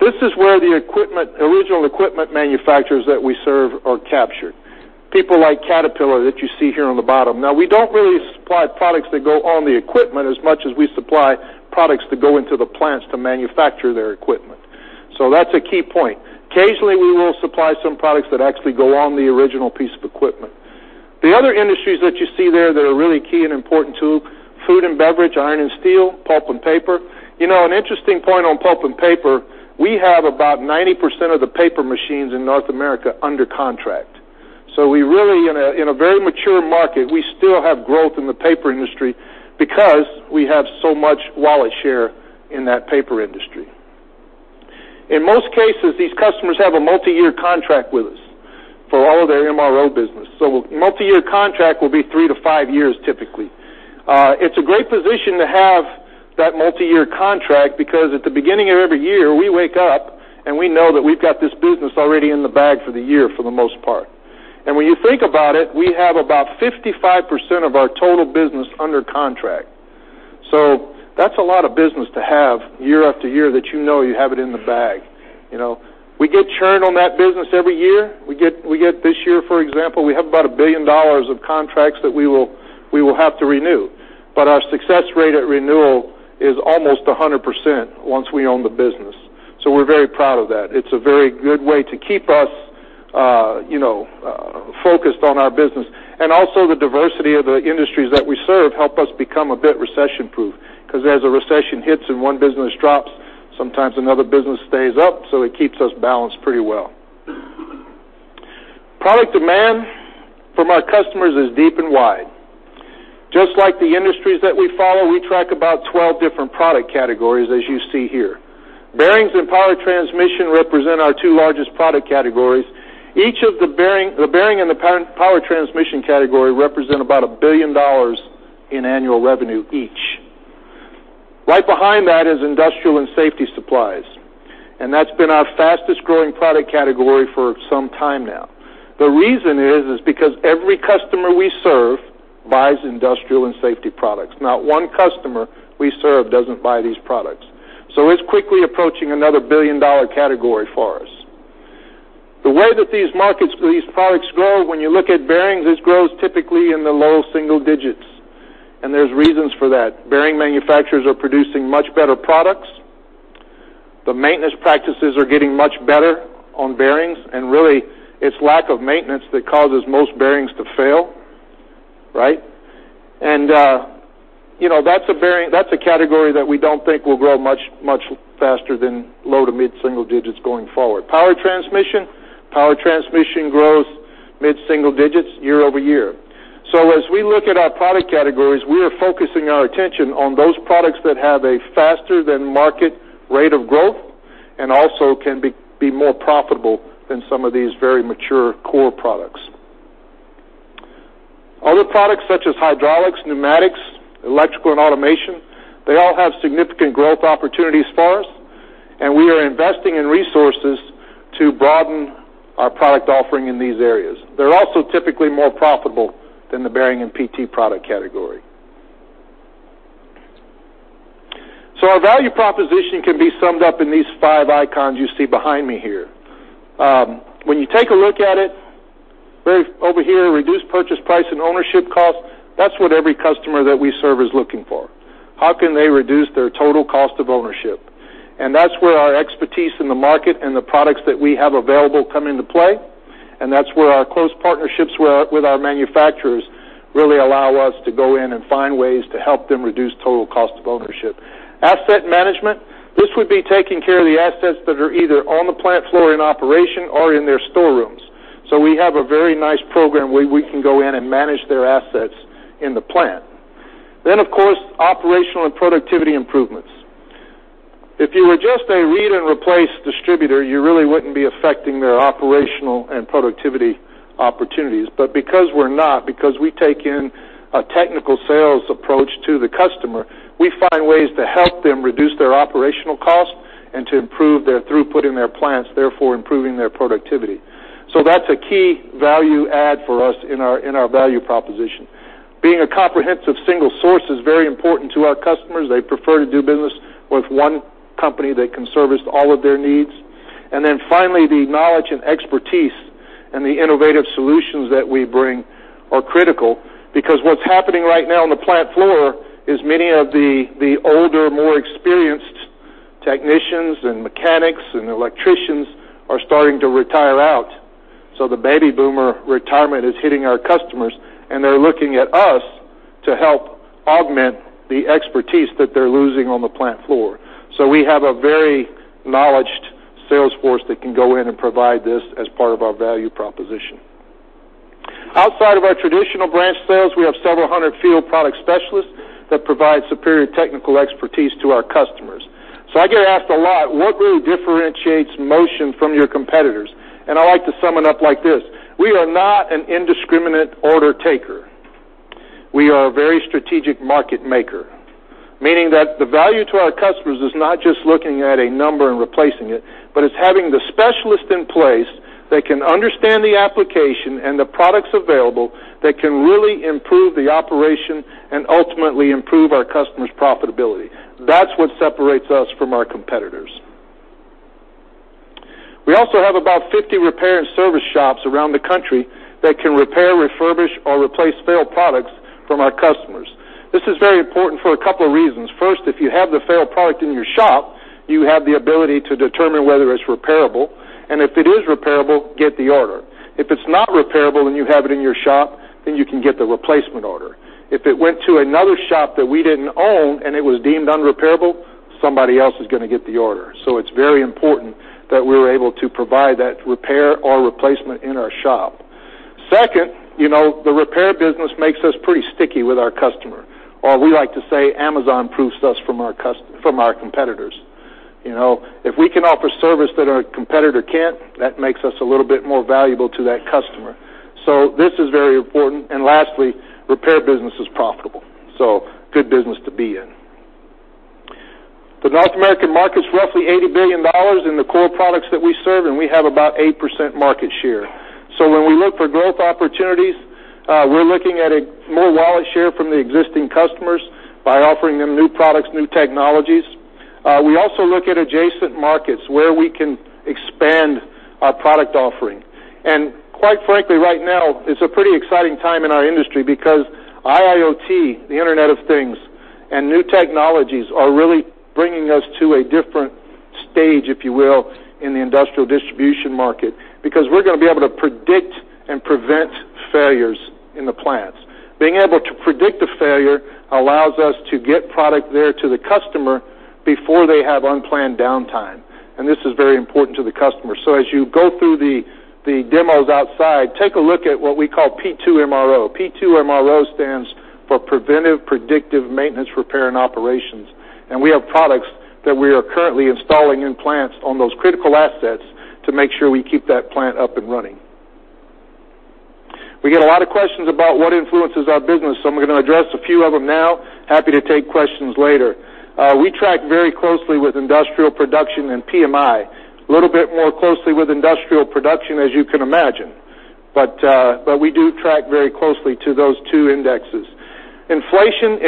Speaker 8: This is where the original equipment manufacturers that we serve are captured. People like Caterpillar that you see here on the bottom. Now, we don't really supply products that go on the equipment as much as we supply products that go into the plants to manufacture their equipment. That's a key point. Occasionally, we will supply some products that actually go on the original piece of equipment. The other industries that you see there that are really key and important too, food and beverage, iron and steel, pulp and paper. An interesting point on pulp and paper, we have about 90% of the paper machines in North America under contract. In a very mature market, we still have growth in the paper industry because we have so much wallet share in that paper industry. In most cases, these customers have a multi-year contract with us for all of their MRO business. Multi-year contract will be three to five years, typically. It's a great position to have that multi-year contract because at the beginning of every year, we wake up, and we know that we've got this business already in the bag for the year for the most part. When you think about it, we have about 55% of our total business under contract. That's a lot of business to have year after year that you know you have it in the bag. We get churned on that business every year. This year, for example, we have about $1 billion of contracts that we will have to renew. Our success rate at renewal is almost 100% once we own the business. We're very proud of that. It's a very good way to keep us focused on our business. Also the diversity of the industries that we serve help us become a bit recession-proof, because as a recession hits and one business drops, sometimes another business stays up, so it keeps us balanced pretty well. Product demand from our customers is deep and wide. Just like the industries that we follow, we track about 12 different product categories, as you see here. Bearings and power transmission represent our two largest product categories. Each of the bearing and the power transmission category represent about $1 billion in annual revenue each. Right behind that is industrial and safety supplies. That's been our fastest-growing product category for some time now. The reason is because every customer we serve buys industrial and safety products. Not one customer we serve doesn't buy these products. It's quickly approaching another billion-dollar category for us. The way that these products grow, when you look at bearings, this grows typically in the low single digits, and there's reasons for that. Bearing manufacturers are producing much better products. The maintenance practices are getting much better on bearings, and really, it's lack of maintenance that causes most bearings to fail. Right? That's a category that we don't think will grow much faster than low to mid-single digits going forward. Power transmission. Power transmission grows mid-single digits year-over-year. As we look at our product categories, we are focusing our attention on those products that have a faster-than-market rate of growth and also can be more profitable than some of these very mature core products. Other products such as hydraulics, pneumatics, electrical and automation, they all have significant growth opportunities for us, and we are investing in resources to broaden our product offering in these areas. They're also typically more profitable than the bearing and PT product category. Our value proposition can be summed up in these five icons you see behind me here. When you take a look at it, over here, reduce purchase price and ownership cost, that's what every customer that we serve is looking for. How can they reduce their total cost of ownership? That's where our expertise in the market and the products that we have available come into play, and that's where our close partnerships with our manufacturers really allow us to go in and find ways to help them reduce total cost of ownership. Asset management. This would be taking care of the assets that are either on the plant floor in operation or in their storerooms. Of course, operational and productivity improvements. If you were just a read and replace distributor, you really wouldn't be affecting their operational and productivity opportunities. Because we're not, because we take in a technical sales approach to the customer, we find ways to help them reduce their operational costs and to improve their throughput in their plants, therefore improving their productivity. That's a key value add for us in our value proposition. Being a comprehensive single source is very important to our customers. They prefer to do business with one company that can service all of their needs. Finally, the knowledge and expertise and the innovative solutions that we bring critical because what's happening right now on the plant floor is many of the older, more experienced technicians and mechanics and electricians are starting to retire out. The baby boomer retirement is hitting our customers, and they're looking at us to help augment the expertise that they're losing on the plant floor. We have a very knowledged sales force that can go in and provide this as part of our value proposition. Outside of our traditional branch sales, we have several hundred field product specialists that provide superior technical expertise to our customers. I get asked a lot, what really differentiates Motion from your competitors? I like to sum it up like this: We are not an indiscriminate order taker. We are a very strategic market maker, meaning that the value to our customers is not just looking at a number and replacing it, but it's having the specialist in place that can understand the application and the products available that can really improve the operation and ultimately improve our customers' profitability. That's what separates us from our competitors. We also have about 50 repair and service shops around the country that can repair, refurbish, or replace failed products from our customers. This is very important for a couple of reasons. First, if you have the failed product in your shop, you have the ability to determine whether it's repairable, and if it is repairable, get the order. If it's not repairable and you have it in your shop, you can get the replacement order. If it went to another shop that we didn't own, and it was deemed unrepairable, somebody else is going to get the order. It's very important that we're able to provide that repair or replacement in our shop. Second, the repair business makes us pretty sticky with our customer, or we like to say Amazon-proofs us from our competitors. If we can offer service that our competitor can't, that makes us a little bit more valuable to that customer. This is very important. Lastly, repair business is profitable, good business to be in. The North American market's roughly $80 billion in the core products that we serve, we have about 8% market share. When we look for growth opportunities, we're looking at more wallet share from the existing customers by offering them new products, new technologies. We also look at adjacent markets where we can expand our product offering. Quite frankly, right now is a pretty exciting time in our industry because IIoT, the Internet of Things, and new technologies are really bringing us to a different stage, if you will, in the industrial distribution market. Because we're going to be able to predict and prevent failures in the plants. Being able to predict a failure allows us to get product there to the customer before they have unplanned downtime, this is very important to the customer. As you go through the demos outside, take a look at what we call P2MRO. P2MRO stands for preventive predictive maintenance, repair and operations, we have products that we are currently installing in plants on those critical assets to make sure we keep that plant up and running. We get a lot of questions about what influences our business, I'm going to address a few of them now. Happy to take questions later. We track very closely with industrial production and PMI. A little bit more closely with industrial production, as you can imagine. We do track very closely to those two indexes. Inflation.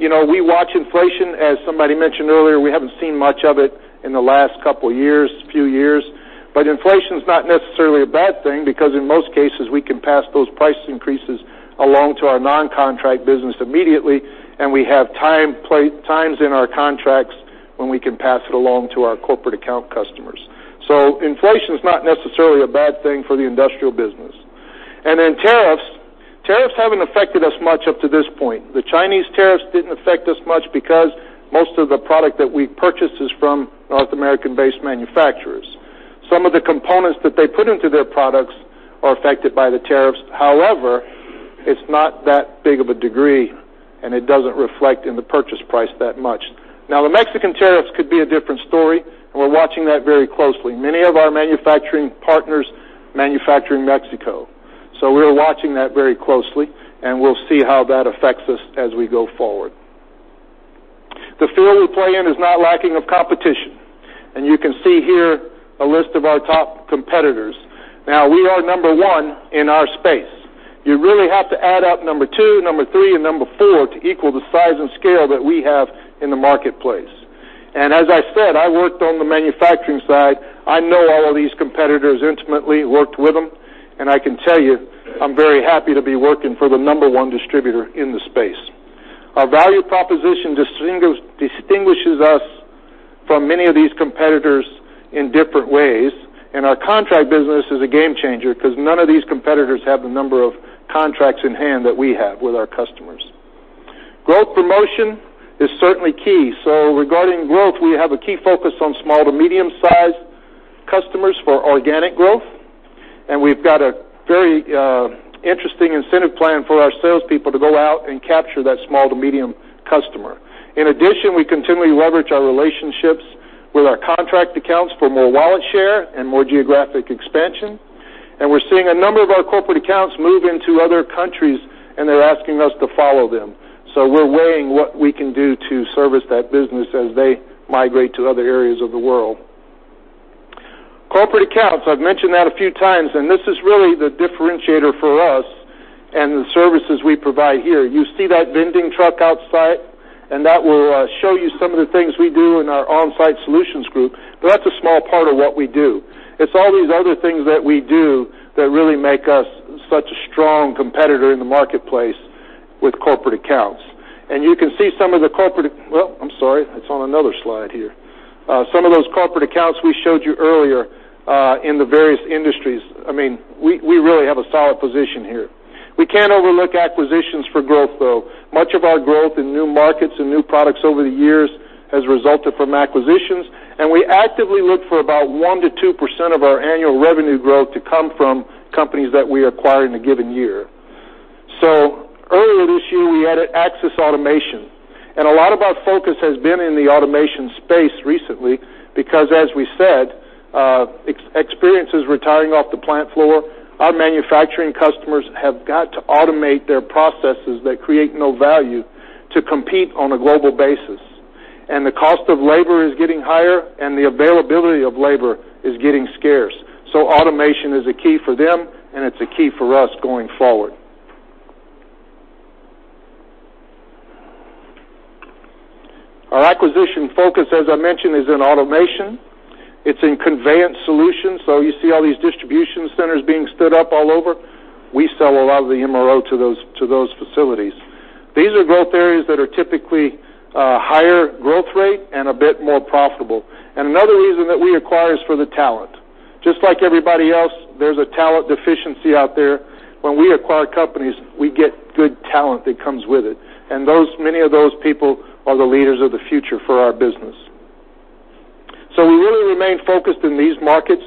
Speaker 8: We watch inflation. As somebody mentioned earlier, we haven't seen much of it in the last couple years, few years. Inflation's not necessarily a bad thing, because in most cases, we can pass those price increases along to our non-contract business immediately, we have times in our contracts when we can pass it along to our corporate account customers. Inflation's not necessarily a bad thing for the industrial business. Tariffs. Tariffs haven't affected us much up to this point. The Chinese tariffs didn't affect us much because most of the product that we purchase is from North American-based manufacturers. Some of the components that they put into their products are affected by the tariffs. However, it's not that big of a degree, it doesn't reflect in the purchase price that much. Now, the Mexican tariffs could be a different story, we're watching that very closely. Many of our manufacturing partners manufacture in Mexico, we're watching that very closely, and we'll see how that affects us as we go forward. The field we play in is not lacking of competition, you can see here a list of our top competitors. We are number one in our space. You really have to add up number two, number three, and number four to equal the size and scale that we have in the marketplace. As I said, I worked on the manufacturing side. I know all of these competitors intimately, worked with them, and I can tell you, I'm very happy to be working for the number one distributor in the space. Our value proposition distinguishes us from many of these competitors in different ways, our contract business is a game changer because none of these competitors have the number of contracts in hand that we have with our customers. Growth promotion is certainly key. Regarding growth, we have a key focus on small to medium-sized customers for organic growth, we've got a very interesting incentive plan for our salespeople to go out and capture that small to medium customer. In addition, we continually leverage our relationships with our contract accounts for more wallet share and more geographic expansion. We're seeing a number of our corporate accounts move into other countries, they're asking us to follow them. We're weighing what we can do to service that business as they migrate to other areas of the world. Corporate accounts, I've mentioned that a few times, this is really the differentiator for us and the services we provide here. You see that vending truck outside, that will show you some of the things we do in our on-site solutions. What we do. It's all these other things that we do that really make us such a strong competitor in the marketplace with corporate accounts. You can see some of the corporate. I'm sorry, it's on another slide here. Some of those corporate accounts we showed you earlier, in the various industries, we really have a solid position here. We can't overlook acquisitions for growth, though. Much of our growth in new markets and new products over the years has resulted from acquisitions, we actively look for about 1%-2% of our annual revenue growth to come from companies that we acquire in a given year. Earlier this year, we added Axis Automation, a lot of our focus has been in the automation space recently because as we said, experience is retiring off the plant floor. Our manufacturing customers have got to automate their processes that create no value to compete on a global basis, the cost of labor is getting higher, the availability of labor is getting scarce. Automation is a key for them, it's a key for us going forward. Our acquisition focus, as I mentioned, is in automation. It's in conveyance solutions. You see all these distribution centers being stood up all over. We sell a lot of the MRO to those facilities. These are growth areas that are typically higher growth rate and a bit more profitable. Another reason that we acquire is for the talent. Just like everybody else, there's a talent deficiency out there. When we acquire companies, we get good talent that comes with it. Many of those people are the leaders of the future for our business. We really remain focused in these markets,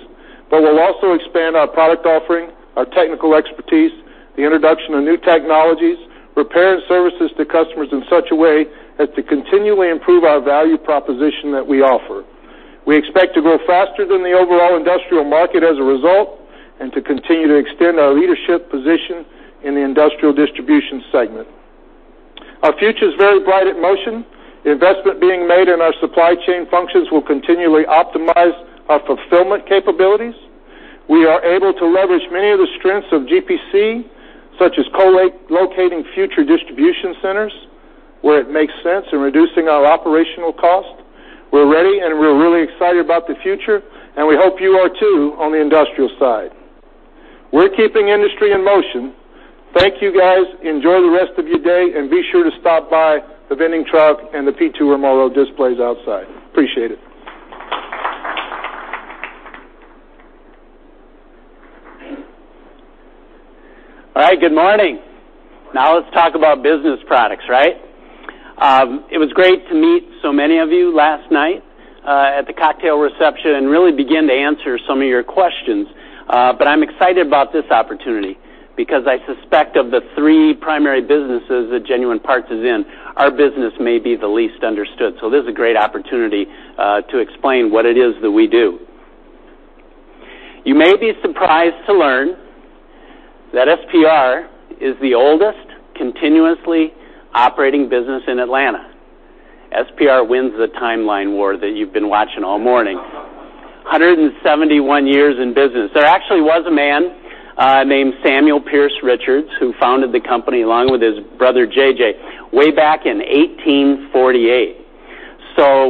Speaker 8: but we'll also expand our product offering, our technical expertise, the introduction of new technologies, repair and services to customers in such a way as to continually improve our value proposition that we offer. We expect to grow faster than the overall industrial market as a result, and to continue to extend our leadership position in the industrial distribution segment. Our future is very bright at Motion. The investment being made in our supply chain functions will continually optimize our fulfillment capabilities. We are able to leverage many of the strengths of GPC, such as co-locating future distribution centers where it makes sense, and reducing our operational cost. We're ready. We're really excited about the future. We hope you are too on the industrial side. We're keeping industry in motion. Thank you, guys. Enjoy the rest of your day, and be sure to stop by the vending truck and the P2MRO displays outside. Appreciate it.
Speaker 9: All right. Good morning. Now let's talk about business products, right? It was great to meet so many of you last night, at the cocktail reception and really begin to answer some of your questions. I'm excited about this opportunity because I suspect of the three primary businesses that Genuine Parts is in, our business may be the least understood. This is a great opportunity to explain what it is that we do. You may be surprised to learn that SPR is the oldest continuously operating business in Atlanta. SPR wins the timeline war that you've been watching all morning. 171 years in business. There actually was a man named Samuel Pierce Richards, who founded the company along with his brother JJ, way back in 1848.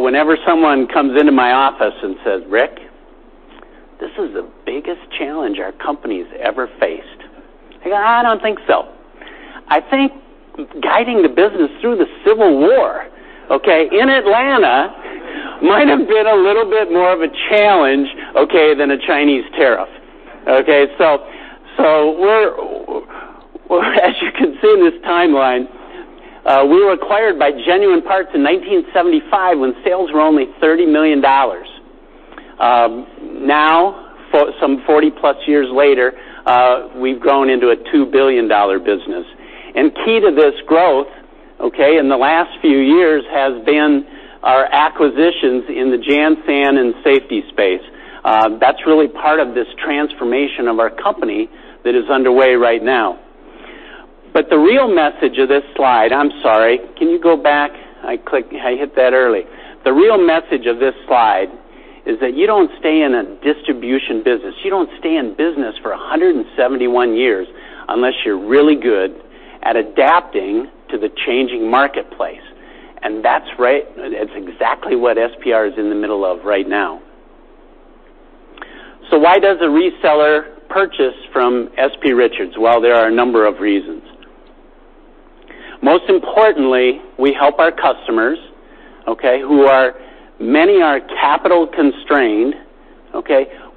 Speaker 9: Whenever someone comes into my office and says, "Rick, this is the biggest challenge our company's ever faced." I go, "I don't think so. I think guiding the business through the Civil War, okay, in Atlanta might have been a little bit more of a challenge, okay, than a Chinese tariff." As you can see in this timeline, we were acquired by Genuine Parts in 1975 when sales were only $30 million. Now, some 40-plus years later, we've grown into a $2 billion business. Key to this growth, okay, in the last few years, has been our acquisitions in the JanSan and safety space. That's really part of this transformation of our company that is underway right now. The real message of this slide. I'm sorry. Can you go back? I hit that early. The real message of this slide is that you don't stay in a distribution business, you don't stay in business for 171 years unless you're really good at adapting to the changing marketplace, and that's exactly what SPR is in the middle of right now. Why does a reseller purchase from S.P. Richards? Well, there are a number of reasons. Most importantly, we help our customers, okay, who many are capital constrained.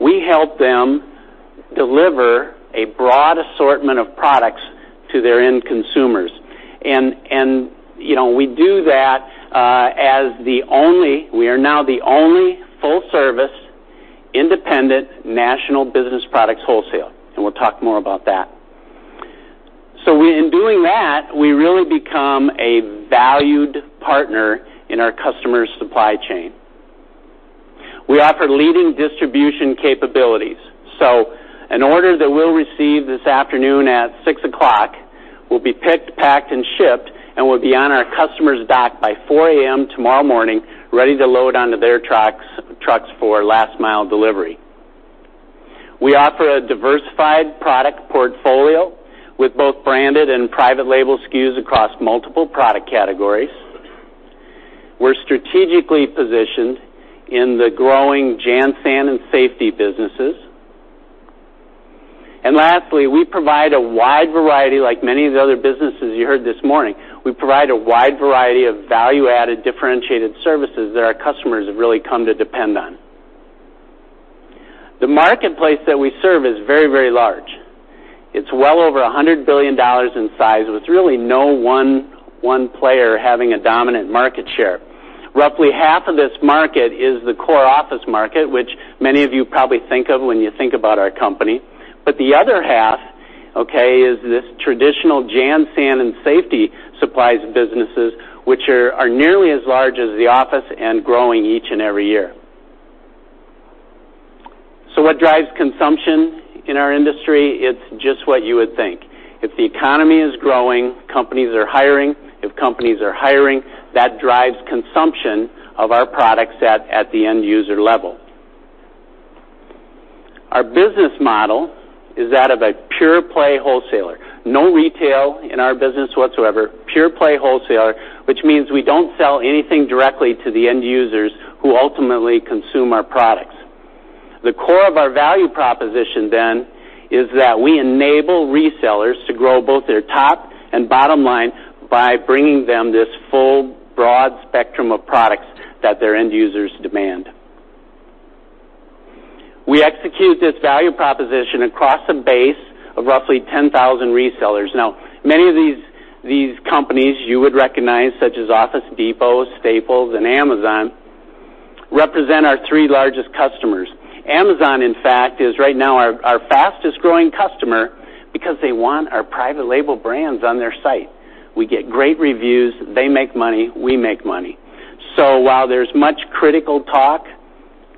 Speaker 9: We help them deliver a broad assortment of products to their end consumers. We are now the only full-service, independent, national business products wholesaler, and we'll talk more about that. In doing that, we really become a valued partner in our customers' supply chain. We offer leading distribution capabilities. An order that we'll receive this afternoon at 6:00 P.M. will be picked, packed, and shipped and will be on our customer's dock by 4:00 A.M. tomorrow morning, ready to load onto their trucks for last mile delivery. We offer a diversified product Branded and private label SKUs across multiple product categories. We're strategically positioned in the growing Jan San and safety businesses. Lastly, we provide a wide variety, like many of the other businesses you heard this morning, of value-added differentiated services that our customers have really come to depend on. The marketplace that we serve is very large. It's well over $100 billion in size, with really no one player having a dominant market share. Roughly half of this market is the core office market, which many of you probably think of when you think about our company. The other half, okay, is this traditional Jan San and safety supplies businesses, which are nearly as large as the office and growing each and every year. What drives consumption in our industry? It's just what you would think. If the economy is growing, companies are hiring. If companies are hiring, that drives consumption of our products at the end user level. Our business model is that of a pure-play wholesaler. No retail in our business whatsoever, pure-play wholesaler, which means we don't sell anything directly to the end users who ultimately consume our products. The core of our value proposition, then, is that we enable resellers to grow both their top and bottom line by bringing them this full, broad spectrum of products that their end users demand. We execute this value proposition across a base of roughly 10,000 resellers. Many of these companies you would recognize, such as Office Depot, Staples, and Amazon, represent our 3 largest customers. Amazon, in fact, is right now our fastest growing customer because they want our private label brands on their site. We get great reviews. They make money. We make money. While there's much critical talk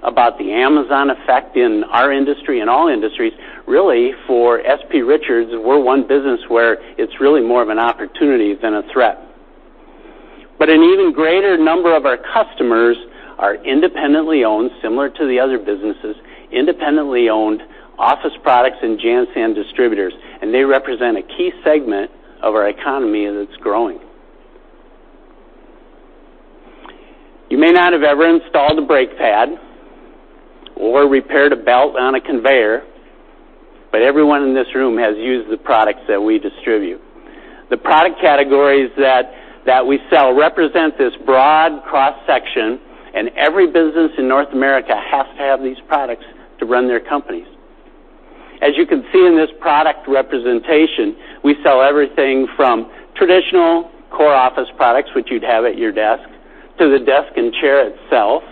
Speaker 9: about the Amazon effect in our industry and all industries, really for S.P. Richards, we're one business where it's really more of an opportunity than a threat. An even greater number of our customers are independently owned, similar to the other businesses, independently owned office products and Jan San distributors, and they represent a key segment of our economy, and it's growing. You may not have ever installed a brake pad or repaired a belt on a conveyor, but everyone in this room has used the products that we distribute. The product categories that we sell represent this broad cross-section. Every business in North America has to have these products to run their companies. As you can see in this product representation, we sell everything from traditional core office products, which you'd have at your desk, to the desk and chair itself,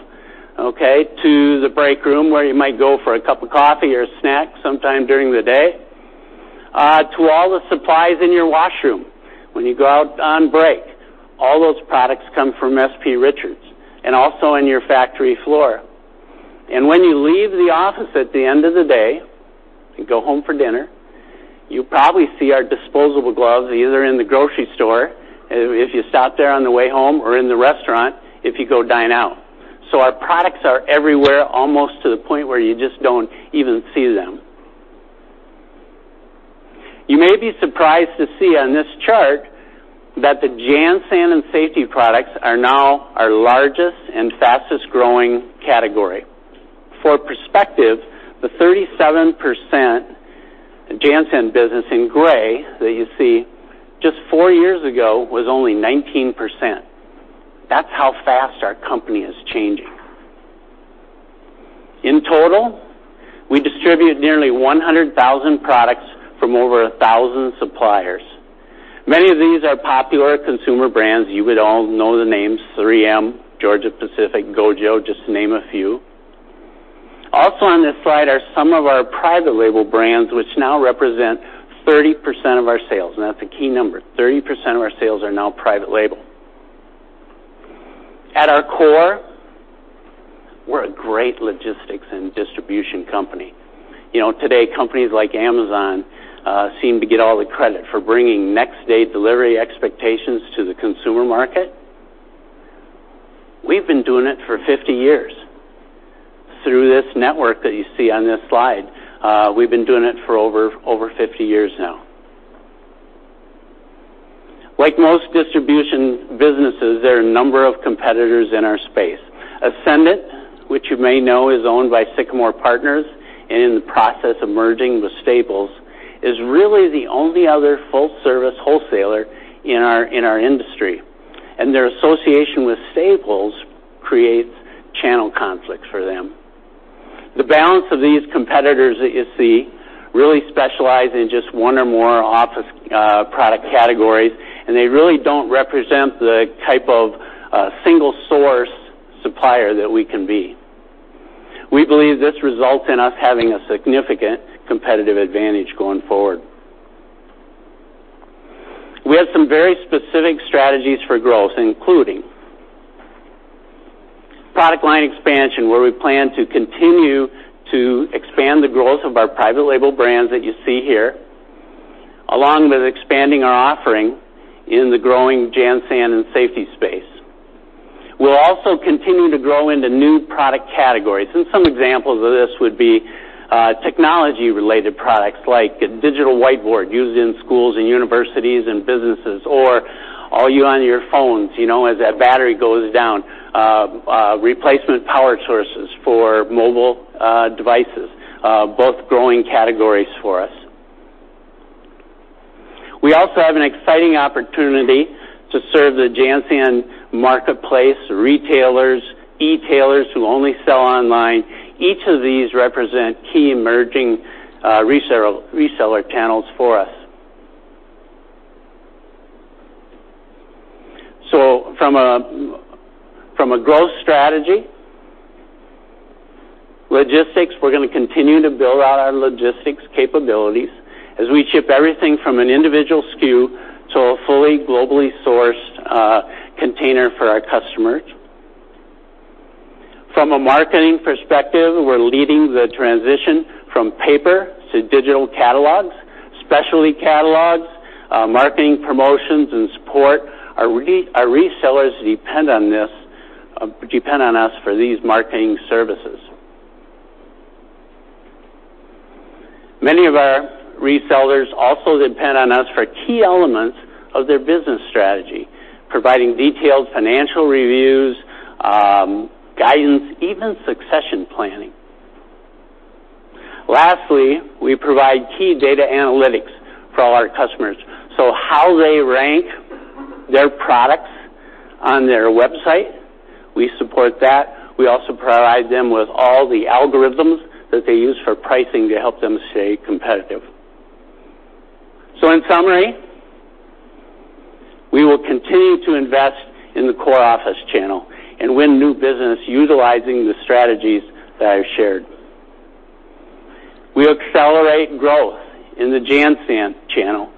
Speaker 9: okay, to the break room where you might go for a cup of coffee or a snack sometime during the day, to all the supplies in your washroom when you go out on break. All those products come from S.P. Richards, and also in your factory floor. When you leave the office at the end of the day and go home for dinner, you probably see our disposable gloves, either in the grocery store, if you stop there on the way home, or in the restaurant if you go dine out. Our products are everywhere, almost to the point where you just don't even see them. You may be surprised to see on this chart that the JanSan and safety products are now our largest and fastest-growing category. For perspective, the 37% JanSan business in gray that you see just 4 years ago was only 19%. That's how fast our company is changing. In total, we distribute nearly 100,000 products from over 1,000 suppliers. Many of these are popular consumer brands. You would all know the names, 3M, Georgia-Pacific, GOJO, just to name a few. Also on this slide are some of our private label brands, which now represent 30% of our sales. That's a key number. 30% of our sales are now private label. At our core, we're a great logistics and distribution company. Today, companies like Amazon seem to get all the credit for bringing next-day delivery expectations to the consumer market. We've been doing it for 50 years. Through this network that you see on this slide, we've been doing it for over 50 years now. Like most distribution businesses, there are a number of competitors in our space. Essendant, which you may know is owned by Sycamore Partners and in the process of merging with Staples, is really the only other full-service wholesaler in our industry. Their association with Staples creates channel conflicts for them. The balance of these competitors that you see really specialize in just one or more office product categories. They really don't represent the type of single-source supplier that we can be. We believe this results in us having a significant competitive advantage going forward. We have some very specific strategies for growth, including product line expansion, where we plan to continue to expand the growth of our private label brands that you see here, along with expanding our offering in the growing JanSan and safety space. Product categories. Some examples of this would be technology-related products like a digital whiteboard used in schools and universities and businesses or all you on your phones, as that battery goes down, replacement power sources for mobile devices, both growing categories for us. We also have an exciting opportunity to serve the JanSan marketplace retailers, e-tailers who only sell online. Each of these represent key emerging reseller channels for us. From a growth strategy, logistics, we're going to continue to build out our logistics capabilities as we ship everything from an individual SKU to a fully globally sourced container for our customers. From a marketing perspective, we're leading the transition from paper to digital catalogs, specialty catalogs, marketing promotions, and support. Our resellers depend on us for these marketing services. Many of our resellers also depend on us for key elements of their business strategy, providing detailed financial reviews, guidance, even succession planning. Lastly, we provide key data analytics for all our customers. How they rank their products on their website, we support that. We also provide them with all the algorithms that they use for pricing to help them stay competitive. In summary, we will continue to invest in the core office channel and win new business utilizing the strategies that I've shared. We accelerate growth in the JanSan channel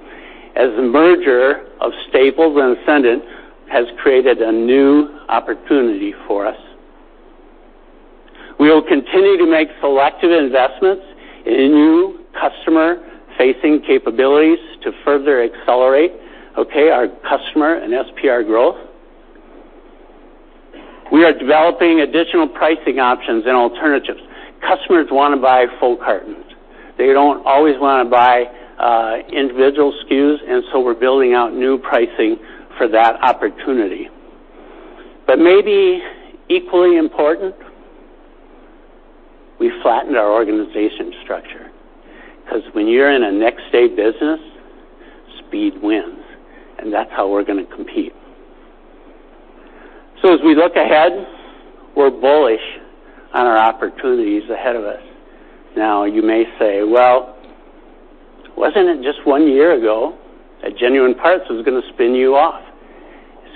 Speaker 9: as the merger of Staples and Essendant has created a new opportunity for us. We will continue to make selective investments in new customer-facing capabilities to further accelerate our customer and SPR growth. We are developing additional pricing options and alternatives. Customers want to buy full cartons. They don't always want to buy individual SKUs, we're building out new pricing for that opportunity. Maybe equally important, we flattened our organization structure because when you're in a next-day business, speed wins, and that's how we're going to compete. As we look ahead, we're bullish on our opportunities ahead of us. You may say, "Well, wasn't it just one year ago that Genuine Parts was going to spin you off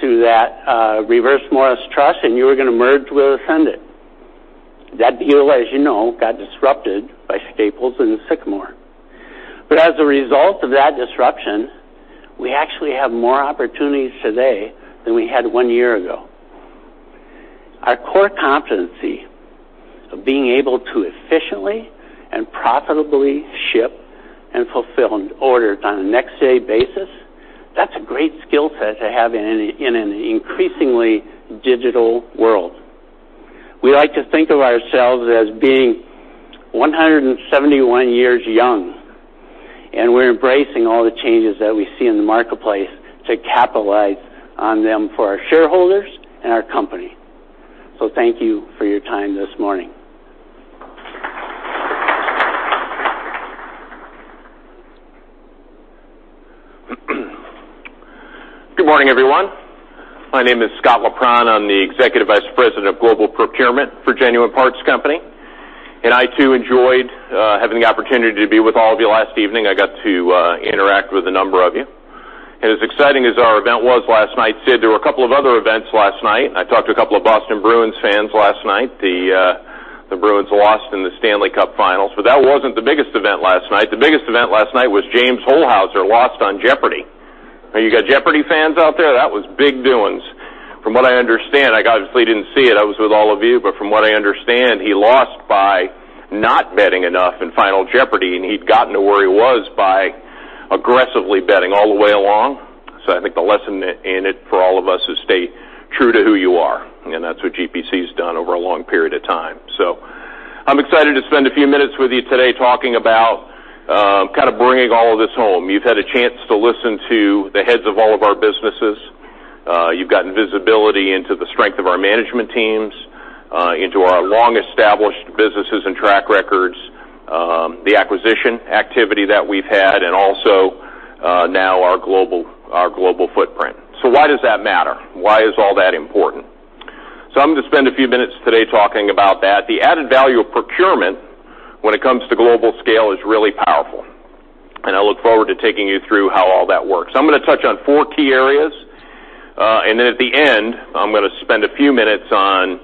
Speaker 9: through that reverse Morris trust and you were going to merge with Essendant?" That deal, as you know, got disrupted by Staples and Sycamore. As a result of that disruption, we actually have more opportunities today than we had one year ago. Our core competency of being able to efficiently and profitably ship and fulfill orders on a next-day basis, that's a great skill set to have in an increasingly digital world. We like to think of ourselves as being 171 years young, and we're embracing all the changes that we see in the marketplace to capitalize on them for our shareholders and our company. Thank you for your time this morning.
Speaker 10: Good morning, everyone. My name is Scott Leprohon. I'm the Executive Vice President of Global Procurement for Genuine Parts Company. I too enjoyed having the opportunity to be with all of you last evening. I got to interact with a number of you. As exciting as our event was last night, Sid, there were a couple of other events last night, I talked to a couple of Boston Bruins fans last night. The Bruins lost in the Stanley Cup finals, that wasn't the biggest event last night. The biggest event last night was James Holzhauer lost on "Jeopardy!" You got "Jeopardy!" fans out there? That was big doings. From what I understand, I obviously didn't see it, I was with all of you, from what I understand, he lost by not betting enough in Final Jeopardy!, and he'd gotten to where he was by aggressively betting all the way along. I think the lesson in it for all of us is stay true to who you are, and that's what GPC's done over a long period of time. I'm excited to spend a few minutes with you today talking about kind of bringing all of this home. You've had a chance to listen to the heads of all of our businesses. You've gotten visibility into the strength of our management teams, into our long-established businesses and track records, the acquisition activity that we've had, and also now our global footprint. Why does that matter? Why is all that important? I'm going to spend a few minutes today talking about that. The added value of procurement when it comes to global scale is really powerful, and I look forward to taking you through how all that works. I'm going to touch on 4 key areas, and then at the end, I'm going to spend a few minutes on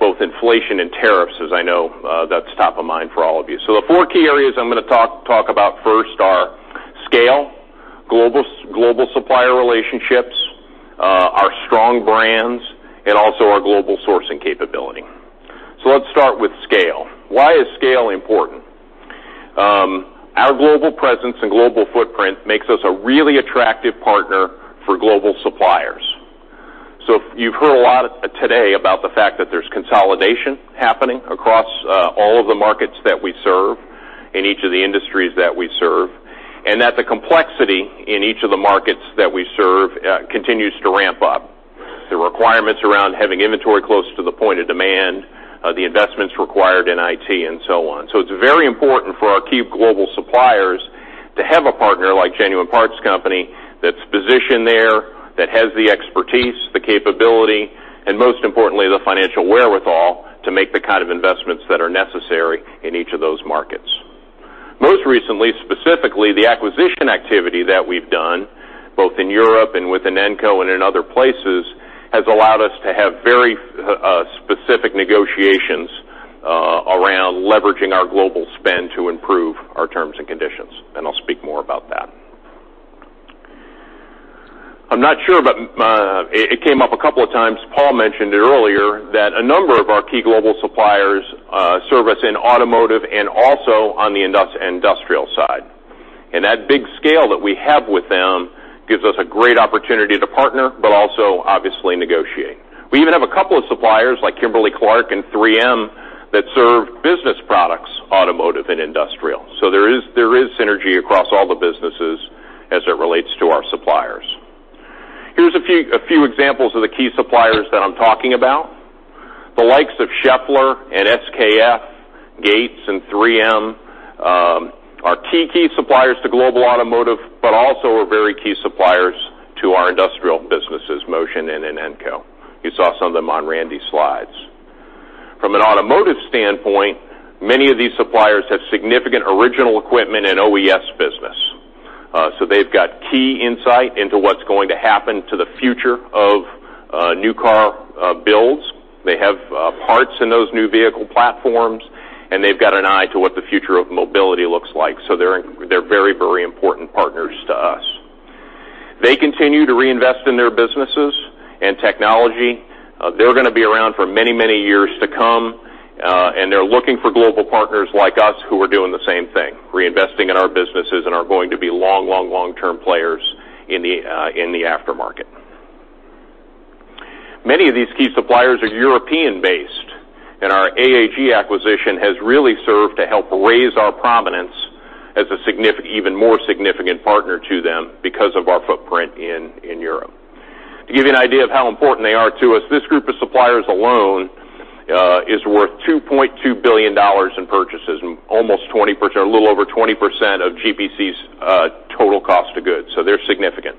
Speaker 10: both inflation and tariffs, as I know that's top of mind for all of you. The 4 key areas I'm going to talk about first are scale, global supplier relationships, our strong brands, and also our global sourcing capability. Let's start with scale. Why is scale important? Our global presence and global footprint makes us a really attractive partner for global suppliers. You've heard a lot today about the fact that there's consolidation happening across all of the markets that we serve, in each of the industries that we serve, and that the complexity in each of the markets that we serve continues to ramp up. The requirements around having inventory close to the point of demand, the investments required in IT, and so on. It's very important for our key global suppliers to have a partner like Genuine Parts Company that's positioned there, that has the expertise, the capability, and most importantly, the financial wherewithal to make the kind of investments that are necessary in each of those markets. Most recently, specifically, the acquisition activity that we've done, both in Europe and with Inenco and in other places, has allowed us to have very specific negotiations around leveraging our global spend to improve our terms and conditions. I'll speak more about that. I'm not sure, it came up a couple of times. Paul mentioned it earlier, that a number of our key global suppliers serve us in automotive and also on the industrial side. That big scale that we have with them gives us a great opportunity to partner also, obviously, negotiate. We even have a couple of suppliers like Kimberly-Clark and 3M that serve business products, automotive, and industrial. There is synergy across all the businesses as it relates to our suppliers. Here's a few examples of the key suppliers that I'm talking about. The likes of Schaeffler and SKF, Gates, and 3M are key suppliers to global automotive, also are very key suppliers to our industrial businesses, Motion and Inenco. You saw some of them on Randy's slides. From an automotive standpoint, many of these suppliers have significant original equipment and OES business. They've got key insight into what's going to happen to the future of new car builds. They have parts in those new vehicle platforms, and they've got an eye to what the future of mobility looks like. They're very important partners to us. They continue to reinvest in their businesses and technology. They're going to be around for many years to come, and they're looking for global partners like us who are doing the same thing, reinvesting in our businesses and are going to be long-term players in the aftermarket. Many of these key suppliers are European-based, and our AAG acquisition has really served to help raise our prominence as an even more significant partner to them because of our footprint in Europe. To give you an idea of how important they are to us, this group of suppliers alone is worth $2.2 billion in purchases and a little over 20% of GPC's total cost of goods. They're significant.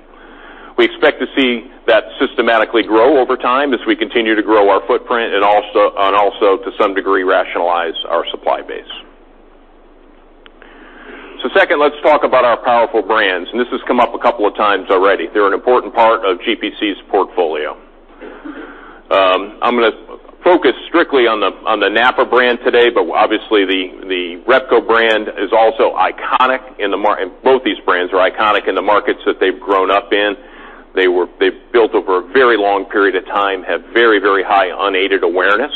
Speaker 10: We expect to see that systematically grow over time as we continue to grow our footprint and also, to some degree, rationalize our supply base. Second, let's talk about our powerful brands, and this has come up a couple of times already. They're an important part of GPC's portfolio. I'm going to focus strictly on the NAPA brand today, but obviously, the Repco brand is also iconic in the markets that they've grown up in. They've built over a very long period of time, have very high unaided awareness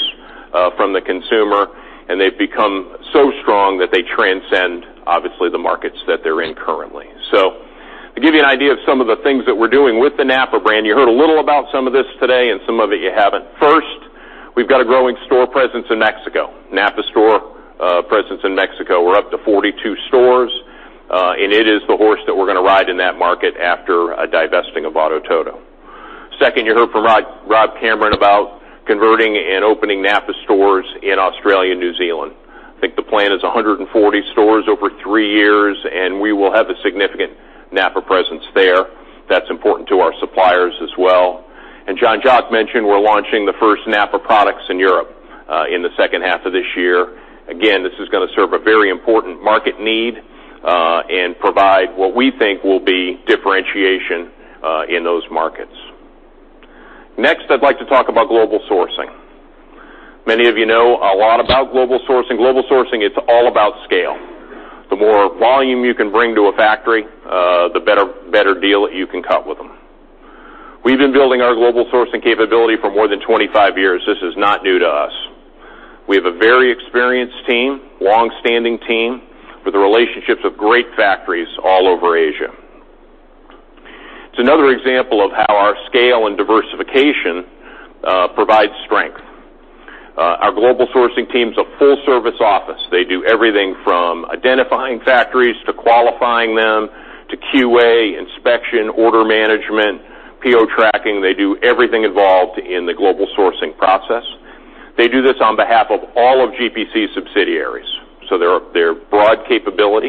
Speaker 10: from the consumer, and they've become so strong that they transcend, obviously, the markets that they're in currently. To give you an idea of some of the things that we're doing with the NAPA brand, you heard a little about some of this today, and some of it you haven't. First, we've got a growing store presence in Mexico, NAPA store presence in Mexico. We're up to 42 stores, and it is the horse that we're going to ride in that market after a divesting of Auto Todo. Second, you heard from Rob Cameron about converting and opening NAPA stores in Australia and New Zealand. I think the plan is 140 stores over three years, and we will have a significant NAPA presence there. That's important to our suppliers as well. Jean-Jacques mentioned we're launching the first NAPA products in Europe in the second half of this year. Again, this is going to serve a very important market need and provide what we think will be differentiation in those markets. Next, I'd like to talk about global sourcing. Many of you know a lot about global sourcing. Global sourcing, it's all about scale. The more volume you can bring to a factory, the better deal you can cut with them. We've been building our global sourcing capability for more than 25 years. This is not new to us. We have a very experienced team, longstanding team, with the relationships of great factories all over Asia. It's another example of how our scale and diversification provide strength. Our global sourcing team's a full-service office. They do everything from identifying factories to qualifying them, to QA, inspection, order management, PO tracking. They do everything involved in the global sourcing process. They do this on behalf of all of GPC's subsidiaries. They're broad capability.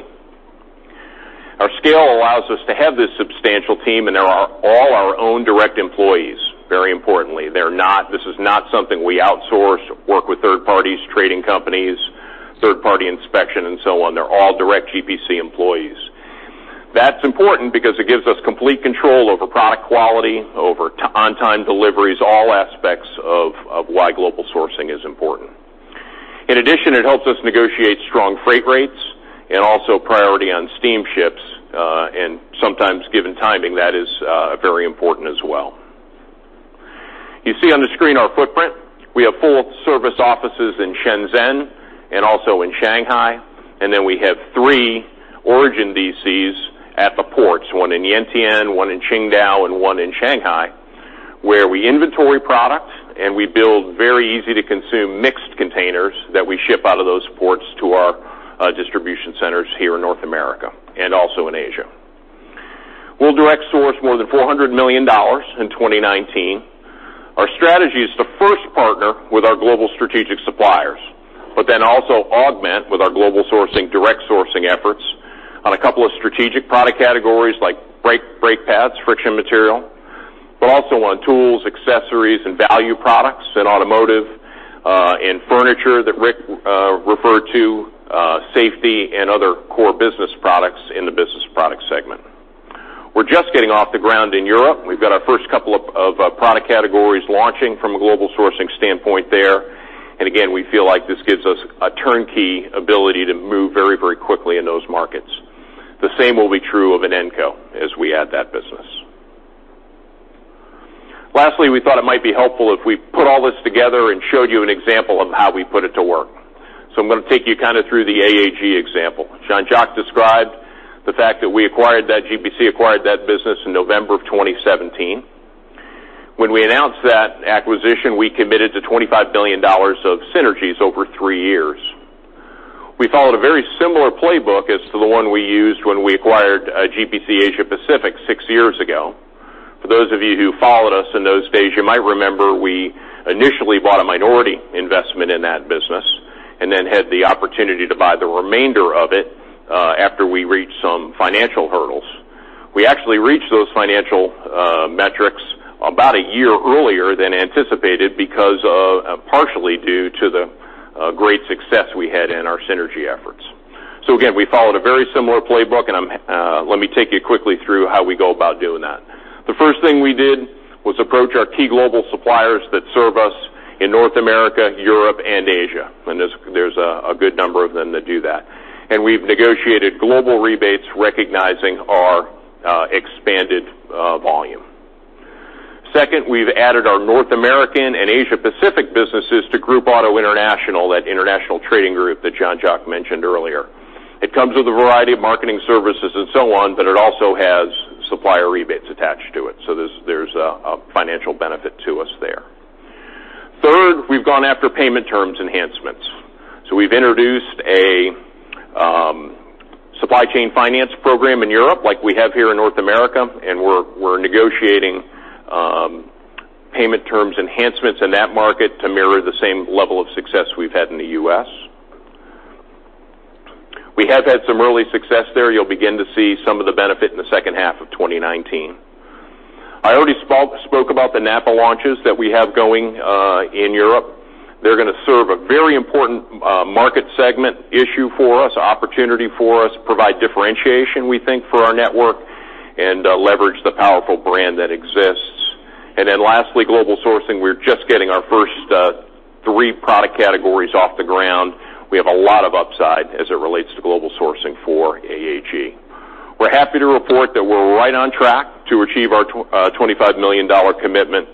Speaker 10: Our scale allows us to have this substantial team, and they are all our own direct employees, very importantly. This is not something we outsource, work with third parties, trading companies, third-party inspection, and so on. They're all direct GPC employees. That's important because it gives us complete control over product quality, over on-time deliveries, all aspects of why global sourcing is important. In addition, it helps us negotiate strong freight rates and also priority on steamships, and sometimes given timing, that is very important as well. You see on the screen our footprint. We have full-service offices in Shenzhen and also in Shanghai. We have three origin DCs at the ports, one in Yantian, one in Qingdao, and one in Shanghai, where we inventory products and we build very easy-to-consume mixed containers that we ship out of those ports to our distribution centers here in North America and also in Asia. We'll direct source more than $400 million in 2019. Our strategy is to first partner with our global strategic suppliers. Also augment with our global sourcing direct sourcing efforts on a couple of strategic product categories like brake pads, friction material. Also on tools, accessories, and value products in automotive, in furniture that Rick referred to, safety and other core business products in the business product segment. We're just getting off the ground in Europe. We've got our first couple of product categories launching from a global sourcing standpoint there. Again, we feel like this gives us a turnkey ability to move very quickly in those markets. The same will be true of Inenco as we add that business. Lastly, we thought it might be helpful if we put all this together and showed you an example of how we put it to work. I'm going to take you kind of through the AAG example. Jean-Jacques described the fact that GPC acquired that business in November of 2017. When we announced that acquisition, we committed to $25 billion of synergies over three years. We followed a very similar playbook as to the one we used when we acquired GPC Asia Pacific six years ago. For those of you who followed us in those days, you might remember we initially bought a minority investment in that business. Then had the opportunity to buy the remainder of it after we reached some financial hurdles. We actually reached those financial metrics about a year earlier than anticipated because partially due to the great success we had in our synergy efforts. Again, we followed a very similar playbook. Let me take you quickly through how we go about doing that. The first thing we did was approach our key global suppliers that serve us in North America, Europe, and Asia. There's a good number of them that do that. We've negotiated global rebates recognizing our expanded volume. Second, we've added our North American and Asia Pacific businesses to GROUPAUTO International, that international trading group that Jean-Jacques mentioned earlier. It comes with a variety of marketing services and so on, but it also has supplier rebates attached to it. There's a financial benefit to us there. Third, we've gone after payment terms enhancements. We've introduced a supply chain finance program in Europe like we have here in North America, and we're negotiating payment terms enhancements in that market to mirror the same level of success we've had in the U.S. We have had some early success there. You'll begin to see some of the benefit in the second half of 2019. I already spoke about the NAPA launches that we have going in Europe. They're going to serve a very important market segment issue for us, opportunity for us, provide differentiation, we think, for our network, and leverage the powerful brand that exists. Lastly, global sourcing. We're just getting our first three product categories off the ground. We have a lot of upside as it relates to global sourcing for AAG. We're happy to report that we're right on track to achieve our $25 million commitment,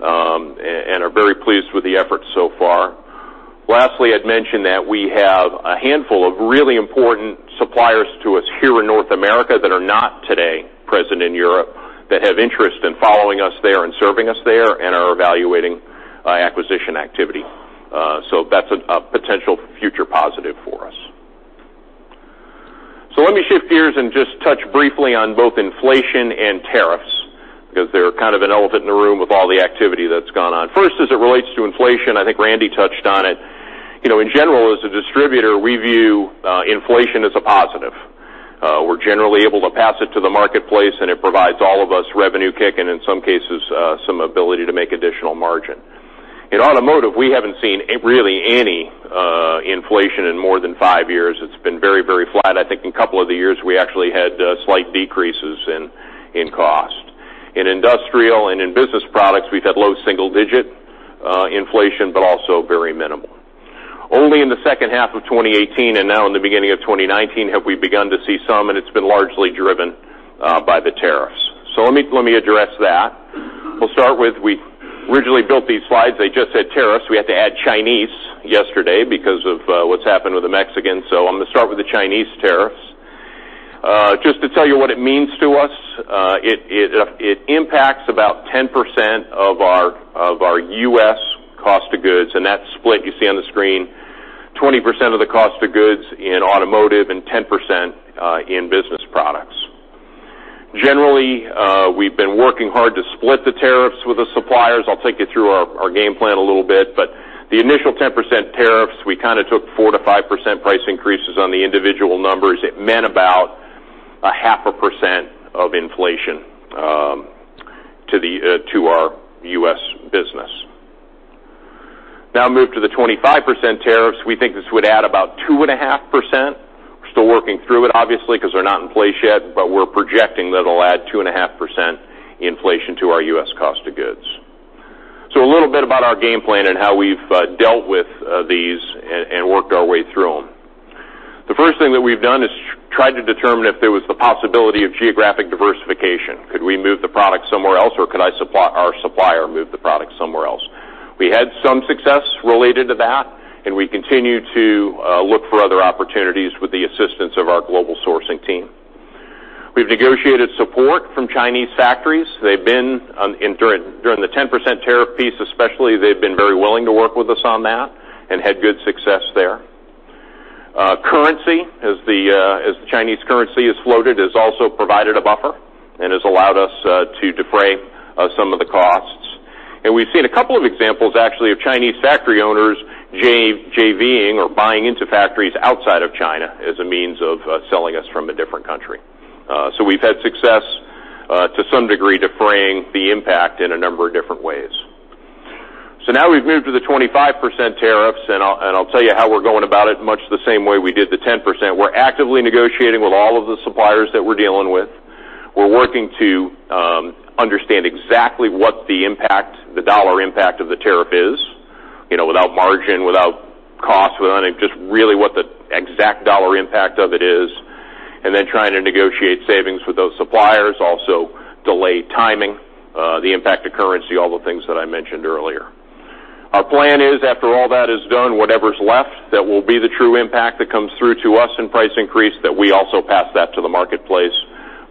Speaker 10: and are very pleased with the efforts so far. Lastly, I'd mention that we have a handful of really important suppliers to us here in North America that are not today present in Europe that have interest in following us there and serving us there and are evaluating acquisition activity. That's a potential future positive for us. Let me shift gears and just touch briefly on both inflation and tariffs, because they're kind of an elephant in the room with all the activity that's gone on. First, as it relates to inflation, I think Randy touched on it. In general, as a distributor, we view inflation as a positive. We're generally able to pass it to the marketplace, and it provides all of us revenue kick and in some cases, some ability to make additional margin. In automotive, we haven't seen really any inflation in more than five years. It's been very flat. I think in a couple of the years, we actually had slight decreases in cost. In industrial and in business products, we've had low single-digit inflation, but also very minimal. Only in the second half of 2018 and now in the beginning of 2019 have we begun to see some, and it's been largely driven by the tariffs. Let me address that. We'll start with, we originally built these slides. They just said tariffs. We had to add Chinese yesterday because of what's happened with the Mexicans. I'm going to start with the Chinese tariffs. Just to tell you what it means to us, it impacts about 10% of our U.S. cost of goods, and that split you see on the screen, 20% of the cost of goods in automotive and 10% in business products. Generally, we've been working hard to split the tariffs with the suppliers. I'll take you through our game plan a little bit. But the initial 10% tariffs, we kind of took 4%-5% price increases on the individual numbers. It meant about a half a percent of inflation to our U.S. business. Now move to the 25% tariffs. We think this would add about 2.5%. We're still working through it, obviously, because they're not in place yet, but we're projecting that it'll add 2.5% inflation to our U.S. cost of goods. A little bit about our game plan and how we've dealt with these and worked our way through. The first thing that we've done is tried to determine if there was the possibility of geographic diversification. Could we move the product somewhere else, or could our supplier move the product somewhere else? We had some success related to that, and we continue to look for other opportunities with the assistance of our global sourcing team. We've negotiated support from Chinese factories. During the 10% tariff piece especially, they've been very willing to work with us on that and had good success there. Currency, as the Chinese currency has floated, has also provided a buffer and has allowed us to defray some of the costs. We've seen a couple of examples, actually, of Chinese factory owners JV-ing or buying into factories outside of China as a means of selling us from a different country. We've had success to some degree, defraying the impact in a number of different ways. Now we've moved to the 25% tariffs, and I'll tell you how we're going about it much the same way we did the 10%. We're actively negotiating with all of the suppliers that we're dealing with. We're working to understand exactly what the dollar impact of the tariff is, without margin, without cost, just really what the exact dollar impact of it is, and then trying to negotiate savings with those suppliers, also delay timing, the impact of currency, all the things that I mentioned earlier. Our plan is, after all that is done, whatever's left, that will be the true impact that comes through to us in price increase, that we also pass that to the marketplace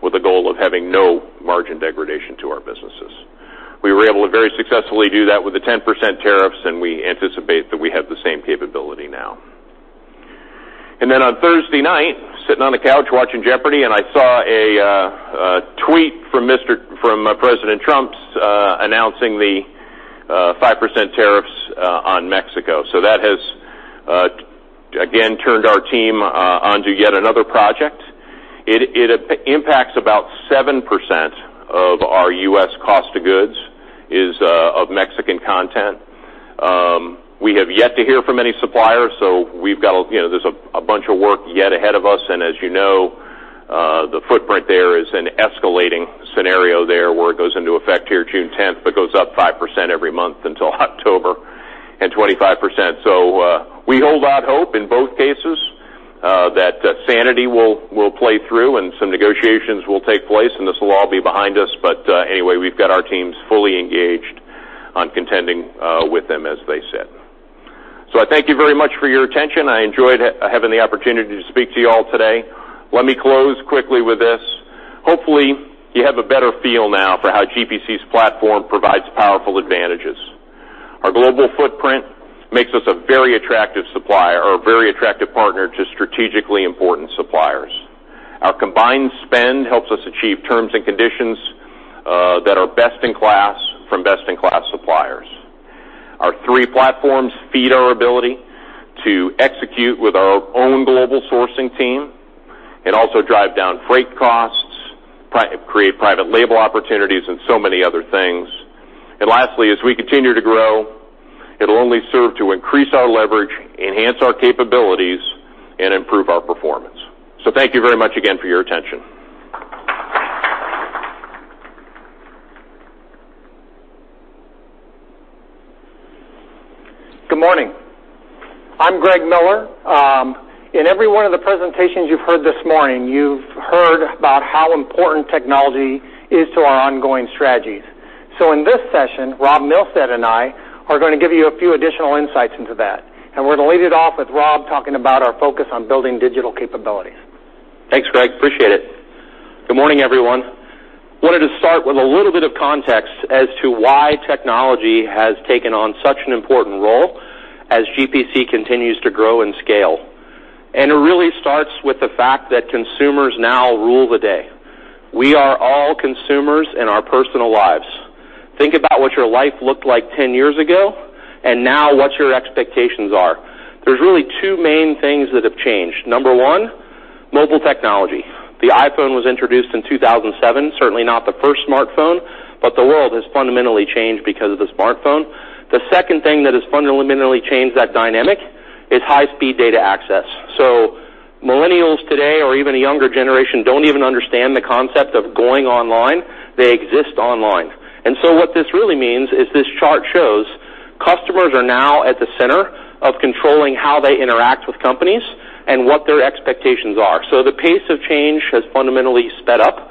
Speaker 10: with a goal of having no margin degradation to our businesses. We were able to very successfully do that with the 10% tariffs, and we anticipate that we have the same capability now. Then on Thursday night, sitting on the couch watching Jeopardy!, and I saw a tweet from President Trump announcing the 5% tariffs on Mexico. That has, again, turned our team onto yet another project. It impacts about 7% of our U.S. cost of goods is of Mexican content. We have yet to hear from any suppliers, so there's a bunch of work yet ahead of us. As you know, the footprint there is an escalating scenario there where it goes into effect here June 10th, but goes up 5% every month until October and 25%. We hold out hope in both cases that sanity will play through and some negotiations will take place, and this will all be behind us. Anyway, we've got our teams fully engaged on contending with them as they said. I thank you very much for your attention. I enjoyed having the opportunity to speak to you all today. Let me close quickly with this. Hopefully, you have a better feel now for how GPC's platform provides powerful advantages. Our global footprint makes us a very attractive supplier or a very attractive partner to strategically important suppliers. Our combined spend helps us achieve terms and conditions that are best in class from best-in-class suppliers. Our three platforms feed our ability to execute with our own global sourcing team and also drive down freight costs, create private label opportunities, and so many other things. Lastly, as we continue to grow, it'll only serve to increase our leverage, enhance our capabilities, and improve our performance. Thank you very much again for your attention.
Speaker 11: Good morning. I'm Greg Miller. In every one of the presentations you've heard this morning, you've heard about how important technology is to our ongoing strategies. In this session, Rob Milstead and I are going to give you a few additional insights into that, and we're going to lead it off with Rob talking about our focus on building digital capabilities.
Speaker 12: Thanks, Greg. Appreciate it. Good morning, everyone. Wanted to start with a little bit of context as to why technology has taken on such an important role as GPC continues to grow and scale. It really starts with the fact that consumers now rule the day. We are all consumers in our personal lives. Think about what your life looked like 10 years ago and now what your expectations are. There's really two main things that have changed. Number one, mobile technology. The iPhone was introduced in 2007. Certainly not the first smartphone, but the world has fundamentally changed because of the smartphone. The second thing that has fundamentally changed that dynamic is high-speed data access. Millennials today, or even a younger generation, don't even understand the concept of going online. They exist online. What this really means is this chart shows customers are now at the center of controlling how they interact with companies and what their expectations are. The pace of change has fundamentally sped up.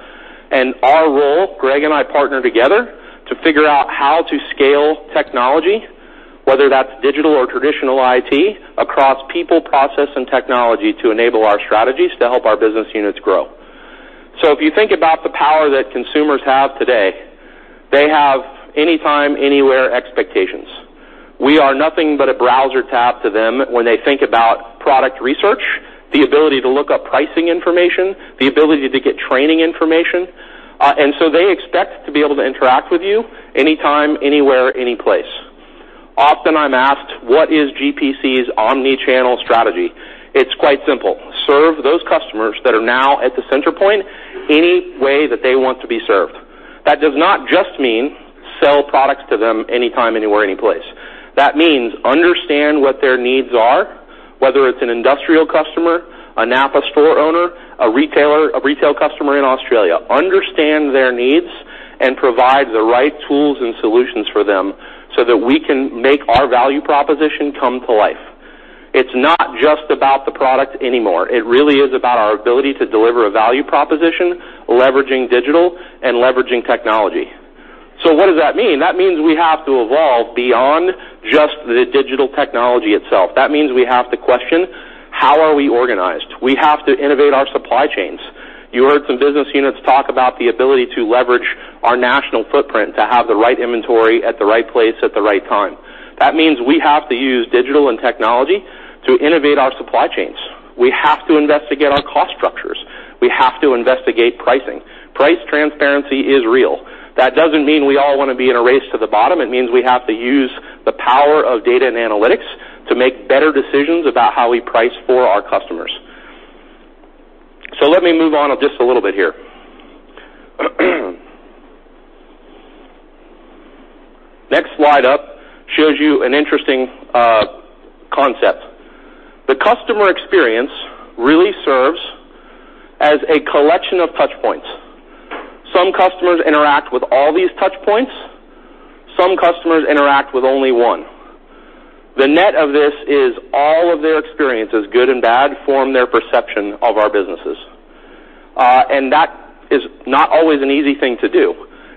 Speaker 12: Our role, Greg and I partner together to figure out how to scale technology, whether that's digital or traditional IT, across people, process, and technology to enable our strategies to help our business units grow. If you think about the power that consumers have today, they have anytime, anywhere expectations. We are nothing but a browser tab to them when they think about product research, the ability to look up pricing information, the ability to get training information, and so they expect to be able to interact with you anytime, anywhere, any place. Often I'm asked, "What is GPC's omni-channel strategy?" It's quite simple. Serve those customers that are now at the center point any way that they want to be served. That does not just mean sell products to them anytime, anywhere, any place. That means understand what their needs are, whether it's an industrial customer, a NAPA store Provide the right tools and solutions for them so that we can make our value proposition come to life. It's not just about the product anymore. It really is about our ability to deliver a value proposition, leveraging digital and leveraging technology. What does that mean? That means we have to evolve beyond just the digital technology itself. That means we have to question how are we organized? We have to innovate our supply chains. You heard some business units talk about the ability to leverage our national footprint to have the right inventory at the right place at the right time. That means we have to use digital and technology to innovate our supply chains. We have to investigate our cost structures. We have to investigate pricing. Price transparency is real. That doesn't mean we all want to be in a race to the bottom. It means we have to use the power of data and analytics to make better decisions about how we price for our customers. Let me move on just a little bit here. Next slide up shows you an interesting concept. The customer experience really serves as a collection of touch points. Some customers interact with all these touch points. Some customers interact with only one. The net of this is all of their experiences, good and bad, form their perception of our businesses. That is not always an easy thing to do,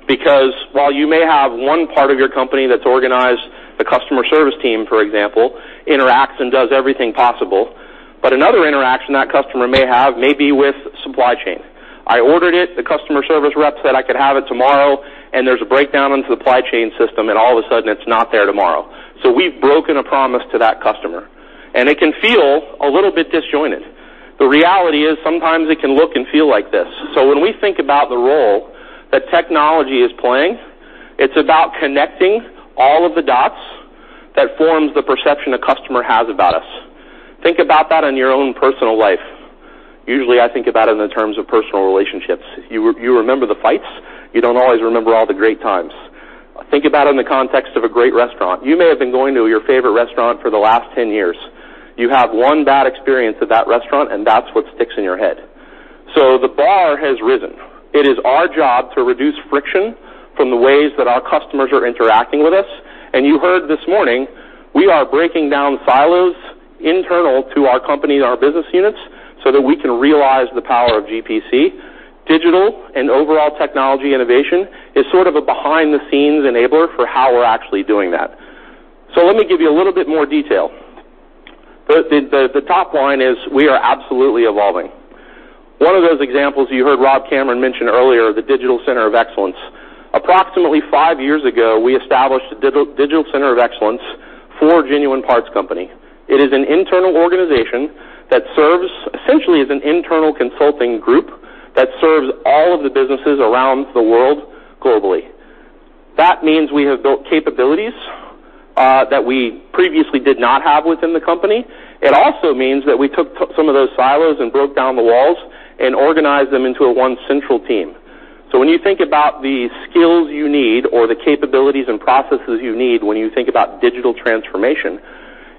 Speaker 12: because while you may have one part of your company that's organized, the customer service team, for example, interacts and does everything possible, but another interaction that customer may have may be with supply chain. I ordered it, the customer service rep said I could have it tomorrow, there's a breakdown on the supply chain system, all of a sudden it's not there tomorrow. We've broken a promise to that customer, it can feel a little bit disjointed. The reality is sometimes it can look and feel like this. When we think about the role that technology is playing, it's about connecting all of the dots that forms the perception a customer has about us. Think about that in your own personal life. Usually, I think about it in the terms of personal relationships. You remember the fights, you don't always remember all the great times. Think about in the context of a great restaurant. You may have been going to your favorite restaurant for the last 10 years. You have one bad experience at that restaurant, that's what sticks in your head. The bar has risen. It is our job to reduce friction from the ways that our customers are interacting with us. You heard this morning, we are breaking down silos internal to our company and our business units so that we can realize the power of GPC. Digital and overall technology innovation is sort of a behind-the-scenes enabler for how we're actually doing that. Let me give you a little bit more detail. The top line is we are absolutely evolving. One of those examples you heard Rob Cameron mention earlier, the digital center of excellence. Approximately 5 years ago, we established a digital center of excellence for Genuine Parts Company. It is an internal organization that serves essentially as an internal consulting group that serves all of the businesses around the world globally. That means we have built capabilities that we previously did not have within the company. It also means that we took some of those silos and broke down the walls and organized them into a 1 central team. When you think about the skills you need or the capabilities and processes you need when you think about digital transformation,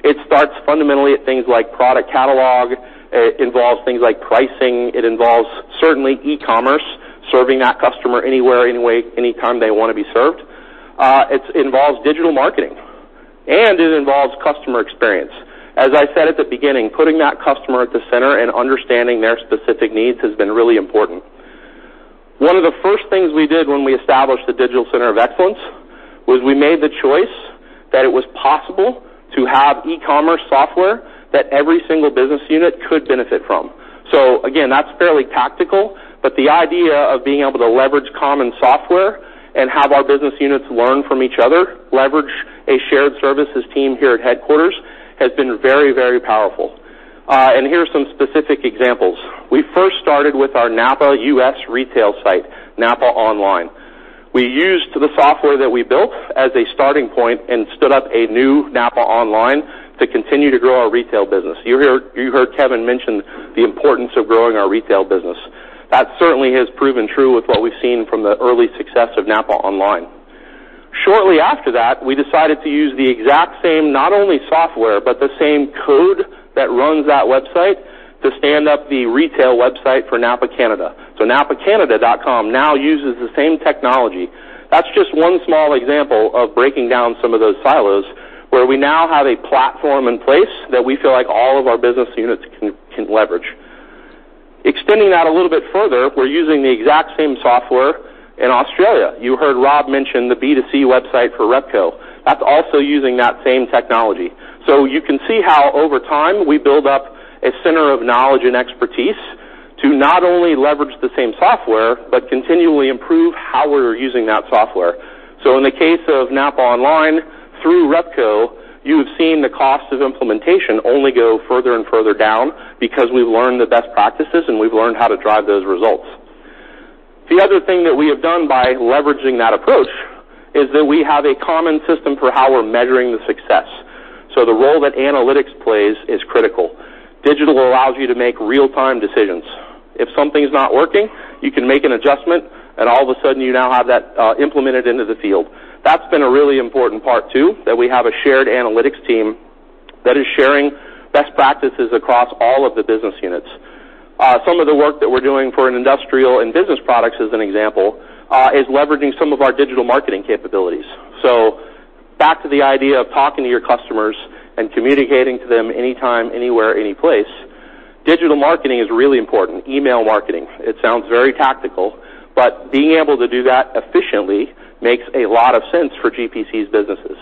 Speaker 12: it starts fundamentally at things like product catalog. It involves things like pricing. It involves certainly e-commerce, serving that customer anywhere, any way, any time they want to be served. It involves digital marketing, and it involves customer experience. As I said at the beginning, putting that customer at the center and understanding their specific needs has been really important. One of the first things we did when we established the digital center of excellence was we made the choice that it was possible to have e-commerce software that every single business unit could benefit from. Again, that's fairly tactical, but the idea of being able to leverage common software and have our business units learn from each other, leverage a shared services team here at headquarters, has been very, very powerful. Here are some specific examples. We first started with our NAPA U.S. retail site, NAPAonline. We used the software that we built as a starting point and stood up a new NAPAonline to continue to grow our retail business. You heard Kevin mention the importance of growing our retail business. That certainly has proven true with what we've seen from the early success of NAPAonline. Shortly after that, we decided to use the exact same not only software, but the same code that runs that website to stand up the retail website for NAPA Canada. napacanada.com now uses the same technology. That's just one small example of breaking down some of those silos, where we now have a platform in place that we feel like all of our business units can leverage. Extending that a little bit further, we're using the exact same software in Australia. You heard Rob mention the B2C website for Repco. That's also using that same technology. You can see how over time, we build up a center of knowledge and expertise to not only leverage the same software but continually improve how we're using that software. In the case of NAPAonline, through Repco, you have seen the cost of implementation only go further and further down because we've learned the best practices and we've learned how to drive those results. The other thing that we have done by leveraging that approach is that we have a common system for how we're measuring the success. The role that analytics plays is critical. Digital allows you to make real-time decisions. If something's not working, you can make an adjustment, and all of a sudden, you now have that implemented into the field. That's been a really important part too, that we have a shared analytics team that is sharing this is across all of the business units. Some of the work that we're doing for an industrial and business products, as an example, is leveraging some of our digital marketing capabilities. Back to the idea of talking to your customers and communicating to them anytime, anywhere, any place, digital marketing is really important. Email marketing, it sounds very tactical, but being able to do that efficiently makes a lot of sense for GPC's businesses.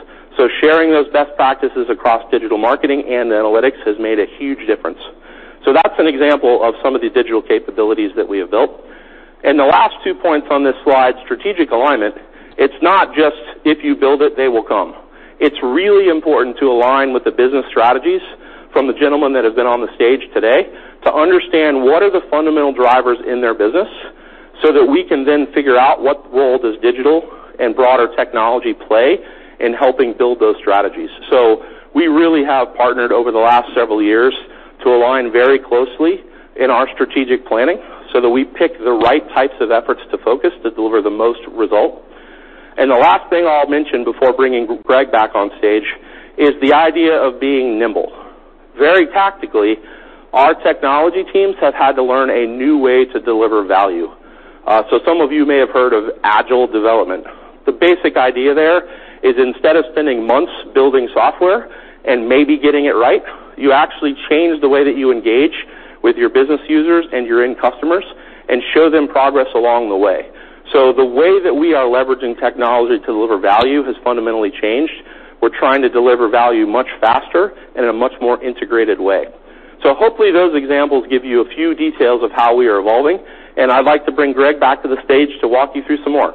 Speaker 12: Sharing those best practices across digital marketing and analytics has made a huge difference. That's an example of some of the digital capabilities that we have built. The last two points on this slide, strategic alignment, it's not just if you build it, they will come. It's really important to align with the business strategies from the gentlemen that have been on the stage today to understand what are the fundamental drivers in their business, so that we can then figure out what role does digital and broader technology play in helping build those strategies. We really have partnered over the last several years to align very closely in our strategic planning so that we pick the right types of efforts to focus to deliver the most result. The last thing I'll mention before bringing Greg back on stage is the idea of being nimble. Very tactically, our technology teams have had to learn a new way to deliver value. Some of you may have heard of agile development. The basic idea there is instead of spending months building software and maybe getting it right, you actually change the way that you engage with your business users and your end customers and show them progress along the way. The way that we are leveraging technology to deliver value has fundamentally changed. We're trying to deliver value much faster and in a much more integrated way. Hopefully, those examples give you a few details of how we are evolving, and I'd like to bring Greg back to the stage to walk you through some more.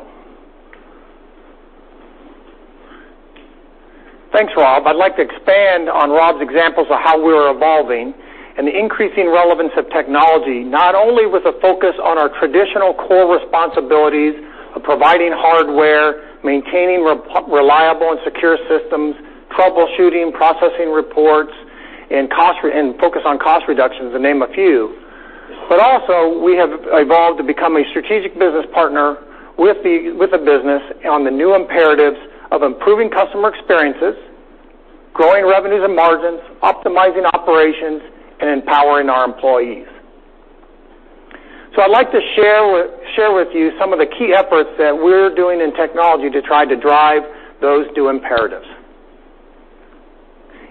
Speaker 11: Thanks, Rob. I'd like to expand on Rob's examples of how we're evolving and the increasing relevance of technology, not only with a focus on our traditional core responsibilities of providing hardware, maintaining reliable and secure systems, troubleshooting, processing reports, and focus on cost reductions, to name a few. Also, we have evolved to become a strategic business partner with the business on the new imperatives of improving customer experiences, growing revenues and margins, optimizing operations, and empowering our employees. I'd like to share with you some of the key efforts that we're doing in technology to try to drive those two imperatives.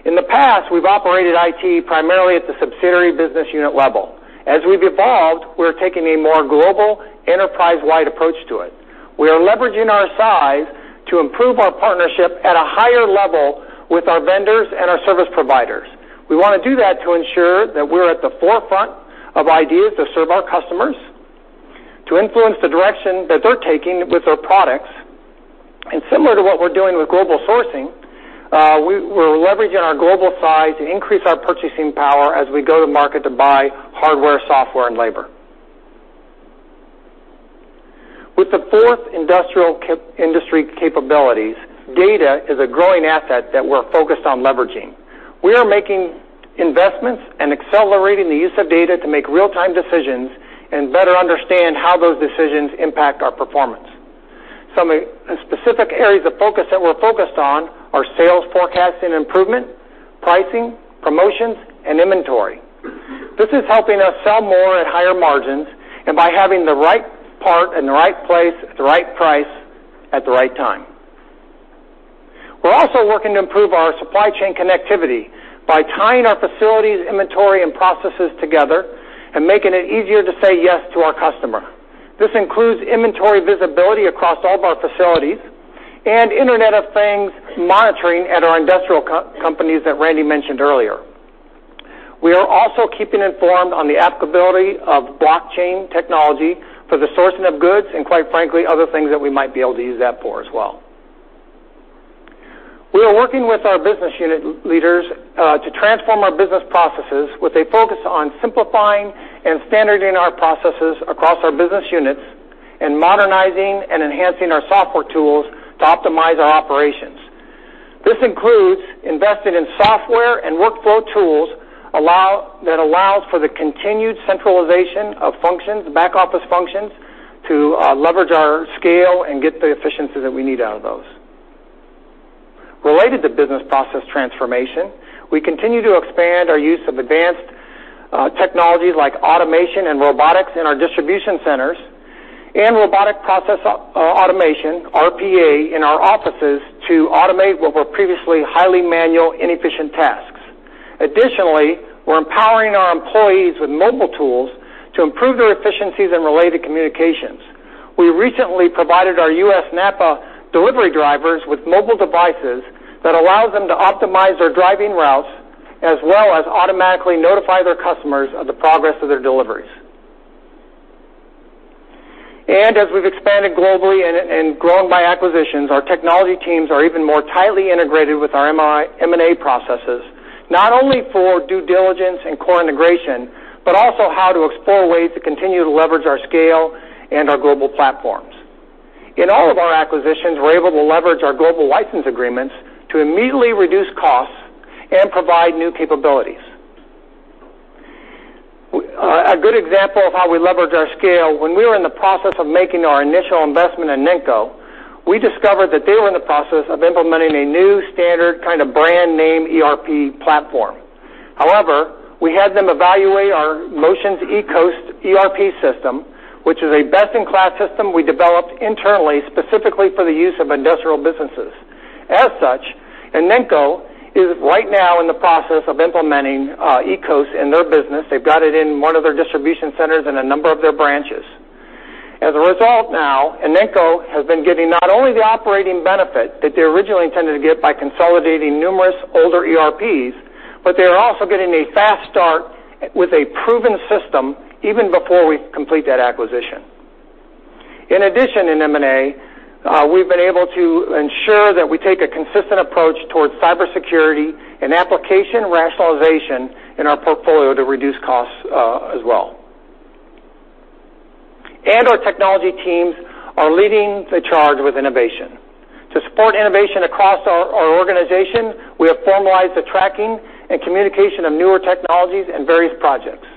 Speaker 11: In the past, we've operated IT primarily at the subsidiary business unit level. As we've evolved, we're taking a more global, enterprise-wide approach to it. We are leveraging our size to improve our partnership at a higher level with our vendors and our service providers. We want to do that to ensure that we're at the forefront of ideas to serve our customers, to influence the direction that they're taking with their products. Similar to what we're doing with global sourcing, we're leveraging our global size to increase our purchasing power as we go to market to buy hardware, software, and labor. With the fourth industrial industry capabilities, data is a growing asset that we're focused on leveraging. We are making investments and accelerating the use of data to make real-time decisions and better understand how those decisions impact our performance. Some specific areas of focus that we're focused on are sales forecasting improvement, pricing, promotions, and inventory. This is helping us sell more at higher margins and by having the right part in the right place at the right price at the right time. We're also working to improve our supply chain connectivity by tying our facilities, inventory, and processes together and making it easier to say yes to our customer. This includes inventory visibility across all of our facilities and Internet of Things monitoring at our industrial companies that Randy mentioned earlier. Quite frankly, other things that we might be able to use that for as well. We are working with our business unit leaders to transform our business processes with a focus on simplifying and standardizing our processes across our business units and modernizing and enhancing our software tools to optimize our operations. This includes investing in software and workflow tools that allows for the continued centralization of back office functions to leverage our scale and get the efficiency that we need out of those. Related to business process transformation, we continue to expand our use of advanced technologies like automation and robotics in our distribution centers and robotic process automation, RPA, in our offices to automate what were previously highly manual, inefficient tasks. Additionally, we're empowering our employees with mobile tools to improve their efficiencies and related communications. We recently provided our U.S. NAPA delivery drivers with mobile devices that allows them to optimize their driving routes as well as automatically notify their customers of the progress of their deliveries. As we've expanded globally and grown by acquisitions, our technology teams are even more tightly integrated with our M&A processes, not only for due diligence and core integration, but also how to explore ways to continue to leverage our scale and our global platforms. In all of our acquisitions, we are able to leverage our global license agreements to immediately reduce costs and provide new capabilities. A good example of how we leverage our scale, when we were in the process of making our initial investment in Inenco, we discovered that they were in the process of implementing a new standard kind of brand name ERP platform. However, we had them evaluate our Motion's eCOS ERP system, which is a best-in-class system we developed internally specifically for the use of industrial businesses. As such, Inenco is right now in the process of implementing eCOS in their business. They have got it in one of their distribution centers and a number of their branches. A result now, Inenco has been getting not only the operating benefit that they originally intended to get by consolidating numerous older ERPs, but they are also getting a fast start with a proven system even before we complete that acquisition. In addition, in M&A, we have been able to ensure that we take a consistent approach towards cybersecurity and application rationalization in our portfolio to reduce costs as well. Our technology teams are leading the charge with innovation. To support innovation across our organization, we have formalized the tracking and communication of newer technologies and various projects.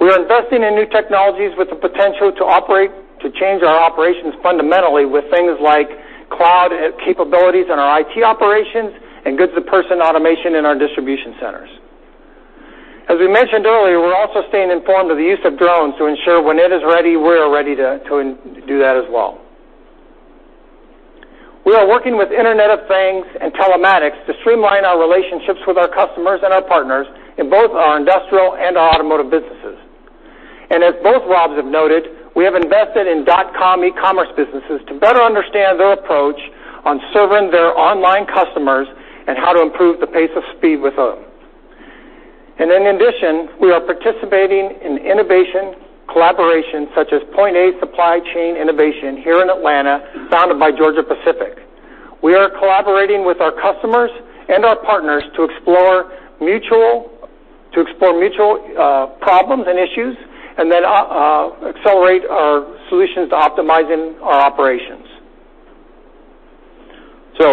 Speaker 11: We are investing in new technologies with the potential to change our operations fundamentally with things like cloud capabilities in our IT operations and goods-to-person automation in our distribution centers. We mentioned earlier, we are also staying informed of the use of drones to ensure when it is ready, we are ready to do that as well. We are working with Internet of Things and telematics to streamline our relationships with our customers and our partners in both our industrial and automotive businesses. As both Robs have noted, we have invested in dot-com e-commerce businesses to better understand their approach on serving their online customers and how to improve the pace of speed with them. In addition, we are participating in innovation collaborations such as Point A Center for Supply Chain Innovation here in Atlanta, founded by Georgia-Pacific. We are collaborating with our customers and our partners to explore mutual problems and issues, and then accelerate our solutions to optimizing our operations.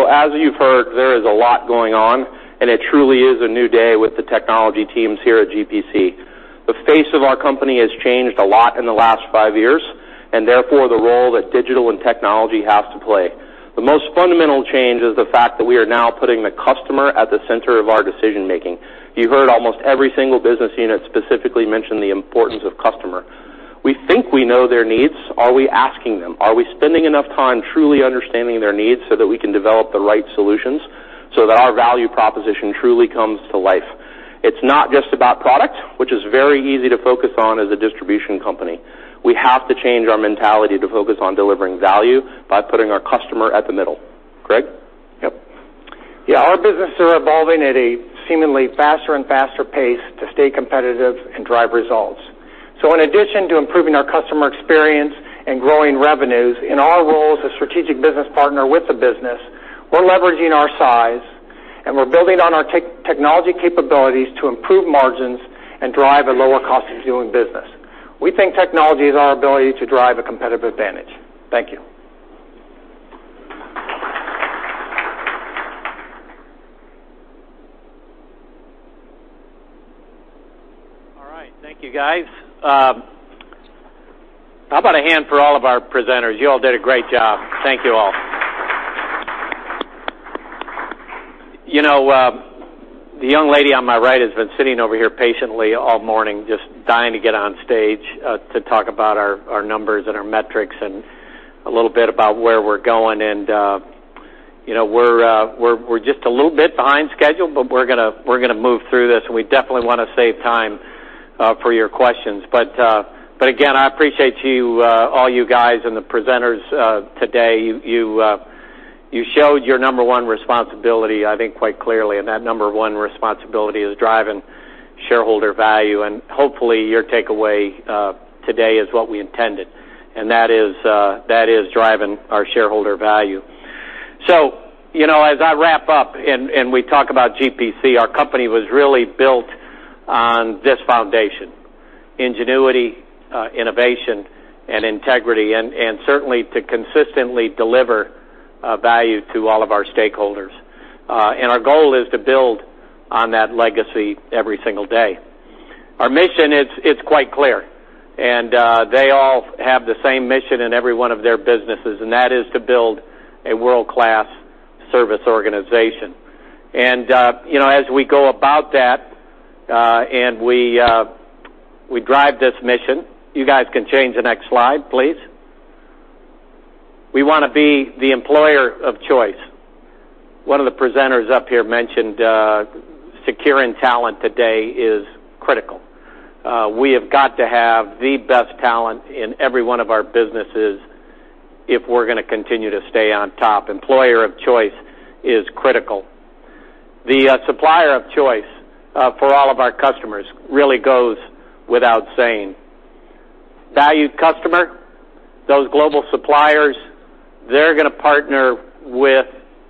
Speaker 12: As you have heard, there is a lot going on, and it truly is a new day with the technology teams here at GPC. The face of our company has changed a lot in the last five years, and therefore, the role that digital and technology have to play. The most fundamental change is the fact that we are now putting the customer at the center of our decision-making. You heard almost every single business unit specifically mention the importance of customer. We think we know their needs. Are we asking them? Are we spending enough time truly understanding their needs so that we can develop the right solutions so that our value proposition truly comes to life? It is not just about product, which is very easy to focus on as a distribution company. We have to change our mentality to focus on delivering value by putting our customer at the middle. Greg?
Speaker 11: Yep. Yeah, our business are evolving at a seemingly faster and faster pace to stay competitive and drive results. In addition to improving our customer experience and growing revenues, in our role as a strategic business partner with the business, we're leveraging our size, and we're building on our technology capabilities to improve margins and drive a lower cost of doing business. We think technology is our ability to drive a competitive advantage. Thank you.
Speaker 2: All right. Thank you, guys. How about a hand for all of our presenters? You all did a great job. Thank you all. The young lady on my right has been sitting over here patiently all morning, just dying to get on stage to talk about our numbers and our metrics and a little bit about where we're going. We're just a little bit behind schedule, we're gonna move through this, we definitely wanna save time for your questions. Again, I appreciate all you guys and the presenters today. You showed your number one responsibility, I think, quite clearly, and that number one responsibility is driving shareholder value. Hopefully, your takeaway today is what we intended, and that is driving our shareholder value. As I wrap up, we talk about GPC, our company was really built on this foundation: ingenuity, innovation, and integrity, certainly to consistently deliver value to all of our stakeholders. Our goal is to build on that legacy every single day. Our mission is quite clear, they all have the same mission in every one of their businesses, that is to build a world-class service organization. As we go about that, we drive this mission, you guys can change the next slide, please. We wanna be the employer of choice. One of the presenters up here mentioned securing talent today is critical. We have got to have the best talent in every one of our businesses if we're gonna continue to stay on top. Employer of choice is critical. The supplier of choice for all of our customers really goes without saying. Valued customer, those global suppliers, they're gonna partner with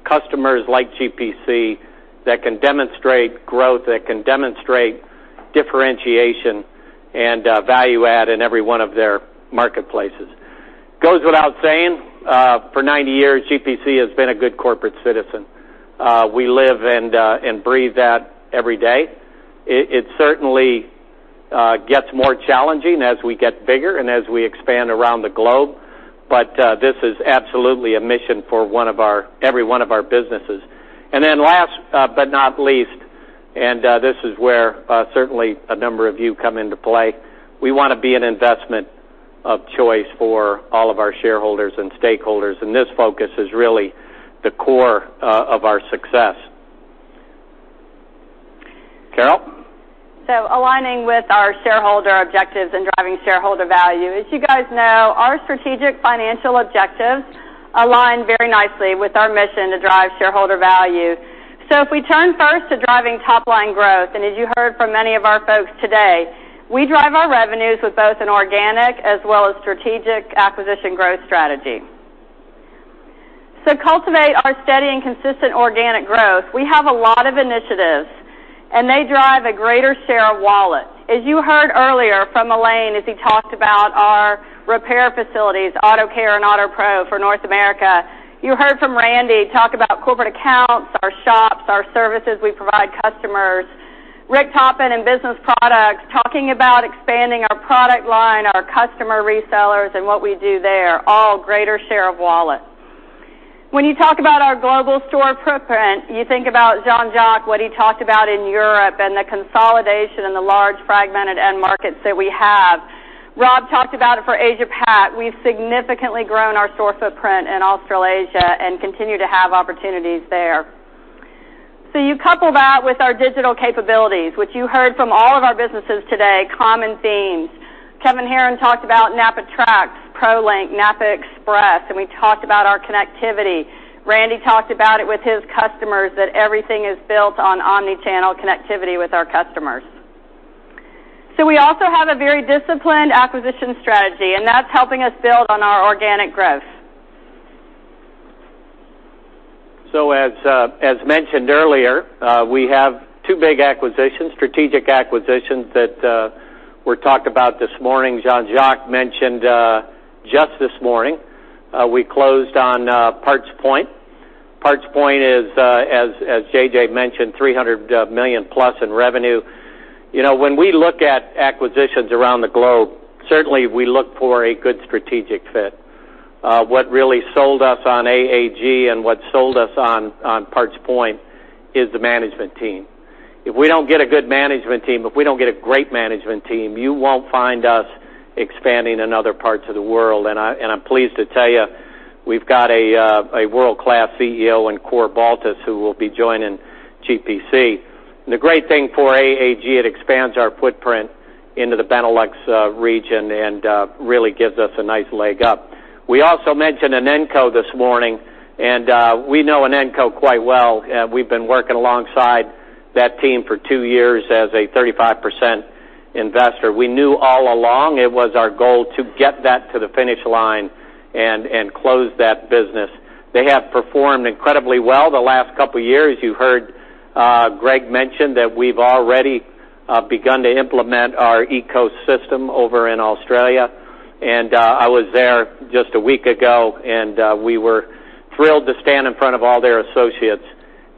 Speaker 2: customers like GPC that can demonstrate growth, that can demonstrate differentiation, and value add in every one of their marketplaces. Goes without saying, for 90 years, GPC has been a good corporate citizen. We live and breathe that every day. It certainly gets more challenging as we get bigger and as we expand around the globe. This is absolutely a mission for every one of our businesses. Last but not least, this is where certainly a number of you come into play, we want to be an investment of choice for all of our shareholders and stakeholders, and this focus is really the core of our success. Carol.
Speaker 13: Aligning with our shareholder objectives and driving shareholder value. As you guys know, our strategic financial objectives align very nicely with our mission to drive shareholder value. If we turn first to driving top-line growth, as you heard from many of our folks today, we drive our revenues with both an organic as well as strategic acquisition growth strategy. Cultivate our steady and consistent organic growth, we have a lot of initiatives, and they drive a greater share of wallet. As you heard earlier from Alain, as he talked about our repair facilities, AutoCare and AUTOPRO for North America. You heard from Randy talk about corporate accounts, our shops, our services we provide customers. Rick Toppin in business products talking about expanding our product line, our customer resellers, and what we do there, all greater share of wallet. When you talk about our global store footprint, you think about Jean-Jacques, what he talked about in Europe and the consolidation and the large fragmented end markets that we have. Rob talked about it for Asia-Pac. We've significantly grown our store footprint in Australasia and continue to have opportunities there. You couple that with our digital capabilities, which you heard from all of our businesses today, common themes. Kevin Herron talked about NAPA TRACS, PROLink, NAPA Express. We talked about our connectivity. Randy talked about it with his customers that everything is built on omni-channel connectivity with our customers. We also have a very disciplined acquisition strategy, and that's helping us build on our organic growth.
Speaker 2: As mentioned earlier, we have two big strategic acquisitions that were talked about this morning. Jean-Jacques mentioned just this morning, we closed on PartsPoint. PartsPoint is, as JJ mentioned, $300 million-plus in revenue. When we look at acquisitions around the globe, certainly we look for a good strategic fit. What really sold us on AAG and what sold us on PartsPoint is the management team. If we don't get a good management team, if we don't get a great management team, you won't find us expanding in other parts of the world. I'm pleased to tell you, we've got a world-class CEO in Cor Baltus, who will be joining GPC. The great thing for AAG, it expands our footprint into the Benelux region and really gives us a nice leg up. We also mentioned Inenco this morning, and we know Inenco quite well. We've been working alongside that team for 2 years as a 35% investor. We knew all along it was our goal to get that to the finish line and close that business. They have performed incredibly well the last couple of years. You heard Greg mention that we've already begun to implement our ecosystem over in Australia. I was there just a week ago, and we were thrilled to stand in front of all their associates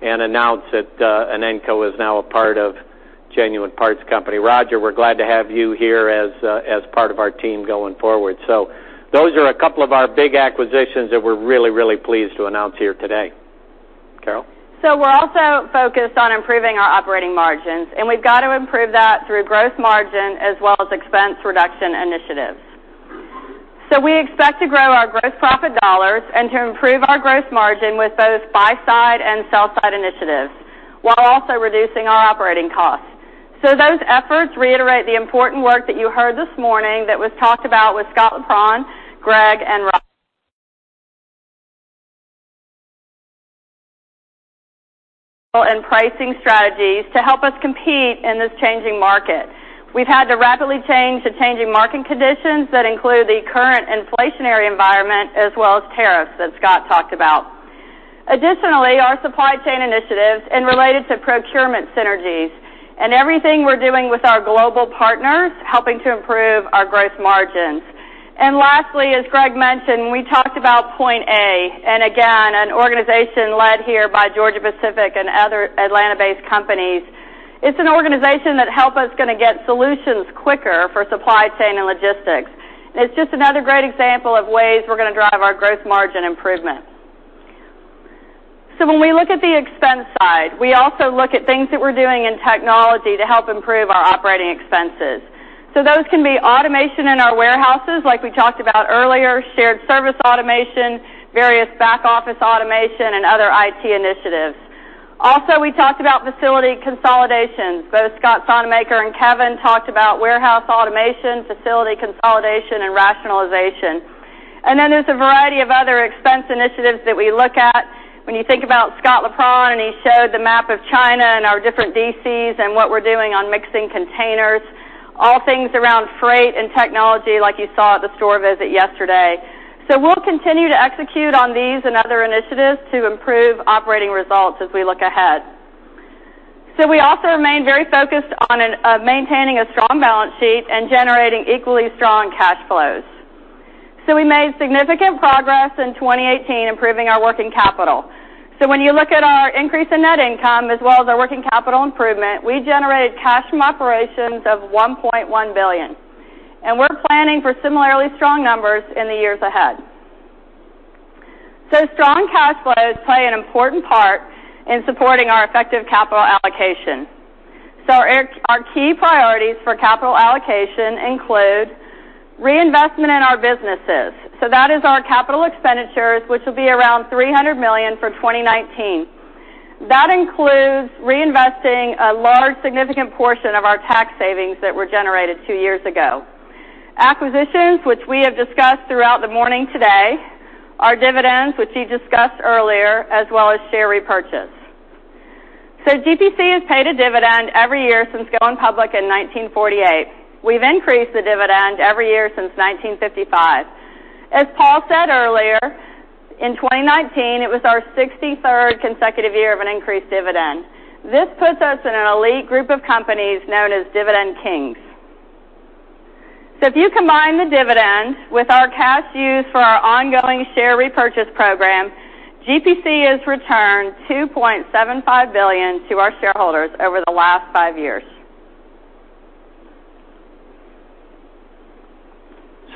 Speaker 2: and announce that Inenco is now a part of Genuine Parts Company. Roger, we're glad to have you here as part of our team going forward. Those are a couple of our big acquisitions that we're really pleased to announce here today. Carol.
Speaker 13: We're also focused on improving our operating margins, and we've got to improve that through gross margin as well as expense reduction initiatives. We expect to grow our gross profit dollars and to improve our gross margin with both buy-side and sell-side initiatives while also reducing our operating costs. Those efforts reiterate the important work that you heard this morning that was talked about with Scott Leprohon, Greg, and pricing strategies to help us compete in this changing market. We've had to rapidly change to changing market conditions that include the current inflationary environment as well as tariffs that Scott talked about. Additionally, our supply chain initiatives and related to procurement synergies and everything we're doing with our global partners, helping to improve our gross margins. Lastly, as Greg mentioned, we talked about Point A, and again, an organization led here by Georgia-Pacific and other Atlanta-based companies. It's an organization that help us going to get solutions quicker for supply chain and logistics. It's just another great example of ways we're going to drive our gross margin improvements. When we look at the expense side, we also look at things that we're doing in technology to help improve our operating expenses. Those can be automation in our warehouses, like we talked about earlier, shared service automation, various back-office automation, and other IT initiatives. Also, we talked about facility consolidation. Both Scott Sonnemaker and Kevin talked about warehouse automation, facility consolidation, and rationalization. Then there's a variety of other expense initiatives that we look at. When you think about Scott Leprohon, and he showed the map of China and our different DCs and what we're doing on mixing containers, all things around freight and technology like you saw at the store visit yesterday. We'll continue to execute on these and other initiatives to improve operating results as we look ahead. We also remain very focused on maintaining a strong balance sheet and generating equally strong cash flows. We made significant progress in 2018 improving our working capital. When you look at our increase in net income as well as our working capital improvement, we generated cash from operations of $1.1 billion, and we're planning for similarly strong numbers in the years ahead. Strong cash flows play an important part in supporting our effective capital allocation. Our key priorities for capital allocation include reinvestment in our businesses. That is our capital expenditures, which will be around $300 million for 2019. That includes reinvesting a large, significant portion of our tax savings that were generated two years ago. Acquisitions, which we have discussed throughout the morning today, our dividends, which we discussed earlier, as well as share repurchase. GPC has paid a dividend every year since going public in 1948. We've increased the dividend every year since 1955. As Paul said earlier, in 2019, it was our 63rd consecutive year of an increased dividend. This puts us in an elite group of companies known as Dividend Kings. If you combine the dividends with our cash used for our ongoing share repurchase program, GPC has returned $2.75 billion to our shareholders over the last five years.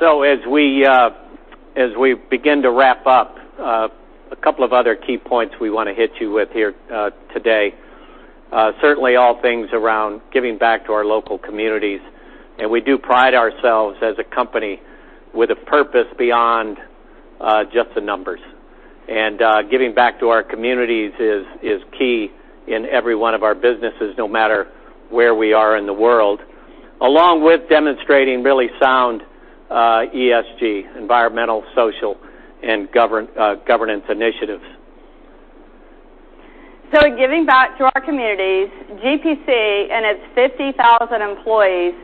Speaker 2: As we begin to wrap up, a couple of other key points we want to hit you with here today, certainly all things around giving back to our local communities. We do pride ourselves as a company with a purpose beyond just the numbers. Giving back to our communities is key in every one of our businesses, no matter where we are in the world, along with demonstrating really sound ESG, environmental, social, and governance initiatives.
Speaker 13: Giving back to our communities, GPC and its 50,000 employees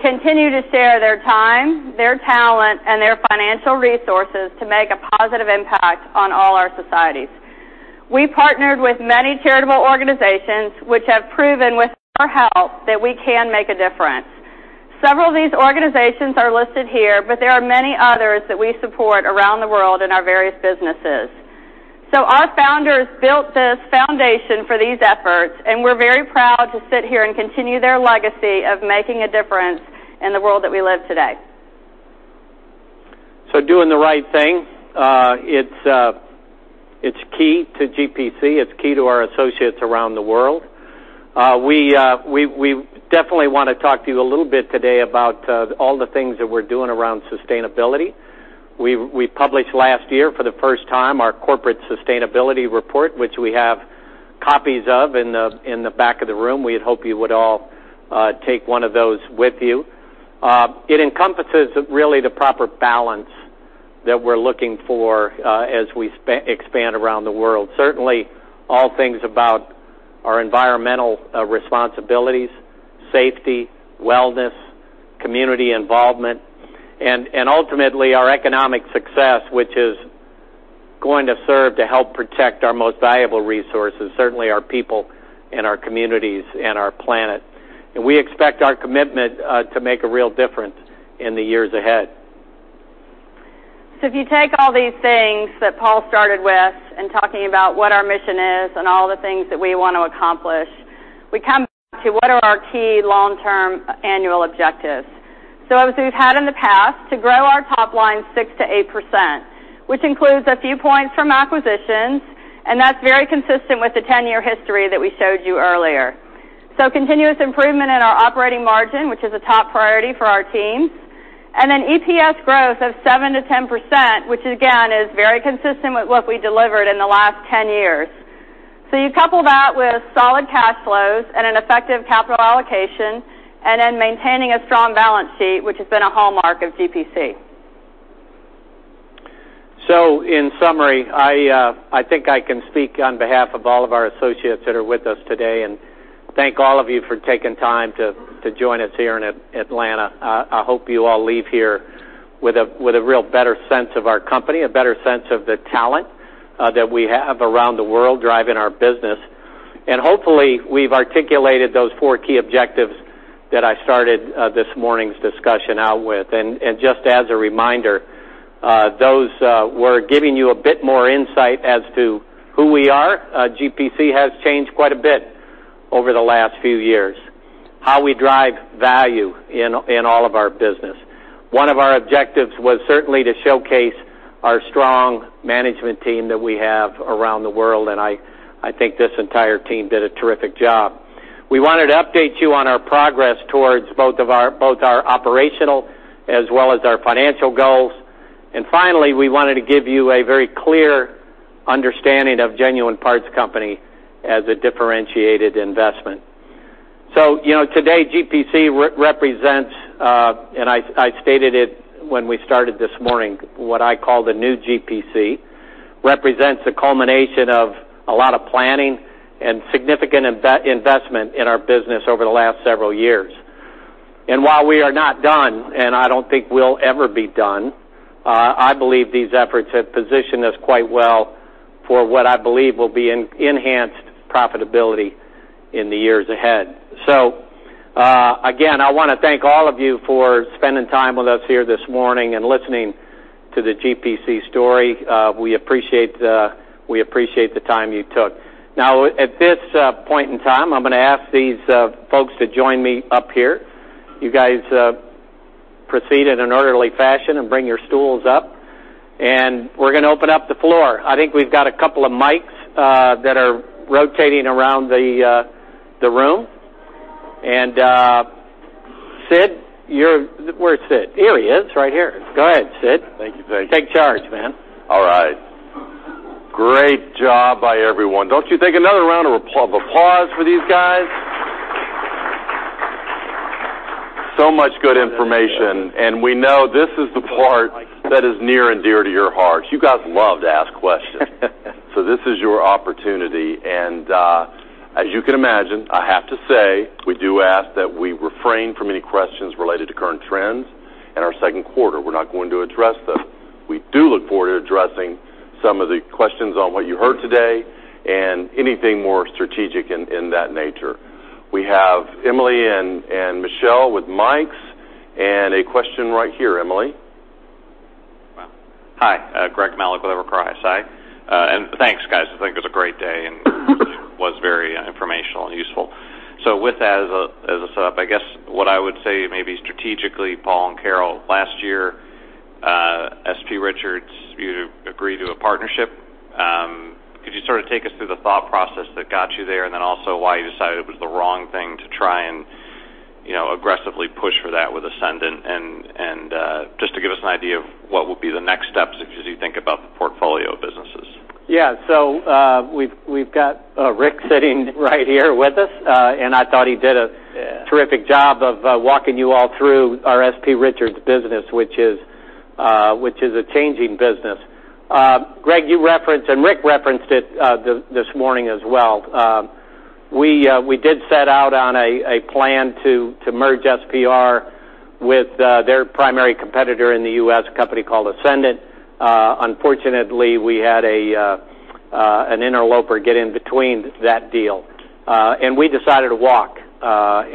Speaker 13: continue to share their time, their talent, and their financial resources to make a positive impact on all our societies. We partnered with many charitable organizations, which have proven with our help that we can make a difference. Several of these organizations are listed here, but there are many others that we support around the world in our various businesses. Our founders built this foundation for these efforts, and we're very proud to sit here and continue their legacy of making a difference in the world that we live today.
Speaker 2: Doing the right thing, it's key to GPC. It's key to our associates around the world. We definitely want to talk to you a little bit today about all the things that we're doing around sustainability. We published last year for the first time our corporate sustainability report, which we have copies of in the back of the room. We'd hope you would all take one of those with you. It encompasses really the proper balance that we're looking for as we expand around the world. Certainly all things about our environmental responsibilities, safety, wellness, community involvement, and ultimately our economic success, which is going to serve to help protect our most valuable resources, certainly our people and our communities and our planet. We expect our commitment to make a real difference in the years ahead.
Speaker 13: If you take all these things that Paul started with and talking about what our mission is and all the things that we want to accomplish, we come back to what are our key long-term annual objectives. As we've had in the past, to grow our top line 6%-8%, which includes a few points from acquisitions, and that's very consistent with the 10-year history that we showed you earlier. Continuous improvement in our operating margin, which is a top priority for our teams, and then EPS growth of 7%-10%, which again, is very consistent with what we delivered in the last 10 years. You couple that with solid cash flows and an effective capital allocation and then maintaining a strong balance sheet, which has been a hallmark of GPC.
Speaker 2: In summary, I think I can speak on behalf of all of our associates that are with us today and thank all of you for taking time to join us here in Atlanta. I hope you all leave here with a real better sense of our company, a better sense of the talent that we have around the world driving our business. Hopefully, we've articulated those four key objectives that I started this morning's discussion out with. Just as a reminder, those were giving you a bit more insight as to who we are. GPC has changed quite a bit over the last few years. How we drive value in all of our business. One of our objectives was certainly to showcase our strong management team that we have around the world, and I think this entire team did a terrific job. We wanted to update you on our progress towards both our operational as well as our financial goals. Finally, we wanted to give you a very clear understanding of Genuine Parts Company as a differentiated investment. Today GPC represents, and I stated it when we started this morning, what I call the new GPC, represents a culmination of a lot of planning and significant investment in our business over the last several years. And while we are not done, and I don't think we'll ever be done, I believe these efforts have positioned us quite well for what I believe will be enhanced profitability in the years ahead. Again, I want to thank all of you for spending time with us here this morning and listening to the GPC story. We appreciate the time you took. Now, at this point in time, I'm going to ask these folks to join me up here. You guys proceed in an orderly fashion and bring your stools up. We're going to open up the floor. I think we've got a couple of mics that are rotating around the room. Sid, where is Sid? Here he is right here. Go ahead, Sid.
Speaker 1: Thank you very much.
Speaker 2: Take charge, man.
Speaker 1: All right. Great job by everyone. Don't you think another round of applause for these guys? Much good information, and we know this is the part that is near and dear to your heart. You guys love to ask questions. This is your opportunity, and as you can imagine, I have to say, we do ask that we refrain from any questions related to current trends in our second quarter. We're not going to address those. We do look forward to addressing some of the questions on what you heard today and anything more strategic in that nature. We have Emily and Michelle with mics, and a question right here, Emily.
Speaker 14: Hi, Greg Melich with Evercore ISI. Thanks, guys. I think it was a great day and was very informational and useful. With that as a setup, I guess what I would say maybe strategically, Paul and Carol, last year, S.P. Richards agreed to a partnership. Could you sort of take us through the thought process that got you there, and then also why you decided it was the wrong thing to try and aggressively push for that with Essendant, and just to give us an idea of what will be the next steps as you think about the portfolio of businesses?
Speaker 2: We've got Rick sitting right here with us, and I thought he did a terrific job of walking you all through our S.P. Richards business, which is a changing business. Greg, you referenced, Rick referenced it this morning as well, we did set out on a plan to merge SPR with their primary competitor in the U.S., a company called Essendant. Unfortunately, we had an interloper get in between that deal. We decided to walk, I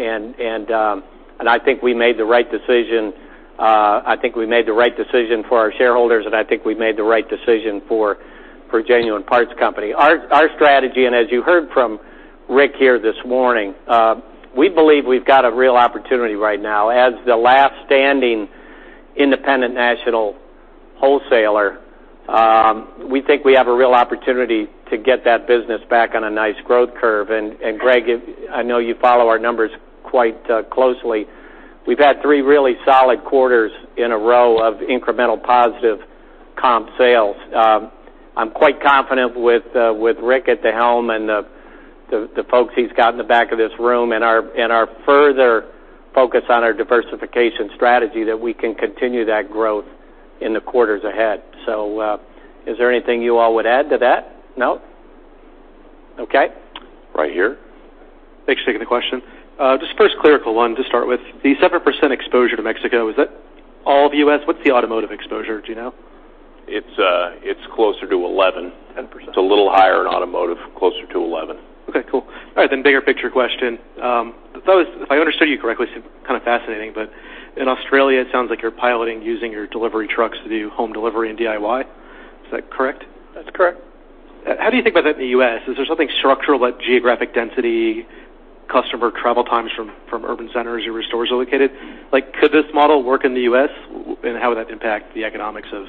Speaker 2: think we made the right decision. I think we made the right decision for our shareholders, I think we made the right decision for Genuine Parts Company. Our strategy, as you heard from Rick here this morning, we believe we've got a real opportunity right now. As the last standing independent national wholesaler, we think we have a real opportunity to get that business back on a nice growth curve. Greg, I know you follow our numbers quite closely. We've had three really solid quarters in a row of incremental positive comp sales. I'm quite confident with Rick at the helm and the folks he's got in the back of this room and our further focus on our diversification strategy that we can continue that growth in the quarters ahead. Is there anything you all would add to that? No? Okay.
Speaker 1: Right here.
Speaker 15: Thanks for taking the question. Just first clerical one to start with. The 7% exposure to Mexico, is that all of U.S.? What's the automotive exposure? Do you know?
Speaker 1: It's closer to 11.
Speaker 2: 10%.
Speaker 1: It's a little higher in automotive, closer to 11.
Speaker 15: Okay, cool. All right, bigger picture question. If I understood you correctly, kind of fascinating, but in Australia, it sounds like you're piloting using your delivery trucks to do home delivery and DIY. Is that correct?
Speaker 2: That's correct.
Speaker 15: How do you think about that in the U.S.? Is there something structural, like geographic density, customer travel times from urban centers your stores are located? Could this model work in the U.S., and how would that impact the economics of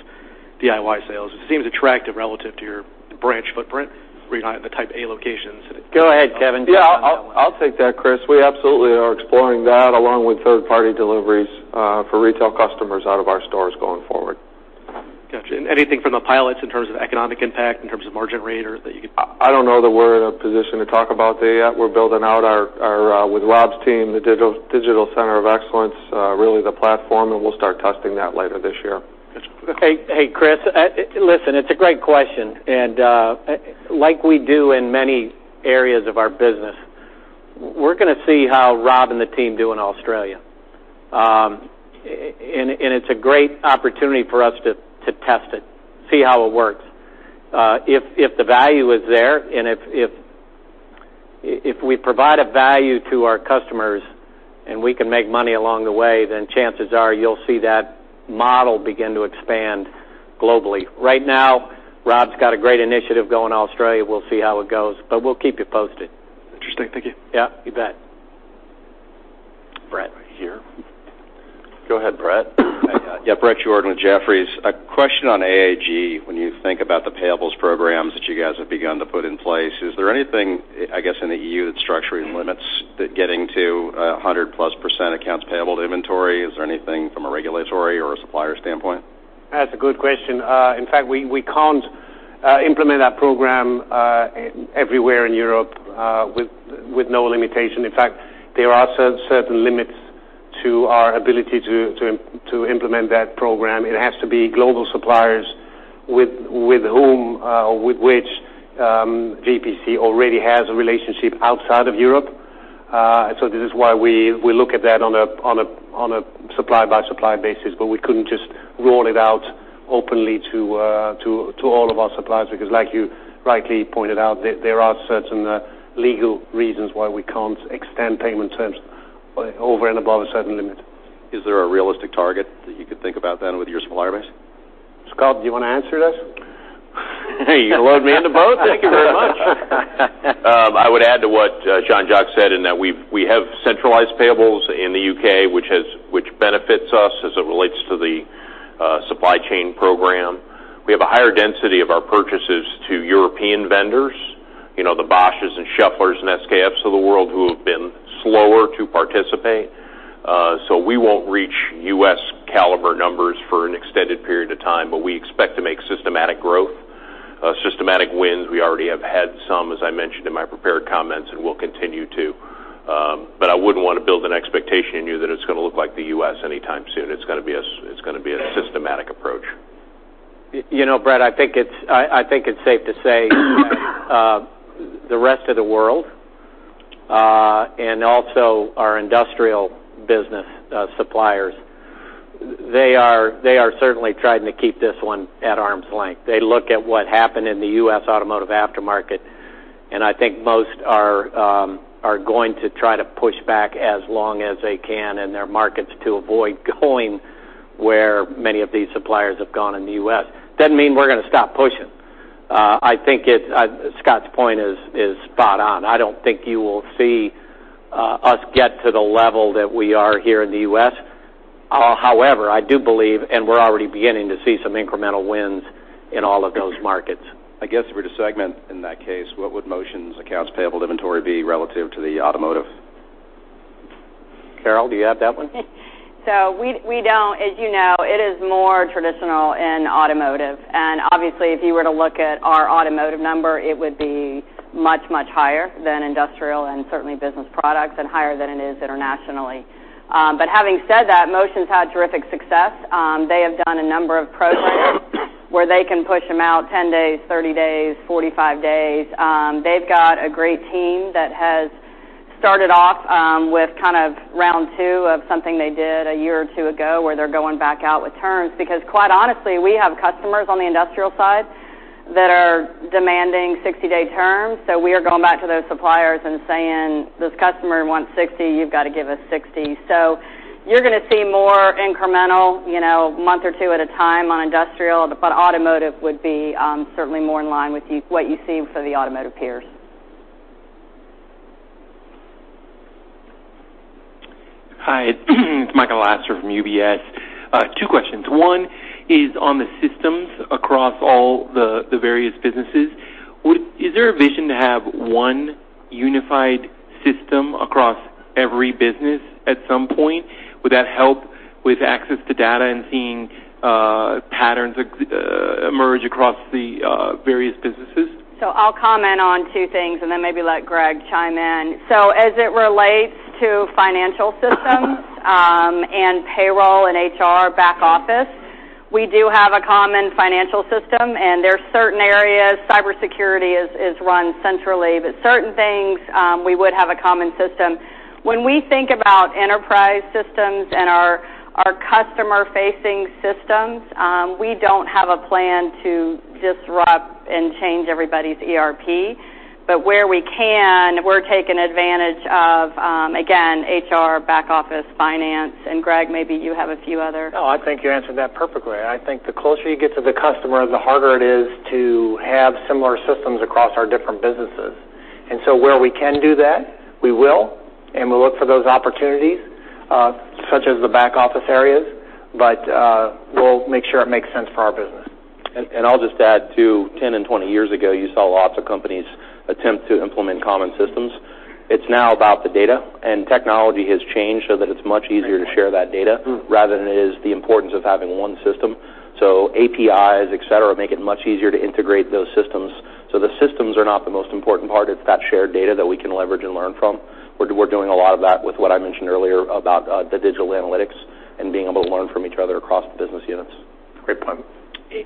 Speaker 15: DIY sales? It seems attractive relative to your branch footprint. Where you're not in the type A locations.
Speaker 2: Go ahead, Kevin.
Speaker 4: Yeah, I'll take that, Chris. We absolutely are exploring that along with third-party deliveries for retail customers out of our stores going forward.
Speaker 15: Got you. Anything from the pilots in terms of economic impact, in terms of margin rate?
Speaker 4: I don't know that we're in a position to talk about that yet. We're building out with Rob's team, the digital center of excellence, really the platform. We'll start testing that later this year.
Speaker 2: Hey, Chris. Listen, it's a great question. Like we do in many areas of our business, we're going to see how Rob and the team do in Australia. It's a great opportunity for us to test it, see how it works. If the value is there and if we provide a value to our customers and we can make money along the way, chances are you'll see that model begin to expand globally. Right now, Rob's got a great initiative going in Australia. We'll see how it goes. We'll keep you posted.
Speaker 15: Interesting. Thank you.
Speaker 2: Yeah, you bet.
Speaker 1: Bret, right here. Go ahead, Bret.
Speaker 16: Yeah, Bret Jordan with Jefferies. A question on AAG. When you think about the payables programs that you guys have begun to put in place, is there anything, I guess, in the EU that structurally limits getting to 100+% accounts payable to inventory? Is there anything from a regulatory or a supplier standpoint?
Speaker 6: That's a good question. In fact, we can't implement that program everywhere in Europe with no limitation. In fact, there are certain limits to our ability to implement that program. It has to be global suppliers With whom or with which GPC already has a relationship outside of Europe. This is why we look at that on a supply-by-supply basis, but we couldn't just roll it out openly to all of our suppliers because, like you rightly pointed out, there are certain legal reasons why we can't extend payment terms over and above a certain limit.
Speaker 16: Is there a realistic target that you could think about then with your supplier base?
Speaker 6: Scott, do you want to answer this?
Speaker 10: You load me into both? Thank you very much. I would add to what Jean-Jacques said in that we have centralized payables in the U.K., which benefits us as it relates to the supply chain program. We have a higher density of our purchases to European vendors, the Bosches and Schaefflers and SKFs of the world who have been slower to participate. We won't reach U.S.-caliber numbers for an extended period of time, but we expect to make systematic growth, systematic wins. We already have had some, as I mentioned in my prepared comments, and we'll continue to. I wouldn't want to build an expectation in you that it's going to look like the U.S. anytime soon. It's going to be a systematic approach.
Speaker 2: Bret, I think it's safe to say the rest of the world, and also our industrial business suppliers, they are certainly trying to keep this one at arm's length. They look at what happened in the U.S. automotive aftermarket, and I think most are going to try to push back as long as they can in their markets to avoid going where many of these suppliers have gone in the U.S. Doesn't mean we're going to stop pushing. I think Scott's point is spot on. I don't think you will see us get to the level that we are here in the U.S. I do believe, and we're already beginning to see some incremental wins in all of those markets.
Speaker 16: I guess if we're to segment in that case, what would Motion's accounts payable inventory be relative to the automotive?
Speaker 2: Carol, do you have that one?
Speaker 13: We don't. As you know, it is more traditional in automotive. Obviously, if you were to look at our automotive number, it would be much, much higher than industrial and certainly business products, and higher than it is internationally. Having said that, Motion's had terrific success. They have done a number of programs where they can push them out 10 days, 30 days, 45 days. They've got a great team that has started off with kind of round 2 of something they did a year or two ago, where they're going back out with terms because quite honestly, we have customers on the industrial side that are demanding 60-day terms. We are going back to those suppliers and saying, "This customer wants 60. You've got to give us 60." You're going to see more incremental, month or two at a time on industrial, but automotive would be certainly more in line with what you see for the automotive peers.
Speaker 17: Hi. It's Michael Lasser from UBS. Two questions. One is on the systems across all the various businesses. Is there a vision to have one unified system across every business at some point? Would that help with access to data and seeing patterns emerge across the various businesses?
Speaker 13: I'll comment on two things and then maybe let Greg chime in. As it relates to financial systems and payroll and HR back office, we do have a common financial system, and there are certain areas, cybersecurity is run centrally. Certain things, we would have a common system. When we think about enterprise systems and our customer-facing systems, we don't have a plan to disrupt and change everybody's ERP. Where we can, we're taking advantage of, again, HR, back office, finance, and Greg, maybe you have a few other.
Speaker 11: No, I think you answered that perfectly. I think the closer you get to the customer, the harder it is to have similar systems across our different businesses. Where we can do that, we will, and we'll look for those opportunities, such as the back office areas. We'll make sure it makes sense for our business.
Speaker 12: I'll just add, too, 10 and 20 years ago, you saw lots of companies attempt to implement common systems. It's now about the data, and technology has changed so that it's much easier to share that data rather than it is the importance of having one system. APIs, et cetera, make it much easier to integrate those systems. The systems are not the most important part. It's that shared data that we can leverage and learn from. We're doing a lot of that with what I mentioned earlier about the digital analytics and being able to learn from each other across the business units.
Speaker 2: Great point.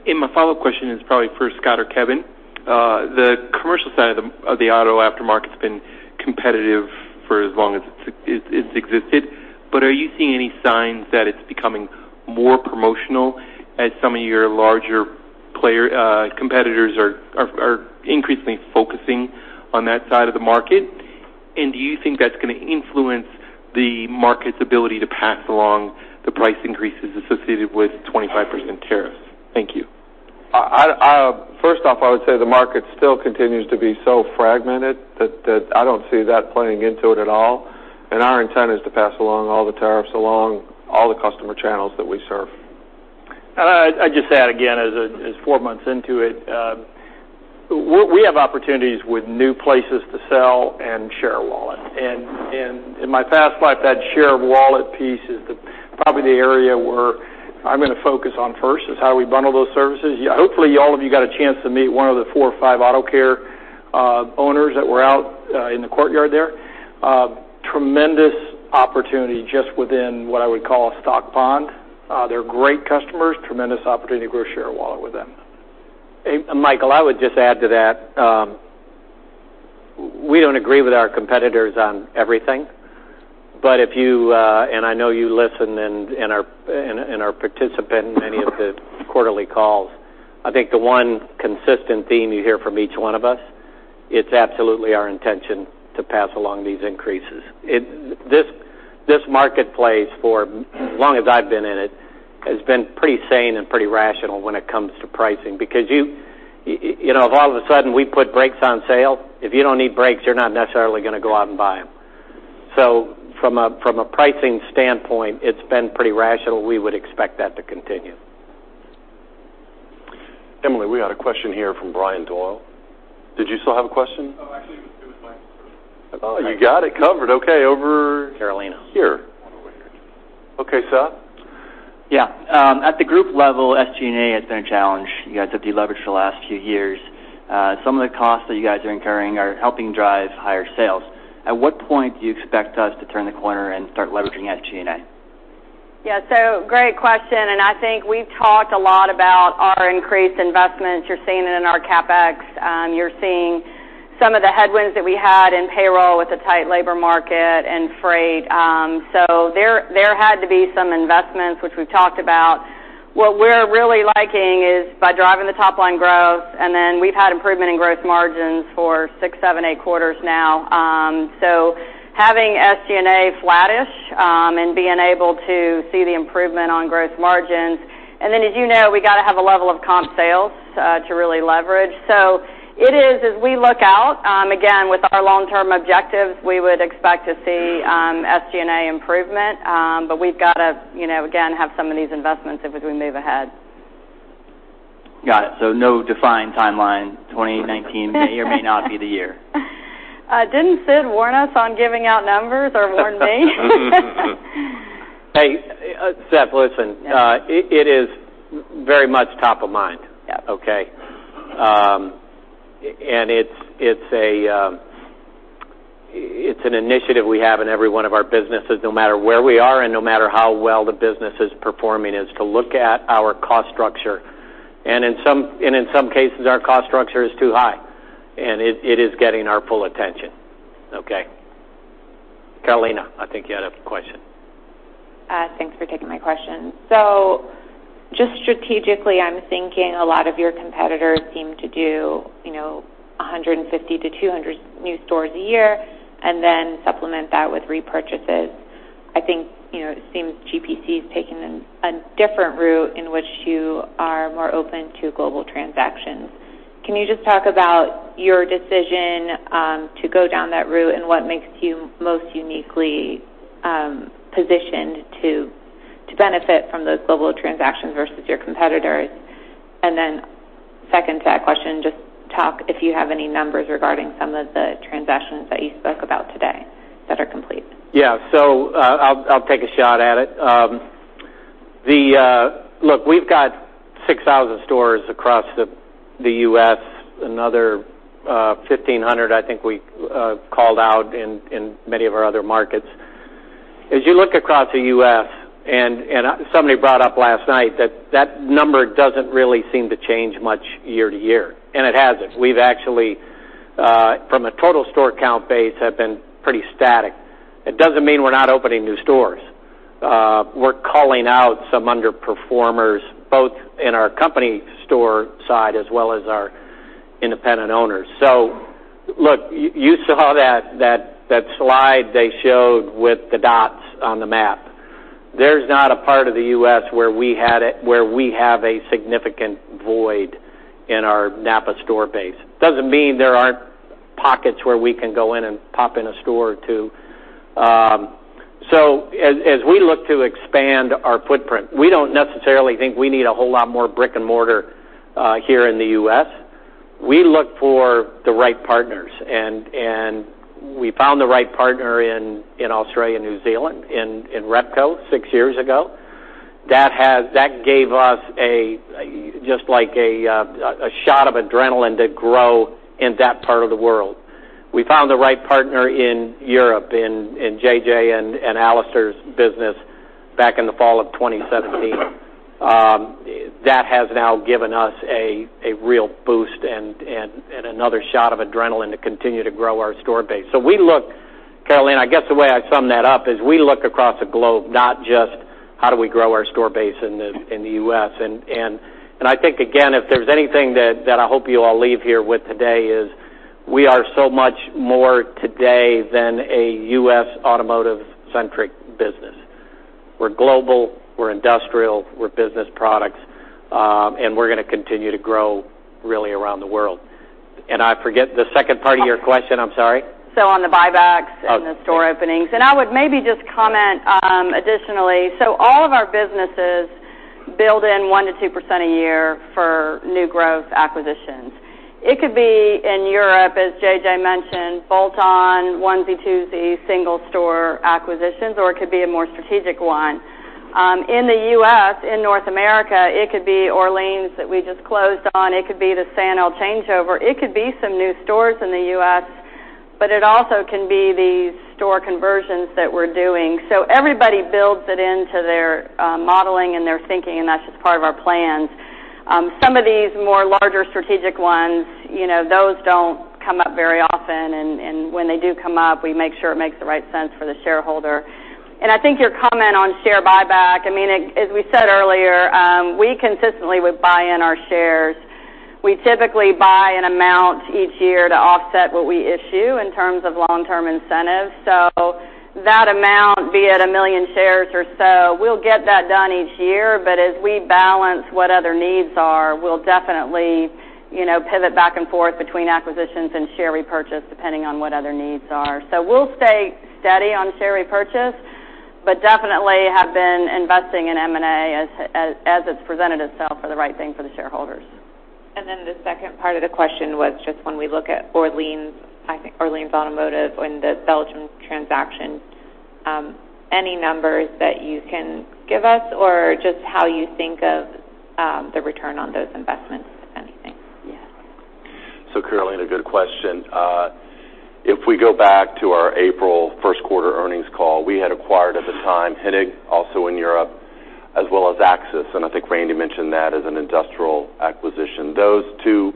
Speaker 17: My follow-up question is probably for Scott or Kevin. The commercial side of the auto aftermarket's been competitive for as long as it's existed. Are you seeing any signs that it's becoming more promotional as some of your larger competitors are increasingly focusing on that side of the market? Do you think that's going to influence the market's ability to pass along the price increases associated with 25% tariffs? Thank you.
Speaker 4: First off, I would say the market still continues to be so fragmented that I don't see that playing into it at all, and our intent is to pass along all the tariffs along all the customer channels that we serve.
Speaker 3: I'd just add again, as four months into it, we have opportunities with new places to sell and share wallet. In my past life, that share of wallet piece is probably the area where I'm going to focus on first, is how we bundle those services. Hopefully, you all have got a chance to meet one of the four or five NAPA AutoCare owners that were out in the courtyard there. Tremendous opportunity just within what I would call a stock pond. They're great customers, tremendous opportunity to grow share of wallet with them.
Speaker 2: Michael, I would just add to that. We don't agree with our competitors on everything, and I know you listen and are a participant in many of the quarterly calls. I think the one consistent theme you hear from each one of us, it's absolutely our intention to pass along these increases. This marketplace, for as long as I've been in it, has been pretty sane and pretty rational when it comes to pricing, because if all of a sudden we put brakes on sale, if you don't need brakes, you're not necessarily going to go out and buy them. From a pricing standpoint, it's been pretty rational. We would expect that to continue.
Speaker 1: Emily, we got a question here from Brian Doyle. Did you still have a question? Actually, it was Michael. You got it covered. Okay.
Speaker 2: Carolina
Speaker 1: here. All the way here. Okay, Seth.
Speaker 15: At the group level, SG&A has been a challenge. You guys have de-leveraged for the last few years. Some of the costs that you guys are incurring are helping drive higher sales. At what point do you expect us to turn the corner and start leveraging that SG&A?
Speaker 13: Great question, I think we've talked a lot about our increased investments. You're seeing it in our CapEx. You're seeing some of the headwinds that we had in payroll with the tight labor market and freight. There had to be some investments, which we've talked about. What we're really liking is by driving the top-line growth, then we've had improvement in growth margins for six, seven, eight quarters now. Having SG&A flattish and being able to see the improvement on growth margins. Then, as you know, we got to have a level of comp sales to really leverage. It is, as we look out, again, with our long-term objectives, we would expect to see SG&A improvement. We've got to, again, have some of these investments as we move ahead.
Speaker 15: Got it. No defined timeline. 2019 may or may not be the year.
Speaker 13: Didn't Sid warn us on giving out numbers or warn me?
Speaker 2: Hey, Seth, listen. It is very much top of mind.
Speaker 15: Yeah.
Speaker 2: Okay? It's an initiative we have in every one of our businesses, no matter where we are and no matter how well the business is performing, is to look at our cost structure, and in some cases, our cost structure is too high, and it is getting our full attention. Okay? Carolina, I think you had a question.
Speaker 15: Thanks for taking my question. Just strategically, I'm thinking a lot of your competitors seem to do 150 to 200 new stores a year then supplement that with repurchases. I think it seems GPC's taken a different route in which you are more open to global transactions. Can you just talk about your decision to go down that route and what makes you most uniquely positioned to benefit from those global transactions versus your competitors? Second to that question, just talk if you have any numbers regarding some of the transactions that you spoke about today that are complete.
Speaker 2: I'll take a shot at it. Look, we've got 6,000 stores across the U.S., another 1,500 I think we called out in many of our other markets. As you look across the U.S., somebody brought up last night that that number doesn't really seem to change much year to year, and it hasn't. We've actually, from a total store count base, have been pretty static. It doesn't mean we're not opening new stores. We're calling out some underperformers, both in our company store side as well as our independent owners. Look, you saw that slide they showed with the dots on the map. There's not a part of the U.S. where we have a significant void in our NAPA Auto Parts store base. Doesn't mean there aren't pockets where we can go in and pop in a store or two. As we look to expand our footprint, we don't necessarily think we need a whole lot more brick and mortar here in the U.S. We look for the right partners, and we found the right partner in Australia and New Zealand in Repco six years ago. That gave us just like a shot of adrenaline to grow in that part of the world. We found the right partner in Europe, in JJ and Alistair's business back in the fall of 2017. That has now given us a real boost and another shot of adrenaline to continue to grow our store base. Carolina, I guess the way I'd sum that up is we look across the globe, not just how do we grow our store base in the U.S. I think, again, if there's anything that I hope you all leave here with today is we are so much more today than a U.S. automotive-centric business. We're global, we're industrial, we're business products, we're going to continue to grow really around the world. I forget the second part of your question. I'm sorry.
Speaker 13: On the buybacks and the store openings. I would maybe just comment additionally. All of our businesses build in 1%-2% a year for new growth acquisitions. It could be in Europe, as JJ mentioned, bolt-on, onesie, twosie, single-store acquisitions, or it could be a more strategic one. In the U.S., in North America, it could be Orleans that we just closed on. It could be the Sanel changeover. It could be some new stores in the U.S., but it also can be these store conversions that we're doing. Everybody builds it into their modeling and their thinking, and that's just part of our plans. Some of these more larger strategic ones, those don't come up very often, and when they do come up, we make sure it makes the right sense for the shareholder. I think your comment on share buyback, as we said earlier, we consistently would buy in our shares. We typically buy an amount each year to offset what we issue in terms of long-term incentives. That amount, be it a million shares or so, we'll get that done each year. As we balance what other needs are, we'll definitely pivot back and forth between acquisitions and share repurchase depending on what other needs are. We'll stay steady on share repurchase, but definitely have been investing in M&A as it's presented itself for the right thing for the shareholders.
Speaker 15: The second part of the question was just when we look at Orleans Automotive and the Belgium transaction, any numbers that you can give us or just how you think of the return on those investments, if anything?
Speaker 13: Yes.
Speaker 1: Carolina, good question. If we go back to our April first quarter earnings call, we had acquired at the time, Hennig, also in Europe, as well as Axis, and I think Randy mentioned that as an industrial acquisition. Those two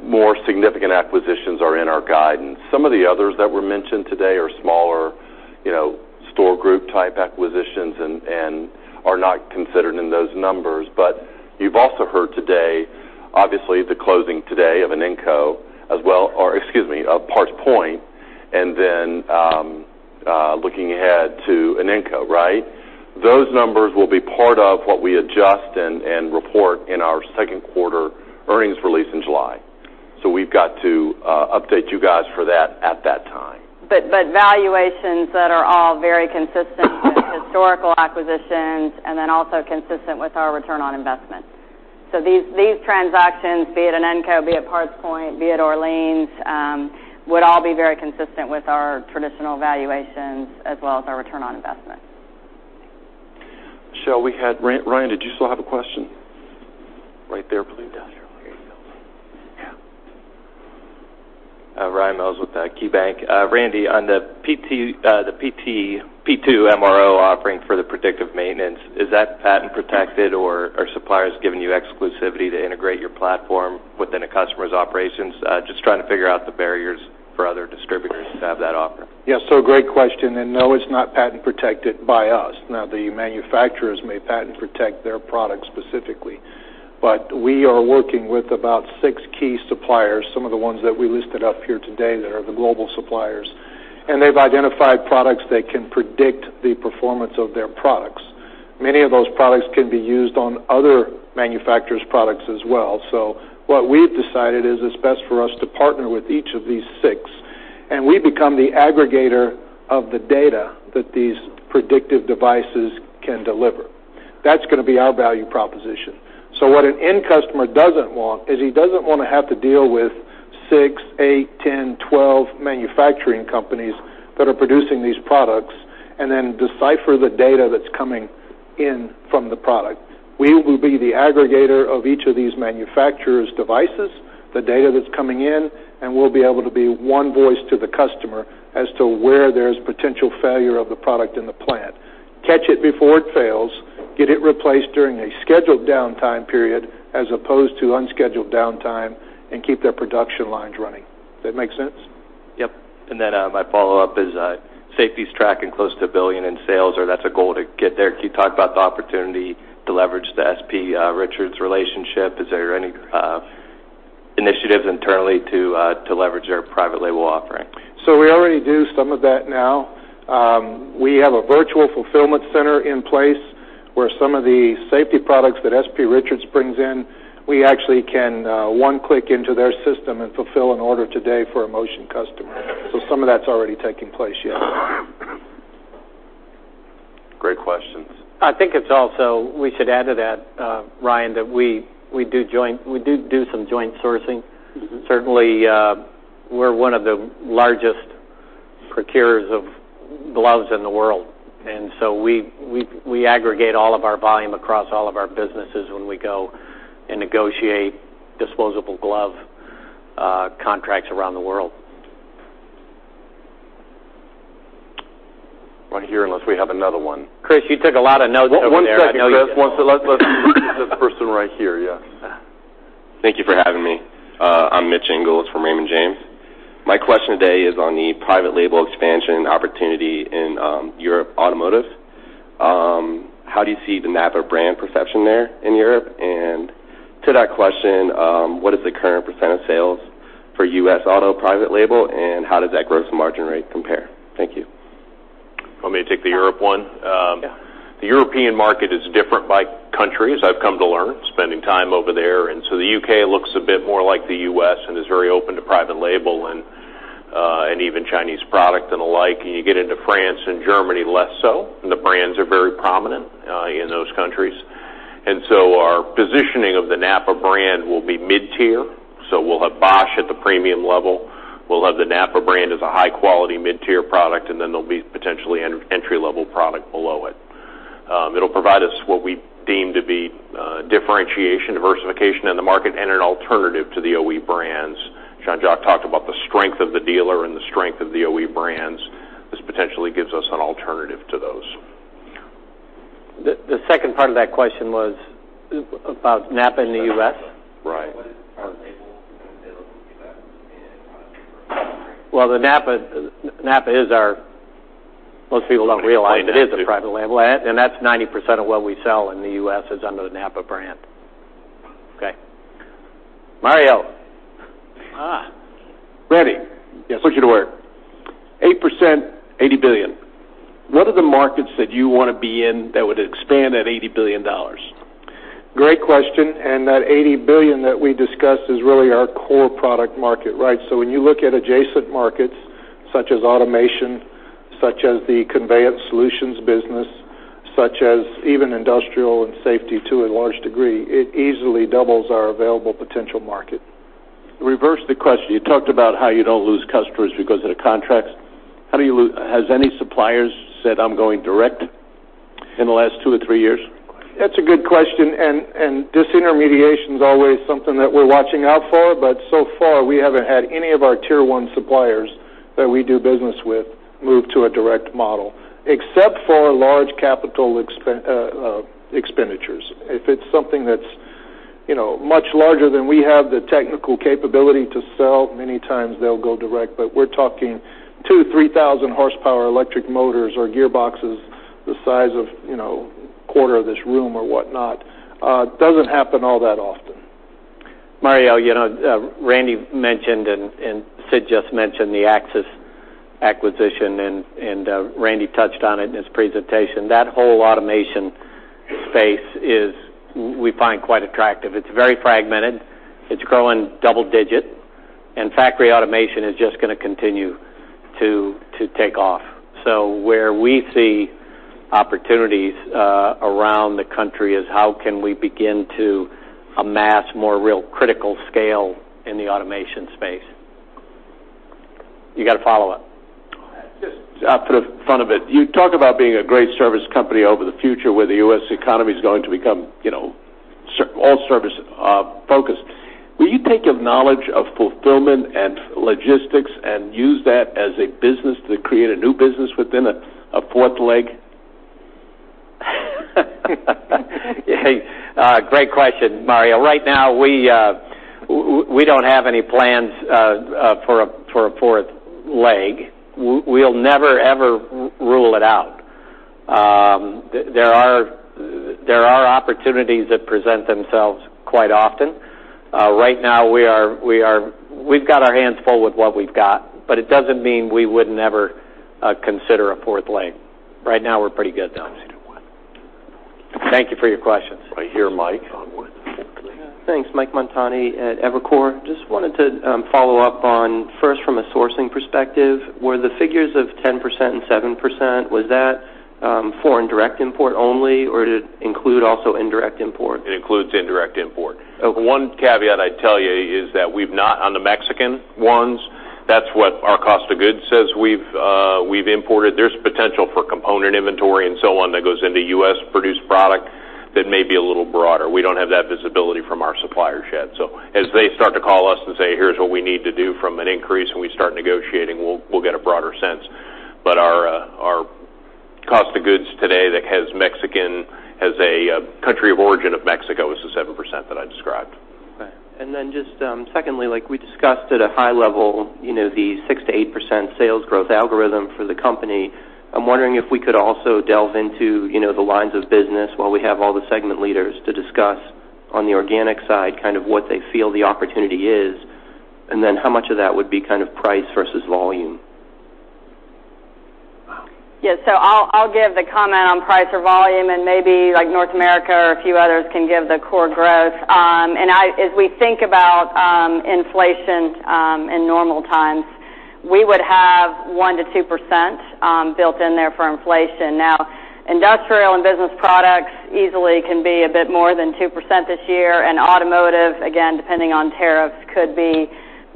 Speaker 1: more significant acquisitions are in our guidance. Some of the others that were mentioned today are smaller store group type acquisitions and are not considered in those numbers. You've also heard today, obviously, the closing today of an Inenco as well, or excuse me, of PartsPoint, and then looking ahead to an Inenco, right? Those numbers will be part of what we adjust and report in our second quarter earnings release in July. We've got to update you guys for that at that time.
Speaker 13: Valuations that are all very consistent with historical acquisitions and then also consistent with our return on investment. These transactions, be it an Inenco, be it PartsPoint, be it Orleans, would all be very consistent with our traditional valuations as well as our return on investment.
Speaker 1: [Shel], Ryan, did you still have a question? Right there, please.
Speaker 8: Yeah, sure. Here you go. Yeah.
Speaker 18: Ryan Mills with KeyBanc. Randy, on the P2MRO offering for the predictive maintenance, is that patent protected or are suppliers giving you exclusivity to integrate your platform within a customer's operations? Just trying to figure out the barriers for other distributors to have that offering.
Speaker 8: Yes, great question, no, it's not patent protected by us. The manufacturers may patent protect their product specifically, we are working with about six key suppliers, some of the ones that we listed up here today that are the global suppliers. They've identified products that can predict the performance of their products. Many of those products can be used on other manufacturers' products as well. What an end customer doesn't want is he doesn't want to have to deal with six, eight, 10, 12 manufacturing companies that are producing these products and then decipher the data that's coming in from the product. We will be the aggregator of each of these manufacturers' devices, the data that's coming in, we'll be able to be one voice to the customer as to where there's potential failure of the product in the plant. Catch it before it fails, get it replaced during a scheduled downtime period as opposed to unscheduled downtime, keep their production lines running. Does that make sense?
Speaker 18: Yep. My follow-up is safety's tracking close to $1 billion in sales, or that's a goal to get there. Can you talk about the opportunity to leverage the S.P. Richards relationship? Is there any initiatives internally to leverage their private label offering?
Speaker 8: We already do some of that now. We have a virtual fulfillment center in place where some of the safety products that S.P. Richards brings in, we actually can one click into their system and fulfill an order today for a Motion customer. Some of that's already taking place, yes.
Speaker 1: Great questions.
Speaker 13: I think it's also, we should add to that, Ryan, that we do some joint sourcing. Certainly, we're one of the largest procurers of gloves in the world. We aggregate all of our volume across all of our businesses when we go and negotiate disposable glove contracts around the world.
Speaker 1: Right here, unless we have another one.
Speaker 13: Chris, you took a lot of notes over there.
Speaker 1: One second, Chris. One second. Let's do this person right here. Yes.
Speaker 19: Thank you for having me. I'm Mitch Ingles from Raymond James. My question today is on the private label expansion opportunity in Europe Automotive. How do you see the NAPA brand perception there in Europe? To that question, what is the current % of sales for U.S. Auto private label, and how does that gross margin rate compare? Thank you.
Speaker 1: Want me to take the Europe one?
Speaker 13: Yeah. The European market is different by countries, I've come to learn, spending time over there. The U.K. looks a bit more like the U.S. and is very open to private label and even Chinese product and the like. You get into France and Germany, less so. The brands are very prominent in those countries.
Speaker 10: Our positioning of the NAPA brand will be mid-tier. We'll have Bosch at the premium level, we'll have the NAPA brand as a high-quality mid-tier product, and then there'll be potentially an entry-level product below it. It'll provide us what we deem to be differentiation, diversification in the market, and an alternative to the OE brands. Jean-Jacques talked about the strength of the dealer and the strength of the OE brands. This potentially gives us an alternative to those.
Speaker 2: The second part of that question was about NAPA in the U.S.
Speaker 10: Right. What is the private label available in the U.S. and
Speaker 4: Well, NAPA, most people don't realize it is a private label. That's 90% of what we sell in the U.S. is under the NAPA brand. Okay. Mario.
Speaker 15: Randy.
Speaker 8: Yes.
Speaker 15: Look at the work. 8%, $80 billion. What are the markets that you want to be in that would expand that $80 billion?
Speaker 8: Great question. That $80 billion that we discussed is really our core product market, right? When you look at adjacent markets such as automation, such as the conveyance solutions business, such as even industrial and safety to a large degree, it easily doubles our available potential market.
Speaker 15: Reverse the question. You talked about how you don't lose customers because of the contracts. Has any suppliers said, "I'm going direct," in the last two or three years?
Speaker 8: That's a good question, and disintermediation is always something that we're watching out for. So far, we haven't had any of our tier 1 suppliers that we do business with move to a direct model, except for large capital expenditures. If it's something that's much larger than we have the technical capability to sell, many times they'll go direct. We're talking 2,000, 3,000 horsepower electric motors or gearboxes the size of a quarter of this room or whatnot. Doesn't happen all that often.
Speaker 2: Mario, Randy mentioned and Sid just mentioned the Axis acquisition, and Randy touched on it in his presentation. That whole automation space is, we find, quite attractive. It's very fragmented. It's growing double digits. Factory automation is just going to continue to take off. Where we see opportunities around the country is how can we begin to amass more real critical scale in the automation space. You got a follow-up?
Speaker 15: Just for the fun of it. You talk about being a great service company over the future where the U.S. economy's going to become all service-focused. Will you take your knowledge of fulfillment and logistics and use that as a business to create a new business within a fourth leg?
Speaker 2: Hey, great question, Mario. Right now, we don't have any plans for a fourth leg. We'll never ever rule it out. There are opportunities that present themselves quite often. Right now, we've got our hands full with what we've got, but it doesn't mean we would never consider a fourth leg. Right now, we're pretty good, though. Thank you for your questions.
Speaker 1: Right here, Mike.
Speaker 20: Thanks. Michael Montani at Evercore. Just wanted to follow up on, first from a sourcing perspective, were the figures of 10% and 7%, was that foreign direct import only, or did it include also indirect import?
Speaker 10: It includes indirect import.
Speaker 20: Okay.
Speaker 10: One caveat I'd tell you is that we've not, on the Mexican ones, that's what our cost of goods says we've imported. There's potential for component inventory and so on that goes into U.S.-produced product that may be a little broader. We don't have that visibility from our suppliers yet. As they start to call us and say, "Here's what we need to do from an increase," and we start negotiating, we'll get a broader sense. Our cost of goods today that has Mexican as a country of origin of Mexico is the 7% that I described.
Speaker 20: Secondly, like we discussed at a high level, the 6%-8% sales growth algorithm for the company, I'm wondering if we could also delve into the lines of business while we have all the segment leaders to discuss on the organic side, kind of what they feel the opportunity is, and how much of that would be price versus volume.
Speaker 13: I'll give the comment on price or volume, and maybe North America or a few others can give the core growth. As we think about inflation in normal times, we would have 1%-2% built in there for inflation. Now, industrial and business products easily can be a bit more than 2% this year, and automotive, again, depending on tariffs, could be.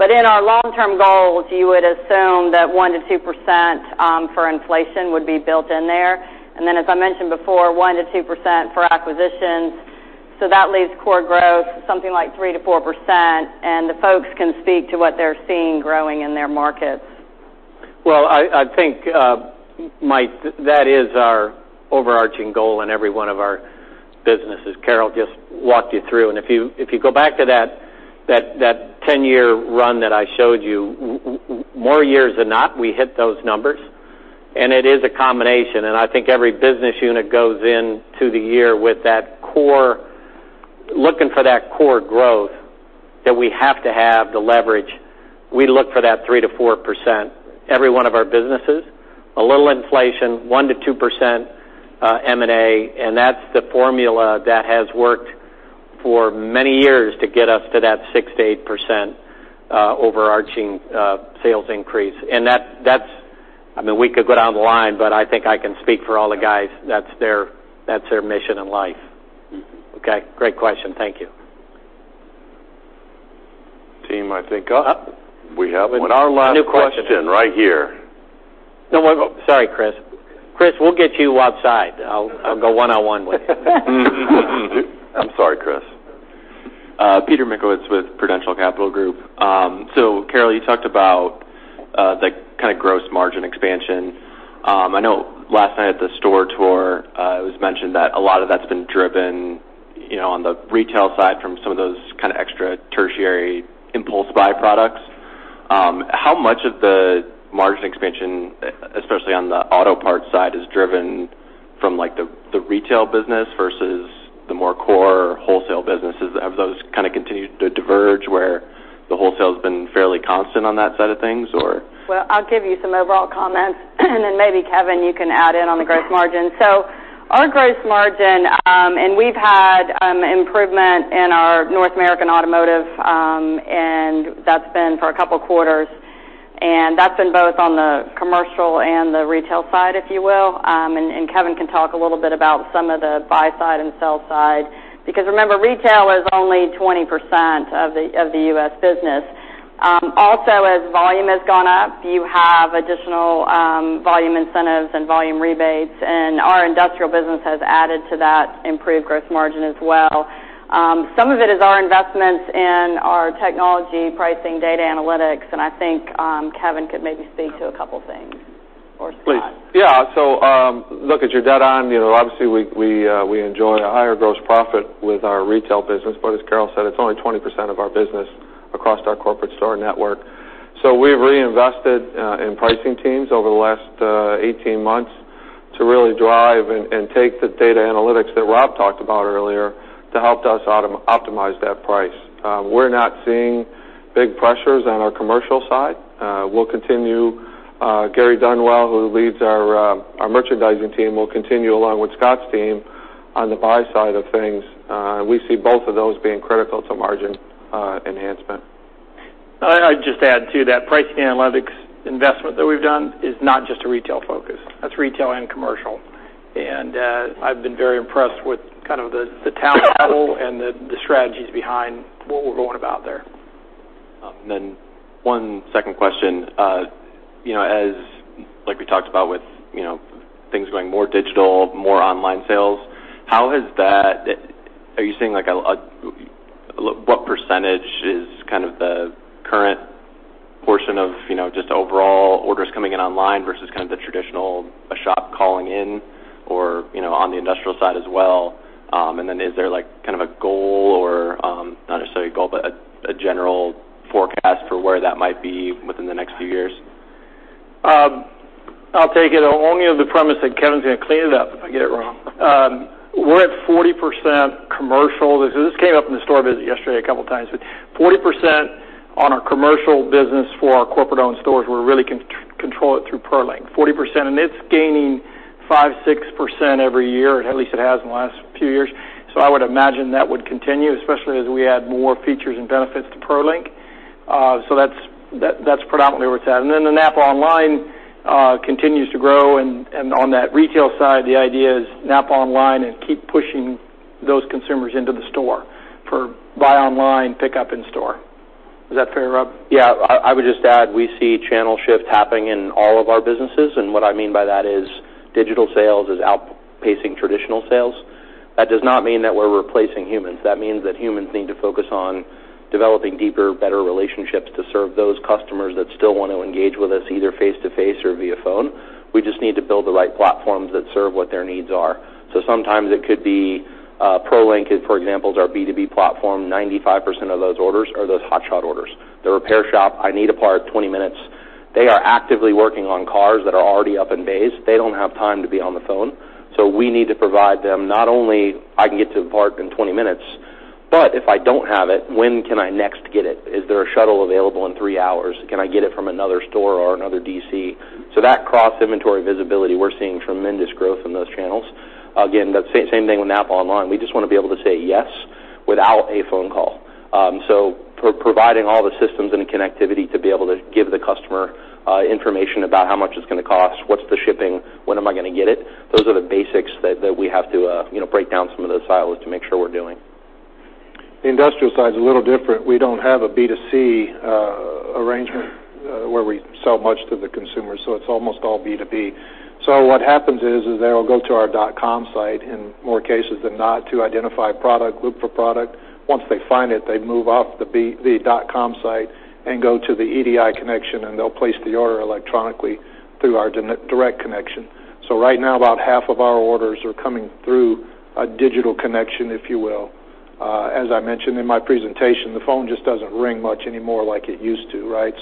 Speaker 13: In our long-term goals, you would assume that 1%-2% for inflation would be built in there. As I mentioned before, 1%-2% for acquisitions. That leaves core growth something like 3%-4%, and the folks can speak to what they're seeing growing in their markets.
Speaker 2: I think, Mike, that is our overarching goal in every one of our businesses. Carol just walked you through, and if you go back to that 10-year run that I showed you, more years than not, we hit those numbers. It is a combination, and I think every business unit goes into the year with looking for that core growth that we have to have the leverage. We look for that 3%-4%, every one of our businesses. A little inflation, 1%-2% M&A, and that's the formula that has worked for many years to get us to that 6%-8% overarching sales increase.
Speaker 3: I mean, we could go down the line, but I think I can speak for all the guys. That's their mission in life.
Speaker 1: Okay. Great question. Thank you. Team, I think we have one-
Speaker 2: With new questions
Speaker 1: last question right here.
Speaker 2: No. Sorry, Chris. Chris, we'll get you outside. I'll go one-on-one with you.
Speaker 21: I'm sorry, Chris. [Peter Mikowitz] with Prudential Capital Group. Carol, you talked about the kind of gross margin expansion. I know last night at the store tour, it was mentioned that a lot of that's been driven on the retail side from some of those kind of extra tertiary impulse buy products. How much of the margin expansion, especially on the auto parts side, is driven from the retail business versus the more core wholesale businesses? Have those kind of continued to diverge, where the wholesale's been fairly constant on that side of things, or?
Speaker 13: Well, I'll give you some overall comments, then maybe Kevin, you can add in on the gross margin. Our gross margin, we've had improvement in our North American automotive, that's been for 2 quarters, that's been both on the commercial and the retail side, if you will. Kevin can talk a little bit about some of the buy side and sell side because remember, retail is only 20% of the U.S. business. Also, as volume has gone up, you have additional volume incentives and volume rebates, and our industrial business has added to that improved gross margin as well. Some of it is our investments in our technology pricing data analytics, and I think Kevin could maybe speak to 2 things or Scott.
Speaker 4: Please. Yeah. Look, you're dead on. Obviously, we enjoy a higher gross profit with our retail business, but as Carol said, it's only 20% of our business across our corporate store network. We've reinvested in pricing teams over the last 18 months to really drive and take the data analytics that Rob talked about earlier to help us optimize that price. We're not seeing big pressures on our commercial side. Gary Dunwell, who leads our merchandising team, will continue along with Scott's team on the buy side of things. We see both of those being critical to margin enhancement.
Speaker 3: I'd just add to that, pricing analytics investment that we've done is not just a retail focus. That's retail and commercial. I've been very impressed with kind of the talent level and the strategies behind what we're going about there.
Speaker 21: One second question. Like we talked about with things going more digital, more online sales, what percentage is kind of the current portion of just overall orders coming in online versus kind of the traditional shop calling in or on the industrial side as well? Is there kind of a goal or, not necessarily a goal, but a general forecast for where that might be within the next few years?
Speaker 3: I'll take it, only on the premise that Kevin's going to clean it up if I get it wrong. We're at 40% commercial. This came up in the store visit yesterday a couple of times. 40% on our commercial business for our corporate-owned stores, we really control it through PROLink. It's gaining 5%, 6% every year, at least it has in the last few years. I would imagine that would continue, especially as we add more features and benefits to PROLink. That's predominantly where it's at. The NAPAonline continues to grow, and on that retail side, the idea is NAPAonline and keep pushing those consumers into the store for buy online, pick up in store. Is that fair, Rob?
Speaker 12: Yeah. I would just add, we see channel shifts happening in all of our businesses. What I mean by that is digital sales is outpacing traditional sales. That does not mean that we're replacing humans. That means that humans need to focus on developing deeper, better relationships to serve those customers that still want to engage with us, either face-to-face or via phone. We just need to build the right platforms that serve what their needs are. Sometimes it could be PROLink is, for example, is our B2B platform. 95% of those orders are those hotshot orders. The repair shop, I need a part, 20 minutes. They are actively working on cars that are already up in bays. They don't have time to be on the phone. We need to provide them not only, I can get to the part in 20 minutes, but if I don't have it, when can I next get it? Is there a shuttle available in three hours? Can I get it from another store or another DC? That cross-inventory visibility, we're seeing tremendous growth in those channels. Again, same thing with NAPAonline. We just want to be able to say yes without a phone call. Providing all the systems and the connectivity to be able to give the customer information about how much it's going to cost, what's the shipping, when am I going to get it, those are the basics that we have to break down some of those silos to make sure we're doing.
Speaker 8: The industrial side's a little different. We don't have a B2C arrangement where we sell much to the consumer, it's almost all B2B. What happens is they'll go to our dot-com site in more cases than not to identify product, look for product. Once they find it, they move off the dot-com site and go to the EDI connection, and they'll place the order electronically through our direct connection. Right now, about half of our orders are coming through a digital connection, if you will. As I mentioned in my presentation, the phone just doesn't ring much anymore like it used to, right?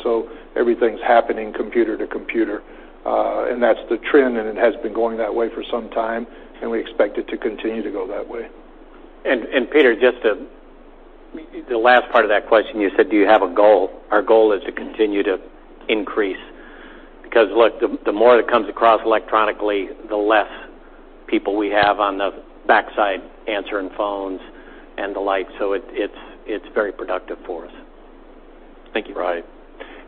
Speaker 8: Everything's happening computer to computer. That's the trend, and it has been going that way for some time, and we expect it to continue to go that way.
Speaker 2: Peter, just the last part of that question, you said, do you have a goal? Our goal is to continue to increase because look, the more that comes across electronically, the less people we have on the backside answering phones and the like. It's very productive for us.
Speaker 1: Thank you.
Speaker 8: Right.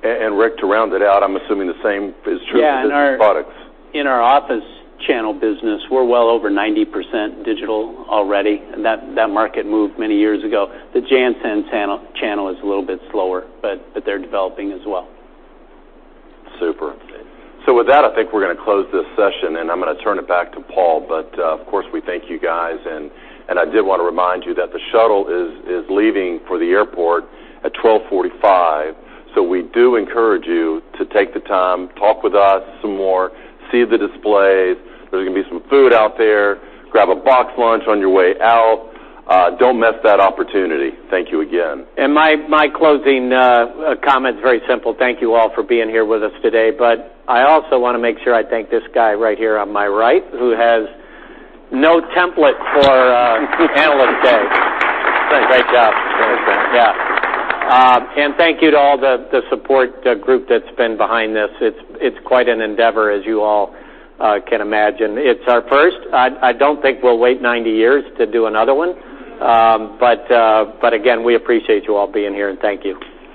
Speaker 1: Rick, to round it out, I'm assuming the same is true with business products.
Speaker 9: Yeah, in our office channel business, we're well over 90% digital already, and that market moved many years ago. The JanSan channel is a little bit slower, they're developing as well.
Speaker 1: Super. With that, I think we're going to close this session, and I'm going to turn it back to Paul. Of course, we thank you guys, and I did want to remind you that the shuttle is leaving for the airport at 12:45 P.M. We do encourage you to take the time, talk with us some more, see the displays. There's going to be some food out there. Grab a box lunch on your way out. Don't miss that opportunity. Thank you again.
Speaker 2: My closing comment's very simple. Thank you all for being here with us today, but I also want to make sure I thank this guy right here on my right who has no template for Analyst Day. He's done a great job.
Speaker 1: Thanks, Rick. Yeah. Thank you to all the support group that's been behind this. It's quite an endeavor, as you all can imagine. It's our first. I don't think we'll wait 90 years to do another one. Again, we appreciate you all being here, and thank you.